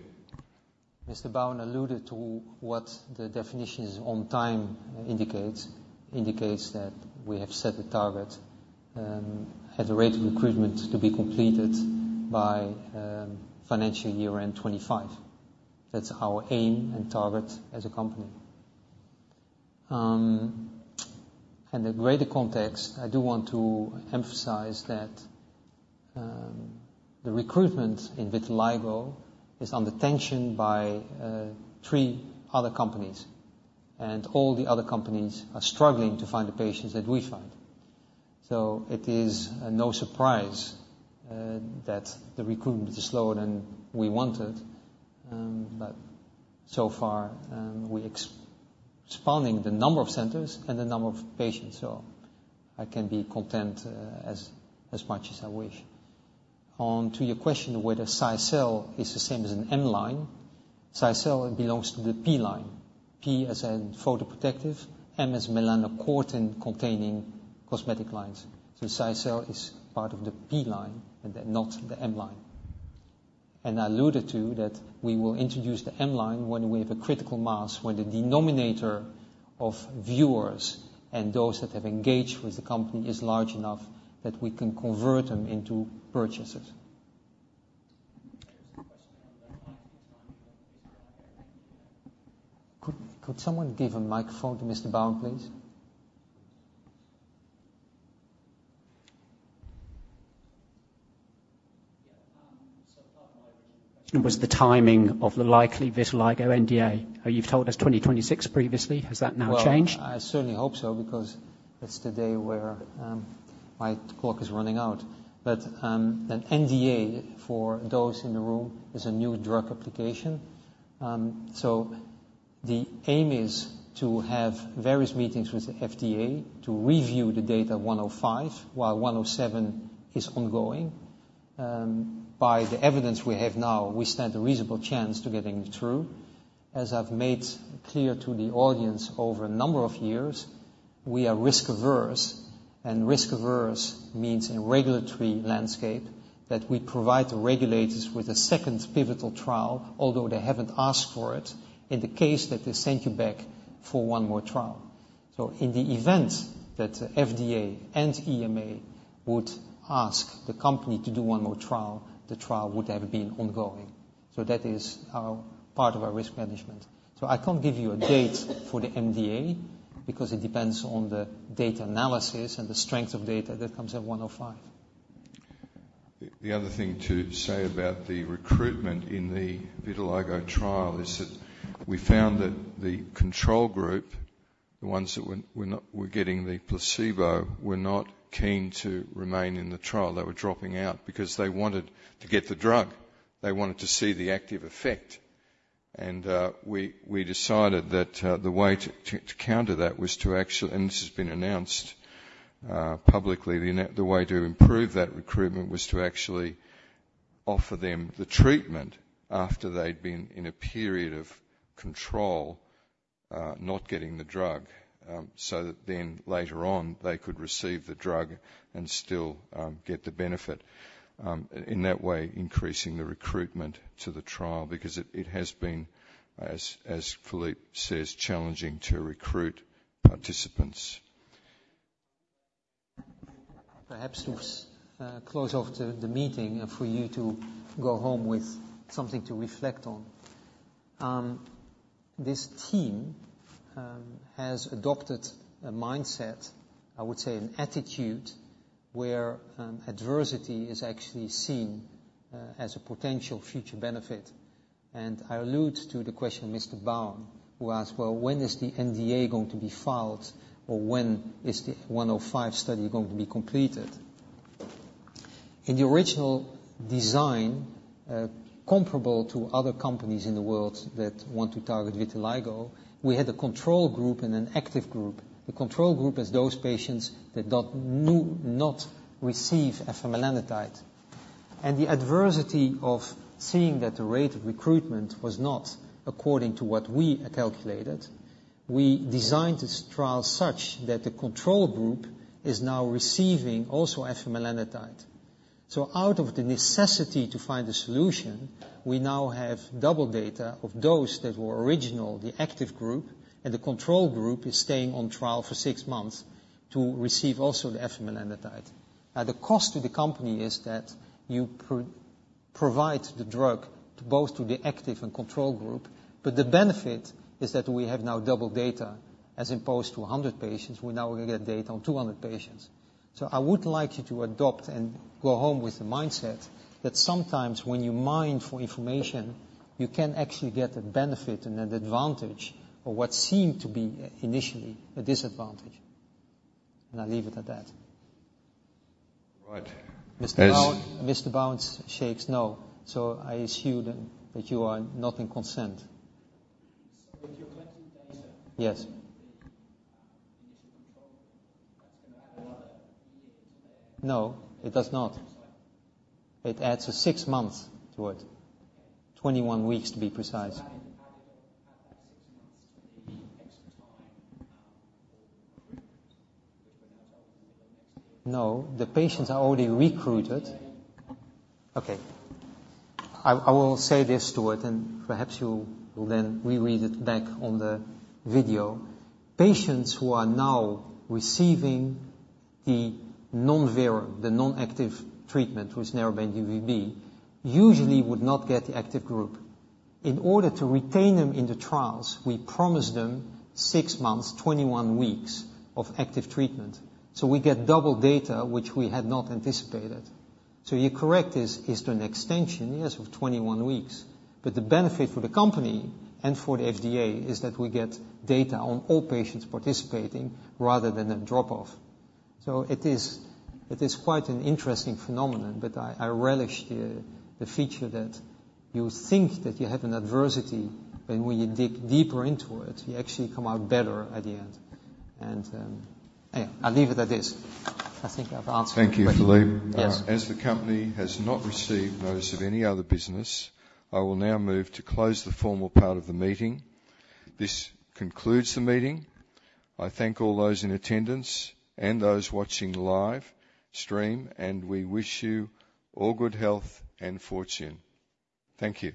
Speaker 2: Mr. Baum alluded to what the definition on time indicates that we have set the target at the rate of recruitment to be completed by financial year end 2025. That's our aim and target as a company. And the greater context, I do want to emphasize that the recruitment in vitiligo is under tension by three other companies. And all the other companies are struggling to find the patients that we find. So it is no surprise that the recruitment is slower than we wanted. But so far, we are expanding the number of centers and the number of patients. So I can be content as much as I wish. On to your question whether CYACÊLLE is the same as an M-line. CYACÊLLE belongs to the P-line. P as in photoprotective, M as melanocortin-containing cosmetic lines. So CYACÊLLE is part of the P-line, not the M-line. And I alluded to that we will introduce the M-line when we have a critical mass, when the denominator of viewers and those that have engaged with the company is large enough that we can convert them into purchasers. Could someone give a microphone to Mr. Baum, please?
Speaker 16: Yeah. So part of my original question was the timing of the likely vitiligo NDA. You've told us 2026 previously. Has that now changed?
Speaker 2: Well, I certainly hope so because it's the day where my clock is running out. But an NDA for those in the room is a new drug application. So the aim is to have various meetings with the FDA to review the data 105 while 107 is ongoing. By the evidence we have now, we stand a reasonable chance to get it through. As I've made clear to the audience over a number of years, we are risk-averse. And risk-averse means in regulatory landscape that we provide the regulators with a second pivotal trial, although they haven't asked for it, in the case that they sent you back for one more trial. So in the event that the FDA and EMA would ask the company to do one more trial, the trial would have been ongoing. So that is part of our risk management. I can't give you a date for the NDA because it depends on the data analysis and the strength of data that comes out of 105.
Speaker 1: The other thing to say about the recruitment in the vitiligo trial is that we found that the control group, the ones that were getting the placebo, were not keen to remain in the trial. They were dropping out because they wanted to get the drug. They wanted to see the active effect. And we decided that the way to counter that was to actually, and this has been announced publicly, the way to improve that recruitment was to actually offer them the treatment after they'd been in a period of control not getting the drug so that then later on they could receive the drug and still get the benefit. In that way, increasing the recruitment to the trial because it has been, as Philippe says, challenging to recruit participants.
Speaker 2: Perhaps to close off the meeting and for you to go home with something to reflect on. This team has adopted a mindset, I would say an attitude, where adversity is actually seen as a potential future benefit. And I allude to the question of Mr. Baum, who asked, "Well, when is the NDA going to be filed? Or when is the 105 study going to be completed?" In the original design, comparable to other companies in the world that want to target vitiligo, we had a control group and an active group. The control group is those patients that do not receive afamelanotide. The adversity of seeing that the rate of recruitment was not according to what we had calculated. We designed this trial such that the control group is now receiving also afamelanotide. Out of the necessity to find a solution, we now have double data of those that were original, the active group, and the control group is staying on trial for six months to receive also the afamelanotide. Now, the cost to the company is that you provide the drug both to the active and control group, but the benefit is that we have now double data. As opposed to 100 patients, we now get data on 200 patients. I would like you to adopt and go home with the mindset that sometimes when you mine for information, you can actually get a benefit and an advantage of what seemed to be initially a disadvantage. And I'll leave it at that.
Speaker 1: Right.
Speaker 2: Mr. Baum shakes no. So I assume that you are not in consent.
Speaker 16: So if you're collecting data.
Speaker 2: Yes.
Speaker 16: The initial control group, that's going to add another year to the,
Speaker 2: No, it does not. It adds a six months to it. 21 weeks, to be precise.
Speaker 16: So added that six months to the extra time for recruitment, which we're now told in the middle of next year.
Speaker 2: No, the patients are already recruited. Okay. I will say this to it, and perhaps you will then reread it back on the video. Patients who are now receiving the non-viral, the non-active treatment with narrowband UVB usually would not get the active group. In order to retain them in the trials, we promised them six months, 21 weeks of active treatment. So we get double data, which we had not anticipated. So, you see, this is to an extension, yes, of 21 weeks. But the benefit for the company and for the FDA is that we get data on all patients participating rather than a drop-off. So it is quite an interesting phenomenon, but I relish the fact that you think that you have an adversity when we dig deeper into it. You actually come out better at the end. And yeah, I'll leave it at this. I think I've answered my question.
Speaker 1: Thank you, Philippe. As the company has not received notice of any other business, I will now move to close the formal part of the meeting. This concludes the meeting. I thank all those in attendance and those watching live stream, and we wish you all good health and fortune. Thank you.